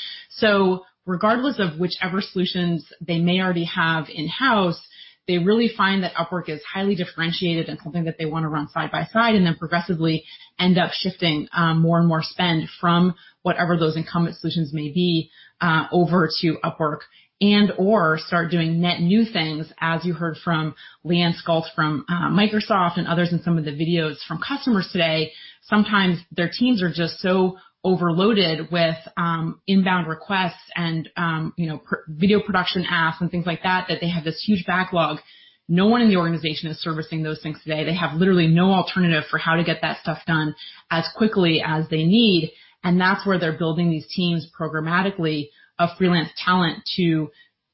Regardless of whichever solutions they may already have in-house, they really find that Upwork is highly differentiated and something that they want to run side by side and then progressively end up shifting more and more spend from whatever those incumbent solutions may be, over to Upwork and/or start doing net new things. As you heard from Liane Scult from Microsoft and others in some of the videos from customers today, sometimes their teams are just so overloaded with inbound requests and video production asks and things like that they have this huge backlog. No one in the organization is servicing those things today. They have literally no alternative for how to get that stuff done as quickly as they need. That's where they're building these teams programmatically of freelance talent to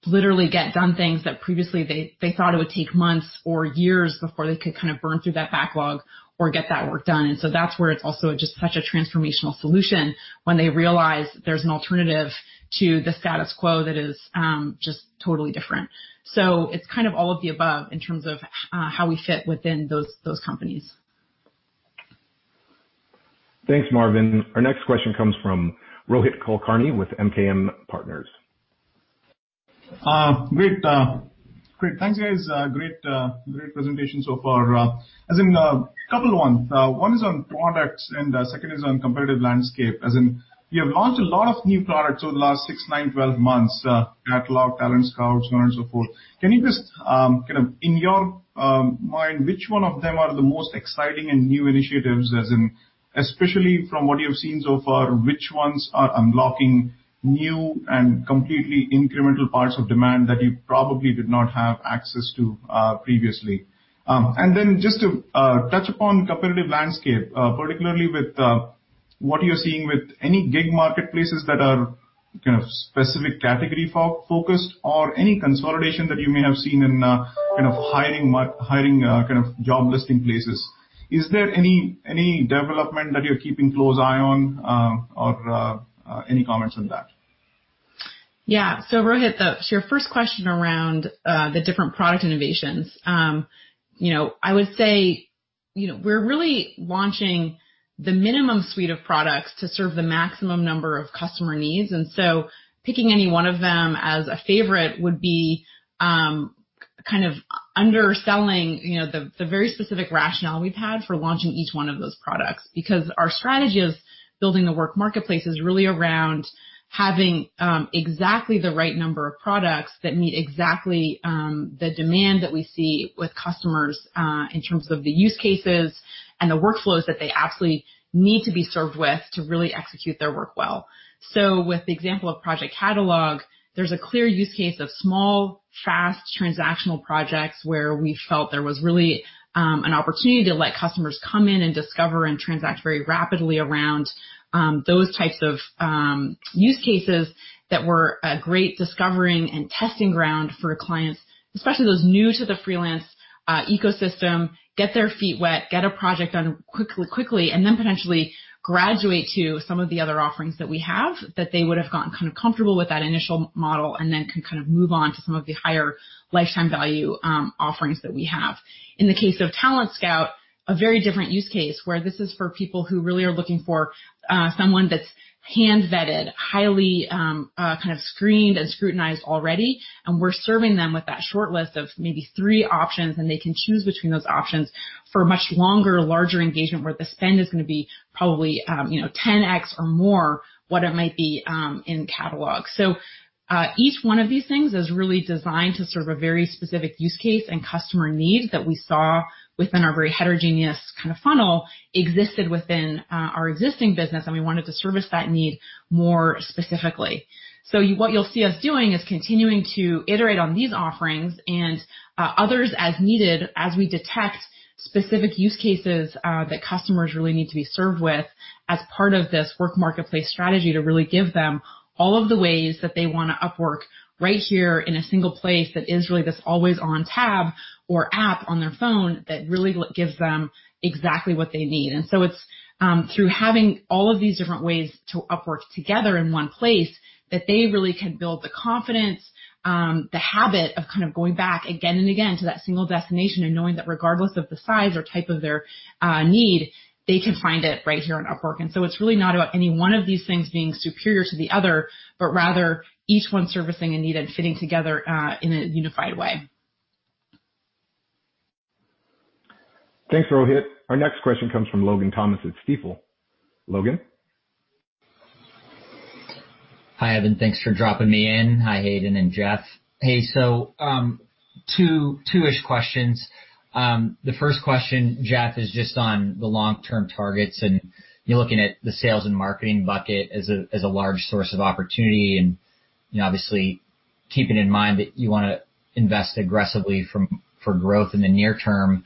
literally get done things that previously they thought it would take months or years before they could kind of burn through that backlog or get that work done. That's where it's also just such a transformational solution when they realize there's an alternative to the status quo that is just totally different. It's kind of all of the above in terms of how we fit within those companies. Thanks, Marvin. Our next question comes from Rohit Kulkarni with MKM Partners. Great. Thanks, guys. Great presentation so far. As in a couple ones, one is on products and the second is on competitive landscape. As in, you have launched a lot of new products over the last six, nine, 12 months, Catalog, Talent Scout, and so forth. Can you just, in your mind, which one of them are the most exciting and new initiatives, as in, especially from what you've seen so far, which ones are unlocking new and completely incremental parts of demand that you probably did not have access to previously? Just to touch upon competitive landscape, particularly with what you're seeing with any gig marketplaces that are kind of specific category focused or any consolidation that you may have seen in kind of hiring, kind of job listing places. Is there any development that you're keeping close eye on? Any comments on that? Yeah. Rohit, to your first question around the different product innovations. I would say, we're really launching the minimum suite of products to serve the maximum number of customer needs. Picking any one of them as a favorite would be underselling the very specific rationale we've had for launching each one of those products. Our strategy of building the Work Marketplace is really around having exactly the right number of products that meet exactly the demand that we see with customers, in terms of the use cases and the workflows that they absolutely need to be served with to really execute their work well. With the example of Project Catalog, there's a clear use case of small, fast transactional projects where we felt there was really an opportunity to let customers come in and discover and transact very rapidly around those types of use cases that were a great discovering and testing ground for clients, especially those new to the freelance ecosystem, get their feet wet, get a project done quickly, and then potentially graduate to some of the other offerings that we have, that they would've gotten comfortable with that initial model, and then can move on to some of the higher lifetime value offerings that we have. In the case of Talent Scout, a very different use case, where this is for people who really are looking for someone that's hand-vetted, highly screened and scrutinized already. We're serving them with that short list of maybe three options, and they can choose between those options for a much longer, larger engagement where the spend is going to be probably 10x or more what it might be in Catalog. Each one of these things is really designed to serve a very specific use case and customer need that we saw within our very heterogeneous kind of funnel existed within our existing business, and we wanted to service that need more specifically. What you'll see us doing is continuing to iterate on these offerings and others as needed as we detect specific use cases that customers really need to be served with as part of this Work Marketplace strategy to really give them all of the ways that they want to Upwork right here in a single place that is really this always-on tab or app on their phone that really gives them exactly what they need. It's through having all of these different ways to Upwork together in one place that they really can build the confidence, the habit of going back again and again to that single destination and knowing that regardless of the size or type of their need, they can find it right here on Upwork. It's really not about any one of these things being superior to the other, but rather each one servicing a need and fitting together in a unified way. Thanks, Rohit. Our next question comes from Logan Thomas at Stifel. Brad. Hi, Evan. Thanks for dropping me in. Hi, Hayden and Jeff. Hey, two-ish questions. The first question, Jeff, is just on the long-term targets, and you're looking at the sales and marketing bucket as a large source of opportunity, and obviously keeping in mind that you want to invest aggressively for growth in the near term.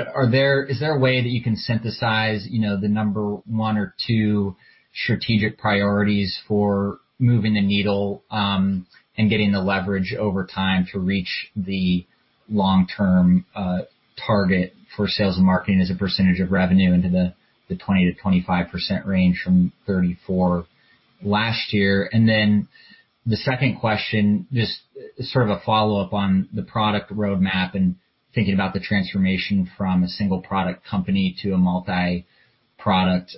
Is there a way that you can synthesize the number one or two strategic priorities for moving the needle, and getting the leverage over time to reach the long-term target for sales and marketing as a percentage of revenue into the 20%-25% range from 34% last year? The second question, just sort of a follow-up on the product roadmap and thinking about the transformation from a single-product company to a multi-product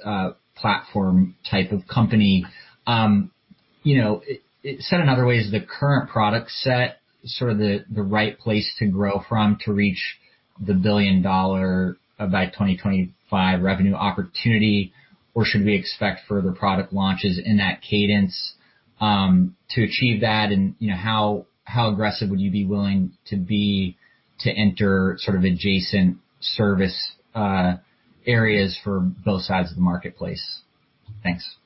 platform type of company. Said another way, is the current product set sort of the right place to grow from to reach the $1 billion by 2025 revenue opportunity, or should we expect further product launches in that cadence to achieve that, and how aggressive would you be willing to be to enter sort of adjacent service areas for both sides of the marketplace? Thanks.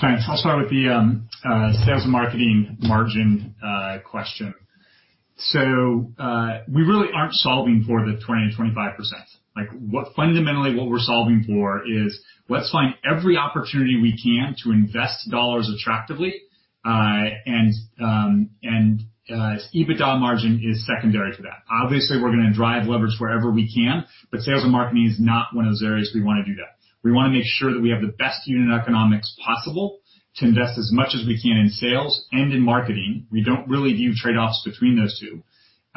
Thanks. I'll start with the sales and marketing margin question. We really aren't solving for the 20% and 25%. Fundamentally, what we're solving for is, let's find every opportunity we can to invest dollars attractively, and EBITDA margin is secondary to that. Obviously, we're going to drive leverage wherever we can, sales and marketing is not one of those areas we want to do that. We want to make sure that we have the best unit economics possible to invest as much as we can in sales and in marketing. We don't really view trade-offs between those two.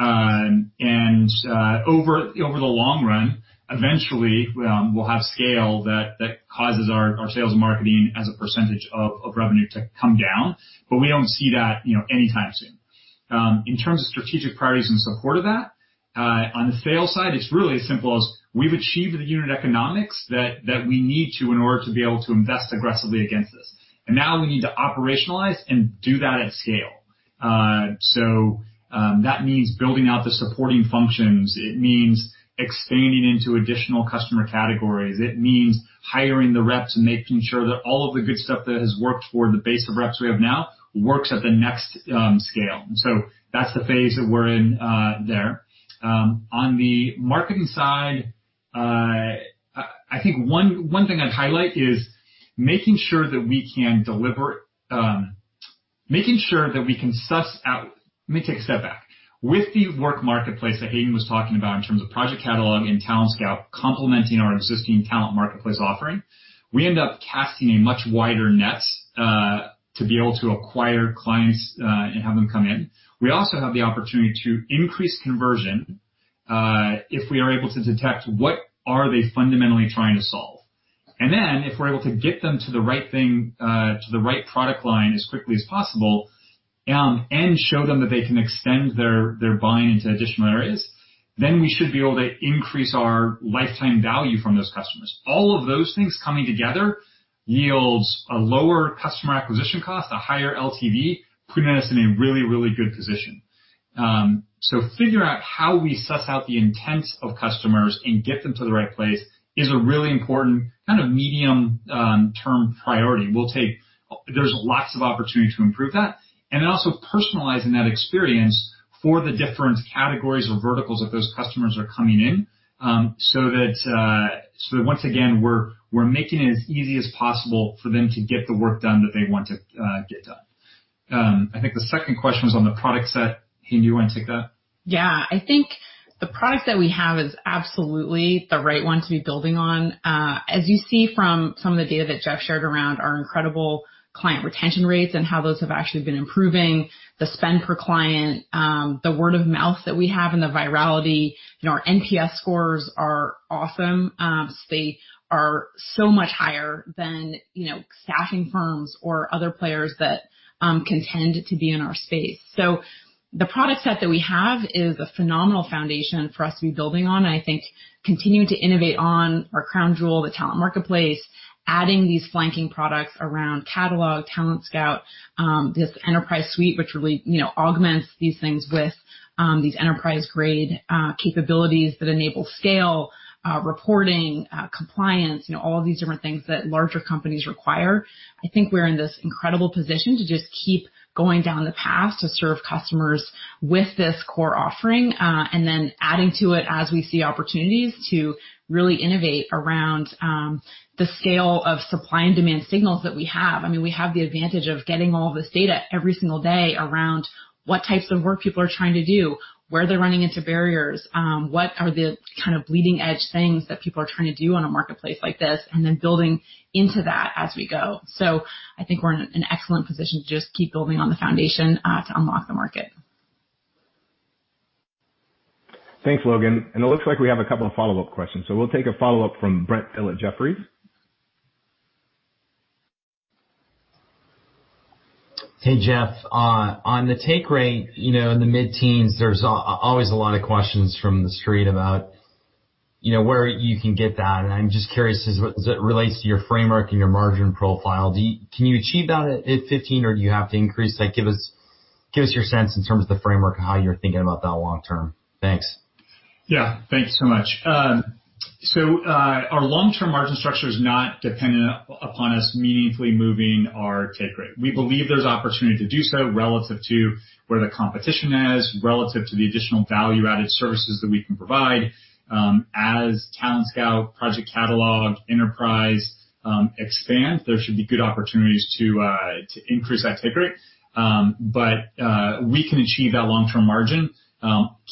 Over the long run, eventually, we'll have scale that causes our sales and marketing as a percentage of revenue to come down, we don't see that anytime soon. In terms of strategic priorities in support of that, on the sales side, it's really as simple as we've achieved the unit economics that we need to in order to be able to invest aggressively against this. Now we need to operationalize and do that at scale. That means building out the supporting functions. It means expanding into additional customer categories. It means hiring the reps and making sure that all of the good stuff that has worked for the base of reps we have now works at the next scale. That's the phase that we're in there. Let me take a step back. With the Work Marketplace that Hayden was talking about in terms of Project Catalog and Talent Scout complementing our existing Talent Marketplace offering, we end up casting a much wider net to be able to acquire clients and have them come in. We also have the opportunity to increase conversion if we are able to detect what are they fundamentally trying to solve. If we're able to get them to the right product line as quickly as possible, and show them that they can extend their buying into additional areas, then we should be able to increase our lifetime value from those customers. All of those things coming together yields a lower customer acquisition cost, a higher LTV, putting us in a really good position. Figuring out how we suss out the intents of customers and get them to the right place is a really important medium-term priority. There's lots of opportunity to improve that, and also personalizing that experience for the different categories or verticals that those customers are coming in, so that once again, we're making it as easy as possible for them to get the work done that they want to get done. I think the second question was on the product set. Hayden, do you want to take that? Yeah, I think the product that we have is absolutely the right one to be building on. As you see from some of the data that Jeff shared around our incredible client retention rates and how those have actually been improving, the spend per client, the word of mouth that we have and the virality, and our NPS scores are awesome. They are so much higher than staffing firms or other players that contend to be in our space. The product set that we have is a phenomenal foundation for us to be building on, and I think continuing to innovate on our crown jewel, the Talent Marketplace, adding these flanking products around Catalog, Talent Scout, this Enterprise Suite, which really augments these things with these enterprise-grade capabilities that enable scale, reporting, compliance, all these different things that larger companies require. I think we're in this incredible position to just keep going down the path to serve customers with this core offering, and then adding to it as we see opportunities to really innovate around the scale of supply and demand signals that we have. We have the advantage of getting all this data every single day around what types of work people are trying to do, where they're running into barriers, what are the leading-edge things that people are trying to do on a marketplace like this, and then building into that as we go. I think we're in an excellent position to just keep building on the foundation to unlock the market. Thanks, Logan. It looks like we have a couple of follow-up questions. We'll take a follow-up from Brent Thill at Jefferies. Hey, Jeff. On the take rate, in the mid-teens, there's always a lot of questions from the street about where you can get that. I'm just curious as it relates to your framework and your margin profile. Can you achieve that at 15%, or do you have to increase? Give us your sense in terms of the framework and how you're thinking about that long term. Thanks. Yeah. Thanks so much. Our long-term margin structure is not dependent upon us meaningfully moving our take rate. We believe there's opportunity to do so relative to where the competition is, relative to the additional value-added services that we can provide. As Talent Scout, Project Catalog, Enterprise expand, there should be good opportunities to increase our take rate. We can achieve that long-term margin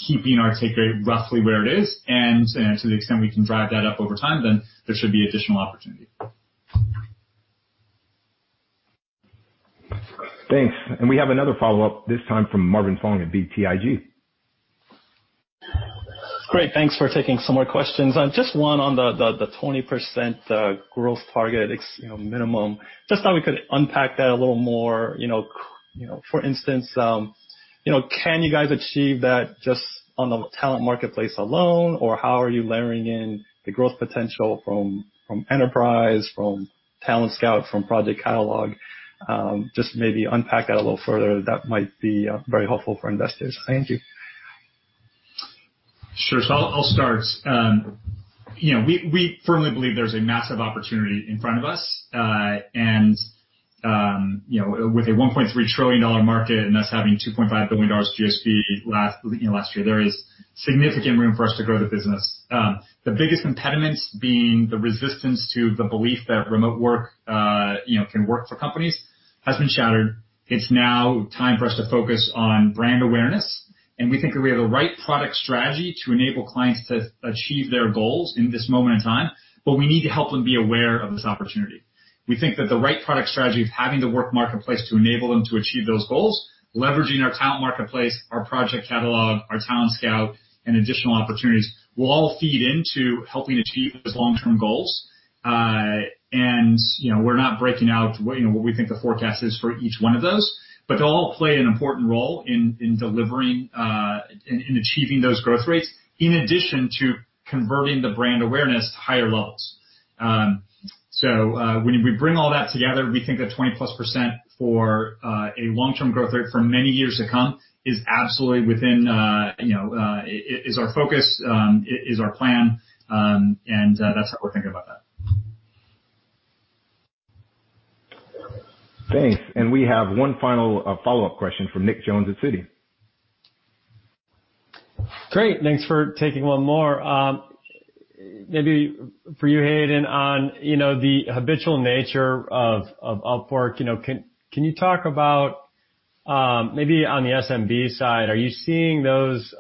keeping our take rate roughly where it is, and to the extent we can drive that up over time, there should be additional opportunity. Thanks. We have another follow-up, this time from Marvin Fong at BTIG. Great. Thanks for taking some more questions. One on the 20% growth target minimum. How we could unpack that a little more. For instance, can you guys achieve that just on the Talent Marketplace alone, or how are you layering in the growth potential from Enterprise, from Talent Scout, from Project Catalog? Maybe unpack it a little further. That might be very helpful for investors. Thank you. Sure. I'll start. We firmly believe there's a massive opportunity in front of us. With a $1.3 trillion market and us having $2.5 billion GSV last year, there is significant room for us to grow the business. The biggest impediments being the resistance to the belief that remote work can work for companies has been shattered. It's now time for us to focus on brand awareness, and we think that we have the right product strategy to enable clients to achieve their goals in this moment in time, but we need to help them be aware of this opportunity. We think that the right product strategy of having the Work Marketplace to enable them to achieve those goals, leveraging our Talent Marketplace, our Project Catalog, our Talent Scout, and additional opportunities will all feed into helping achieve those long-term goals. We're not breaking out what we think the forecast is for each one of those, but they'll all play an important role in achieving those growth rates, in addition to converting the brand awareness to higher levels. When we bring all that together, we think a 20%+ for a long-term growth rate for many years to come is absolutely our focus, is our plan, and that's how we're thinking about that. Thanks. We have one final follow-up question from Nick Jones at Citi. Great. Thanks for taking one more. Maybe for you, Hayden, on the habitual nature of Upwork, can you talk about, maybe on the SMB side, are you seeing those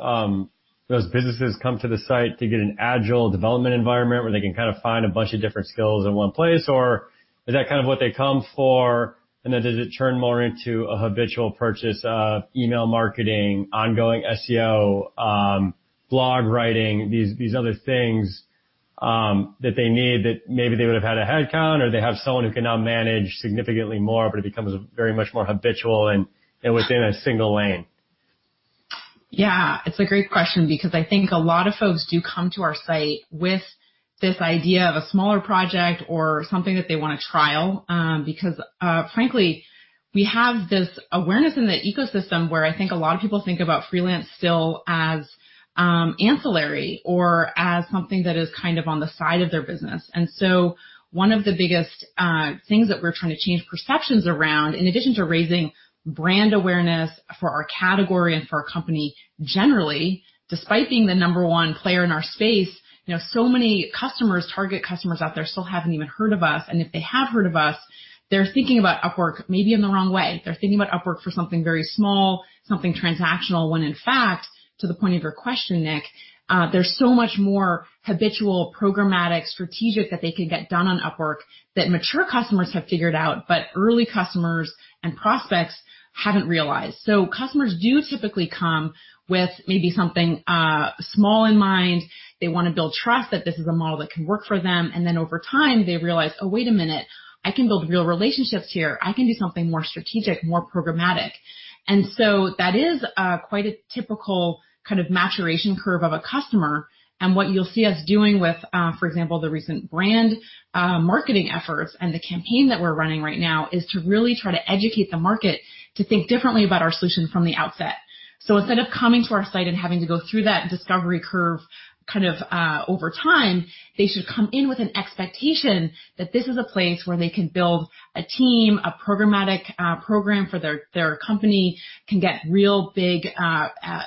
businesses come to the site to get an agile development environment where they can find a bunch of different skills in one place, or is that what they come for, and then does it turn more into a habitual purchase of email marketing, ongoing SEO, blog writing, these other things? That they need that maybe they would have had a headcount, or they have someone who can now manage significantly more, but it becomes very much more habitual and within a single lane? Yeah, it's a great question because I think a lot of folks do come to our site with this idea of a smaller project or something that they want to trial. Frankly, we have this awareness in the ecosystem where I think a lot of people think about freelance still as ancillary or as something that is on the side of their business. One of the biggest things that we're trying to change perceptions around, in addition to raising brand awareness for our category and for our company generally, despite being the number one player in our space, so many customers, target customers out there still haven't even heard of us. If they have heard of us, they're thinking about Upwork maybe in the wrong way. They're thinking about Upwork for something very small, something transactional, when in fact, to the point of your question, Nick, there's so much more habitual, programmatic, strategic that they can get done on Upwork that mature customers have figured out, but early customers and prospects haven't realized. Customers do typically come with maybe something small in mind. They want to build trust that this is a model that can work for them. Over time, they realize, oh, wait a minute, I can build real relationships here. I can do something more strategic, more programmatic. That is quite a typical kind of maturation curve of a customer. What you'll see us doing with, for example, the recent brand marketing efforts and the campaign that we're running right now is to really try to educate the market to think differently about our solution from the outset. Instead of coming to our site and having to go through that discovery curve over time, they should come in with an expectation that this is a place where they can build a team, a programmatic program for their company, can get real big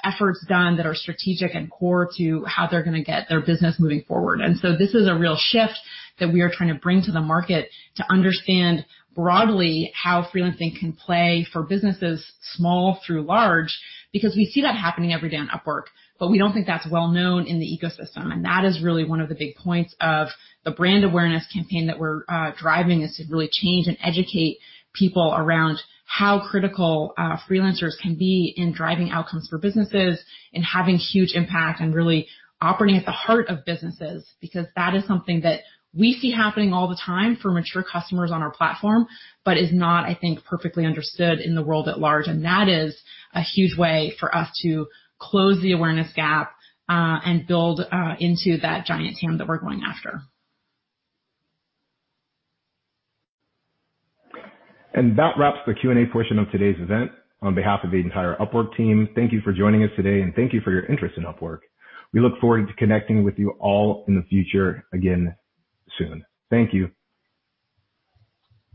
efforts done that are strategic and core to how they're going to get their business moving forward. This is a real shift that we are trying to bring to the market to understand broadly how freelancing can play for businesses small through large, because we see that happening every day on Upwork, but we don't think that's well known in the ecosystem. That is really one of the big points of the brand awareness campaign that we're driving is to really change and educate people around how critical freelancers can be in driving outcomes for businesses and having huge impact and really operating at the heart of businesses. That is something that we see happening all the time for mature customers on our platform, but is not, I think, perfectly understood in the world at large. That is a huge way for us to close the awareness gap and build into that giant TAM that we're going after. That wraps the Q&A portion of today's event. On behalf of the entire Upwork team, thank you for joining us today and thank you for your interest in Upwork. We look forward to connecting with you all in the future again soon. Thank you.